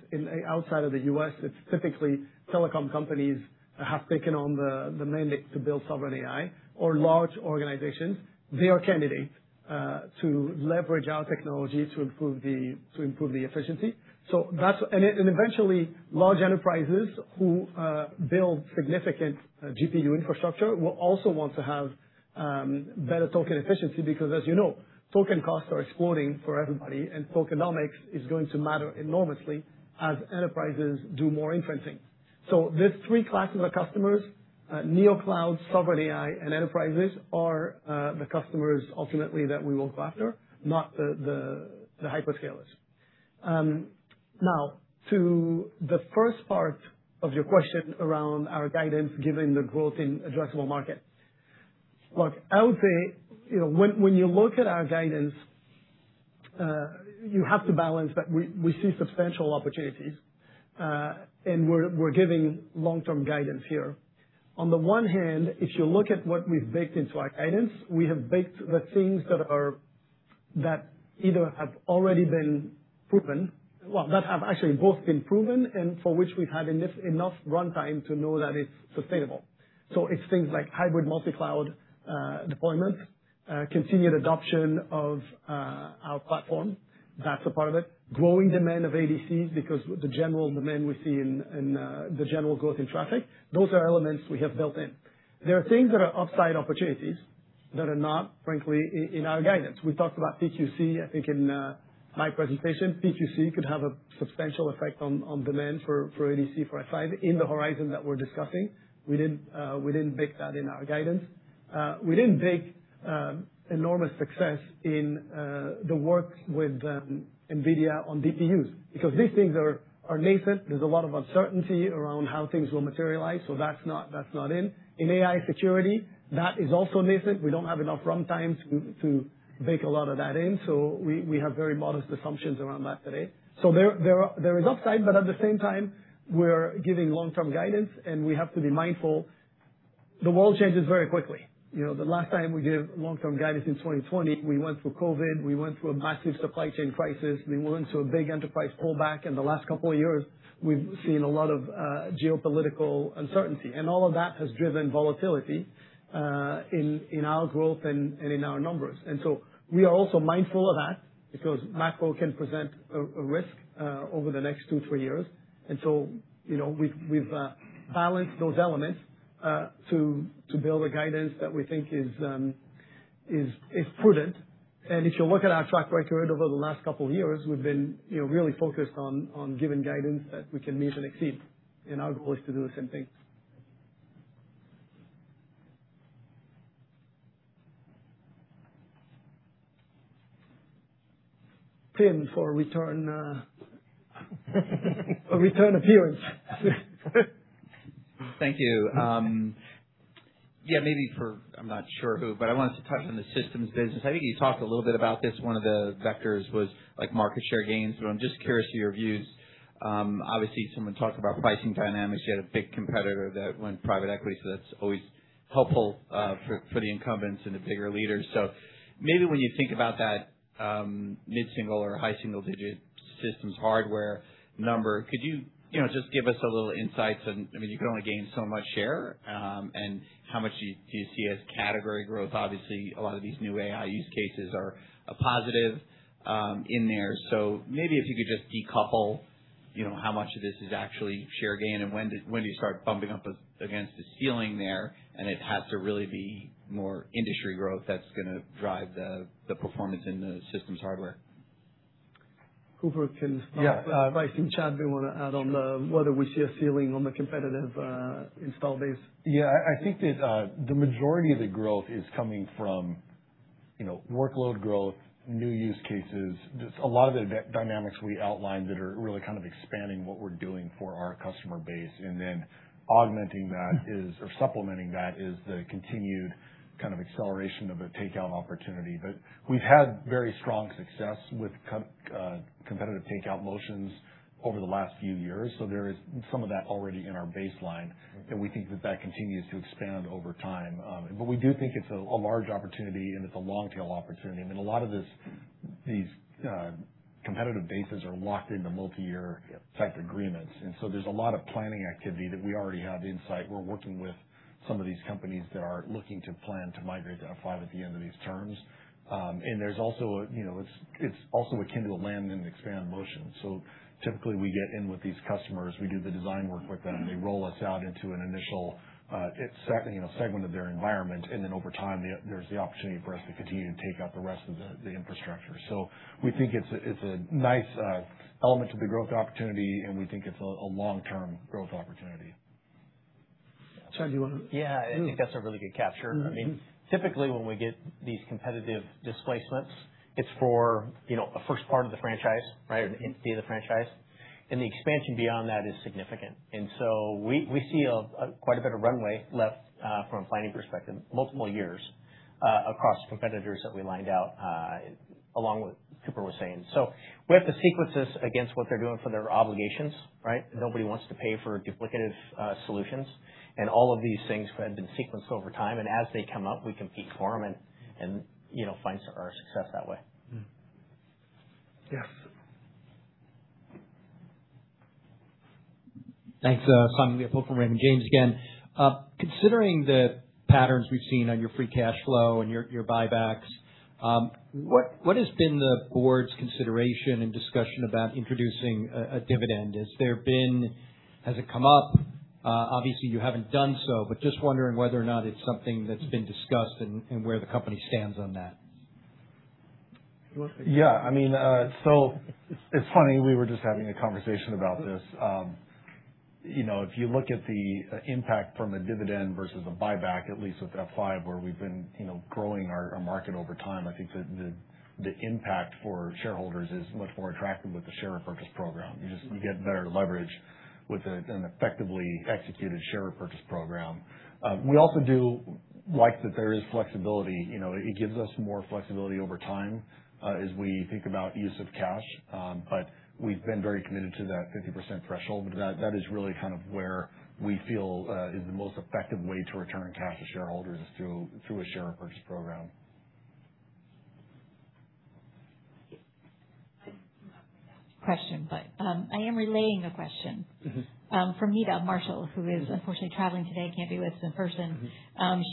outside of the U.S., it's typically telecom companies have taken on the mandate to build sovereign AI or large organizations. They are candidates to leverage our technology to improve the efficiency. Eventually, large enterprises who build significant GPU infrastructure will also want to have better token efficiency because as you know, token costs are exploding for everybody, and tokenomics is going to matter enormously as enterprises do more inferencing. These three classes of customers, Neoclouds, sovereign AI, and enterprises, are the customers ultimately that we will go after, not the hyperscalers. To the first part of your question around our guidance given the growth in addressable market. Look, I would say when you look at our guidance, you have to balance that we see substantial opportunities, and we're giving long-term guidance here. On the one hand, if you look at what we've baked into our guidance, we have baked the things that either have already been proven. Well, that have actually both been proven and for which we've had enough runtime to know that it's sustainable. It's things like hybrid multi-cloud deployments, continued adoption of our platform, that's a part of it. Growing demand of ADCs because the general demand we see and the general growth in traffic, those are elements we have built in. There are things that are upside opportunities that are not, frankly, in our guidance. We talked about PQC, I think, in my presentation. PQC could have a substantial effect on demand for ADC for F5 in the horizon that we're discussing. We didn't bake that in our guidance. We didn't bake enormous success in the works with NVIDIA on DPUs, because these things are nascent. There's a lot of uncertainty around how things will materialize, so that's not in. In AI security, that is also nascent. We don't have enough runtime to bake a lot of that in, so we have very modest assumptions around that today. There is upside, but at the same time, we're giving long-term guidance, and we have to be mindful. The world changes very quickly. The last time we gave long-term guidance in 2020, we went through COVID, we went through a massive supply chain crisis, we went through a big enterprise pullback. In the last couple of years, we've seen a lot of geopolitical uncertainty, and all of that has driven volatility in our growth and in our numbers. We are also mindful of that because macro can present a risk over the next two, three years. We've balanced those elements to build a guidance that we think is prudent. If you look at our track record over the last couple of years, we've been really focused on giving guidance that we can meet and exceed, and our goal is to do the same thing. Tim, for return appearance. Thank you. Yeah, maybe for, I'm not sure who, but I wanted to touch on the systems business. I think you talked a little bit about this. One of the vectors was market share gains, but I'm just curious to your views. Obviously, someone talked about pricing dynamics. You had a big competitor that went private equity, so that's always helpful for the incumbents and the bigger leaders. Maybe when you think about that mid-single or high single-digit systems hardware number, could you just give us a little insight? You can only gain so much share. How much do you see as category growth? Obviously, a lot of these new AI use cases are a positive in there. maybe if you could just decouple how much of this is actually share gain and when do you start bumping up against a ceiling there, and it has to really be more industry growth that's going to drive the performance in the systems hardware. Cooper can start. Yeah. Vice and Chad, do you want to add on whether we see a ceiling on the competitive install base? Yeah. I think that the majority of the growth is coming from workload growth, new use cases, just a lot of the dynamics we outlined that are really kind of expanding what we're doing for our customer base. then augmenting that is, or supplementing that is the continued kind of acceleration of a takeout opportunity. we've had very strong success with competitive takeout motions over the last few years. there is some of that already in our baseline, and we think that that continues to expand over time. we do think it's a large opportunity, and it's a long-tail opportunity. I mean, a lot of these competitive bases are locked into multi-year type agreements, and so there's a lot of planning activity that we already have insight. We're working with some of these companies that are looking to plan to migrate to F5 at the end of these terms. It's also akin to a land-and-expand motion. Typically, we get in with these customers, we do the design work with them, and they roll us out into an initial segment of their environment. Over time, there's the opportunity for us to continue to take out the rest of the infrastructure. We think it's a nice element to the growth opportunity, and we think it's a long-term growth opportunity. Chad, do you want to- Yeah. I think that's a really good capture. Typically, when we get these competitive displacements, it's for a first part of the franchise, right? An entity of the franchise. The expansion beyond that is significant. We see quite a bit of runway left from a planning perspective, multiple years across competitors that we lined out, along with what Cooper was saying. We have to sequence this against what they're doing for their obligations, right? Nobody wants to pay for duplicative solutions. All of these things have been sequenced over time, and as they come up, we compete for them and find our success that way. Yes. Thanks. Simon from Raymond James again. Considering the patterns we've seen on your free cash flow and your buybacks, what has been the board's consideration and discussion about introducing a dividend? Has it come up? Obviously, you haven't done so, but just wondering whether or not it's something that's been discussed and where the company stands on that. Yeah. It's funny, we were just having a conversation about this. If you look at the impact from a dividend versus a buyback, at least with F5 where we've been growing our market over time, I think the impact for shareholders is much more attractive with the share repurchase program. You get better leverage with an effectively executed share repurchase program. We also like that there is flexibility. It gives us more flexibility over time as we think about use of cash. We've been very committed to that 50% threshold, but that is really where we feel is the most effective way to return cash to shareholders is through a share repurchase program. Question, but I am relaying a question. From Meta Marshall, who is unfortunately traveling today, can't be with us in person.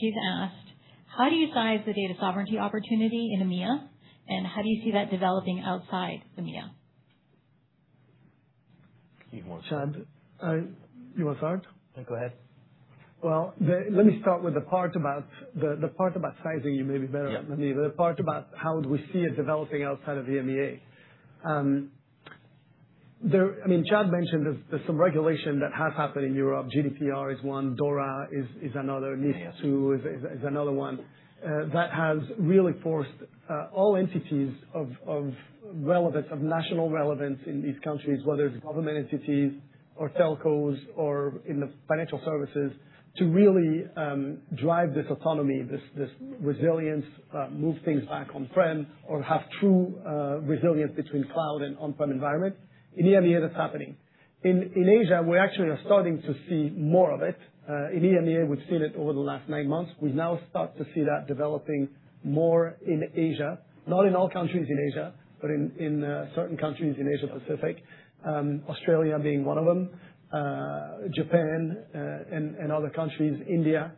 She's asked, "How do you size the data sovereignty opportunity in EMEA? how do you see that developing outside EMEA? You want to Chad? You want to start? No, go ahead. Well, let me start with the part about sizing. Yeah. The part about how we see it developing outside of EMEA. Chad mentioned there's some regulation that has happened in Europe. GDPR is one, DORA is another. Yes. MiFID II is another one. That has really forced all entities of national relevance in these countries, whether it's government entities or telcos or in the financial services, to really drive this autonomy, this resilience, move things back on-prem or have true resilience between cloud and on-prem environment. In EMEA, that's happening. In Asia, we actually are starting to see more of it. In EMEA, we've seen it over the last nine months. We've now start to see that developing more in Asia. Not in all countries in Asia, but in certain countries in Asia Pacific, Australia being one of them. Japan, and other countries, India,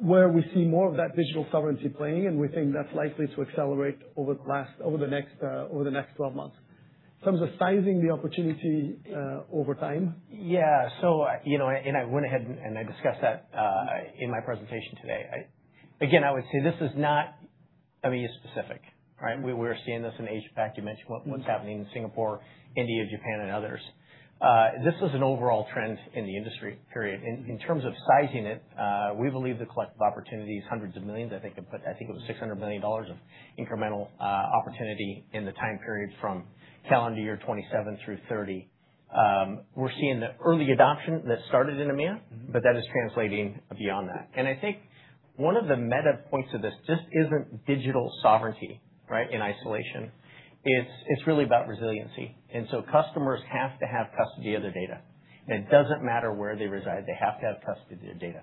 where we see more of that digital sovereignty playing, and we think that's likely to accelerate over the next 12 months. In terms of sizing the opportunity over time. Yeah. I went ahead and I discussed that in my presentation today. Again, I would say this is not EMEA specific, right? We're seeing this in APAC. You mentioned what's happening in Singapore, India, Japan, and others. This is an overall trend in the industry, period. In terms of sizing it, we believe the collective opportunity is hundreds of millions. I think it was $600 million of incremental opportunity in the time period from calendar year 2027 through 2030. We're seeing the early adoption that started in EMEA, but that is translating beyond that. I think one of the meta points of this isn't digital sovereignty, right? In isolation. It's really about resiliency. Customers have to have custody of their data. It doesn't matter where they reside. They have to have custody of their data.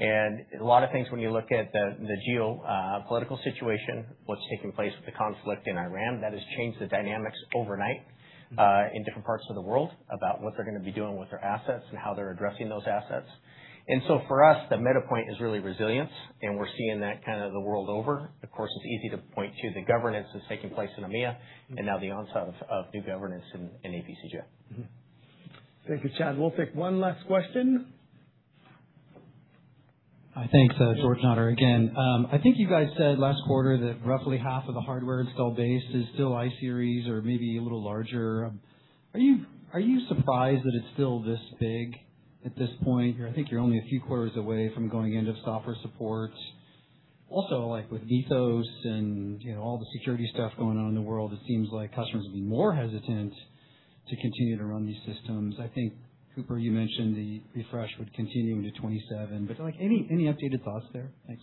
a lot of things, when you look at the geopolitical situation, what's taking place with the conflict in Ukraine, that has changed the dynamics overnight in different parts of the world about what they're going to be doing with their assets and how they're addressing those assets. for us, the meta point is really resilience, and we're seeing that the world over. Of course, it's easy to point to the governance that's taking place in EMEA, and now the onset of new governance in APCJ. Mm-hmm. Thank you, Chad. We'll take one last question. Thanks. George Notter again. I think you guys said last quarter that roughly half of the hardware install base is still iSeries or maybe a little larger. Are you surprised that it's still this big at this point? I think you're only a few quarters away from going into software support. Also, like with Mythos and all the security stuff going on in the world, it seems like customers will be more hesitant to continue to run these systems. I think, Cooper, you mentioned the refresh would continue into 2027, but any updated thoughts there? Thanks.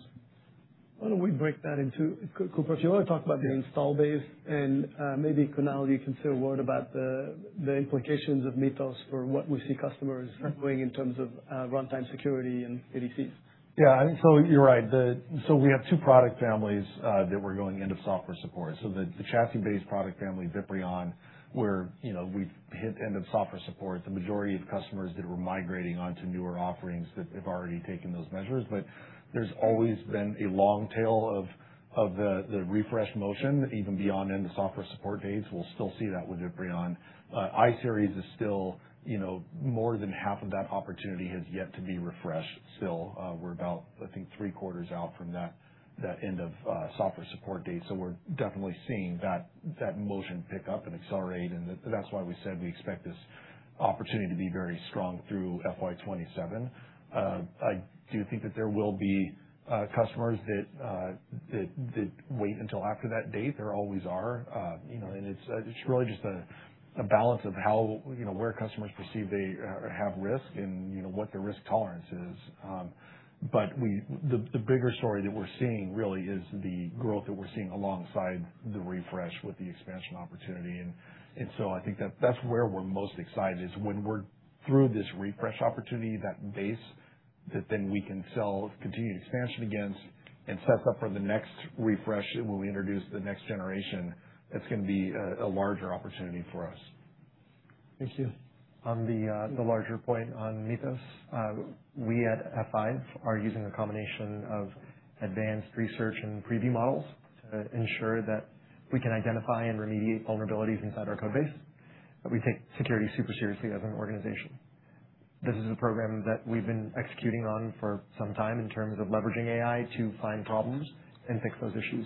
Why don't we break that in two? Cooper, if you want to talk about the install base, and maybe Kunal, you can say a word about the implications of Mythos for what we see customers doing in terms of runtime security and ADC. You're right. We have two product families that we're going into software support. The chassis-based product family, VIPRION, where we've hit end of software support. The majority of customers that were migrating onto newer offerings have already taken those measures, but there's always been a long tail of the refresh motion, even beyond end-of-software support dates. We'll still see that with VIPRION. iSeries is still more than half of that opportunity has yet to be refreshed still. We're about, I think, three quarters out from that end of software support date. We're definitely seeing that motion pick up and accelerate, and that's why we said we expect this opportunity to be very strong through FY 2027. I do think that there will be customers that wait until after that date. There always are. It's really just a balance of where customers perceive they have risk and what their risk tolerance is. The bigger story that we're seeing really is the growth that we're seeing alongside the refresh with the expansion opportunity. I think that's where we're most excited is when we're through this refresh opportunity, that base, that then we can sell continued expansion against and set up for the next refresh when we introduce the next generation. That's going to be a larger opportunity for us. Thank you. On the larger point on Mythos, we at F5 are using a combination of advanced research and preview models to ensure that we can identify and remediate vulnerabilities inside our code base. We take security super seriously as an organization. This is a program that we've been executing on for some time in terms of leveraging AI to find problems and fix those issues.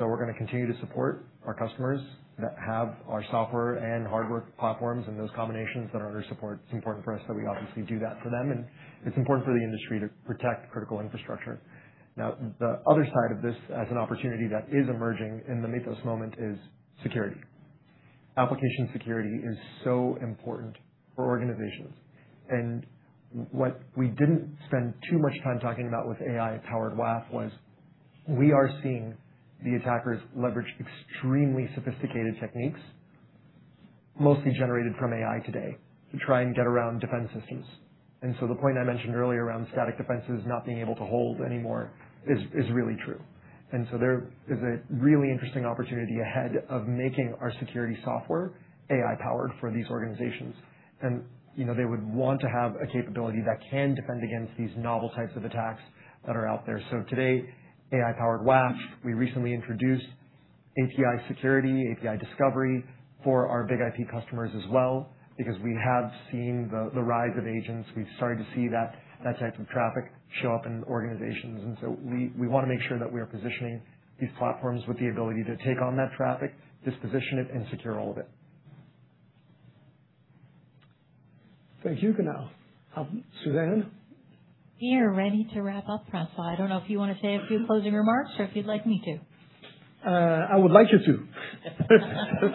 We're going to continue to support our customers that have our software and hardware platforms and those combinations that are under support. It's important for us that we obviously do that for them, and it's important for the industry to protect critical infrastructure. Now, the other side of this as an opportunity that is emerging in the Mythos moment is security. Application security is so important for organizations. what we didn't spend too much time talking about with AI-powered WAF was we are seeing the attackers leverage extremely sophisticated techniques, mostly generated from AI today, to try and get around defense systems. the point I mentioned earlier around static defenses not being able to hold anymore is really true. there is a really interesting opportunity ahead of making our security software AI-powered for these organizations. they would want to have a capability that can defend against these novel types of attacks that are out there. today, AI-powered WAF. We recently introduced API security, API discovery for our BIG-IP customers as well, because we have seen the rise of agents. We've started to see that type of traffic show up in organizations. we want to make sure that we are positioning these platforms with the ability to take on that traffic, disposition it, and secure all of it. Thank you, Kunal. Suzanne? We are ready to wrap up, François. I don't know if you want to say a few closing remarks or if you'd like me to. I would like you to.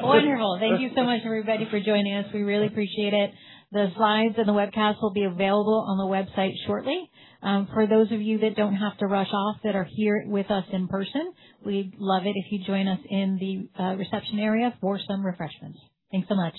Wonderful. Thank you so much, everybody, for joining us. We really appreciate it. The slides and the webcast will be available on the website shortly. For those of you that don't have to rush off that are here with us in person, we'd love it if you'd join us in the reception area for some refreshments. Thanks so much.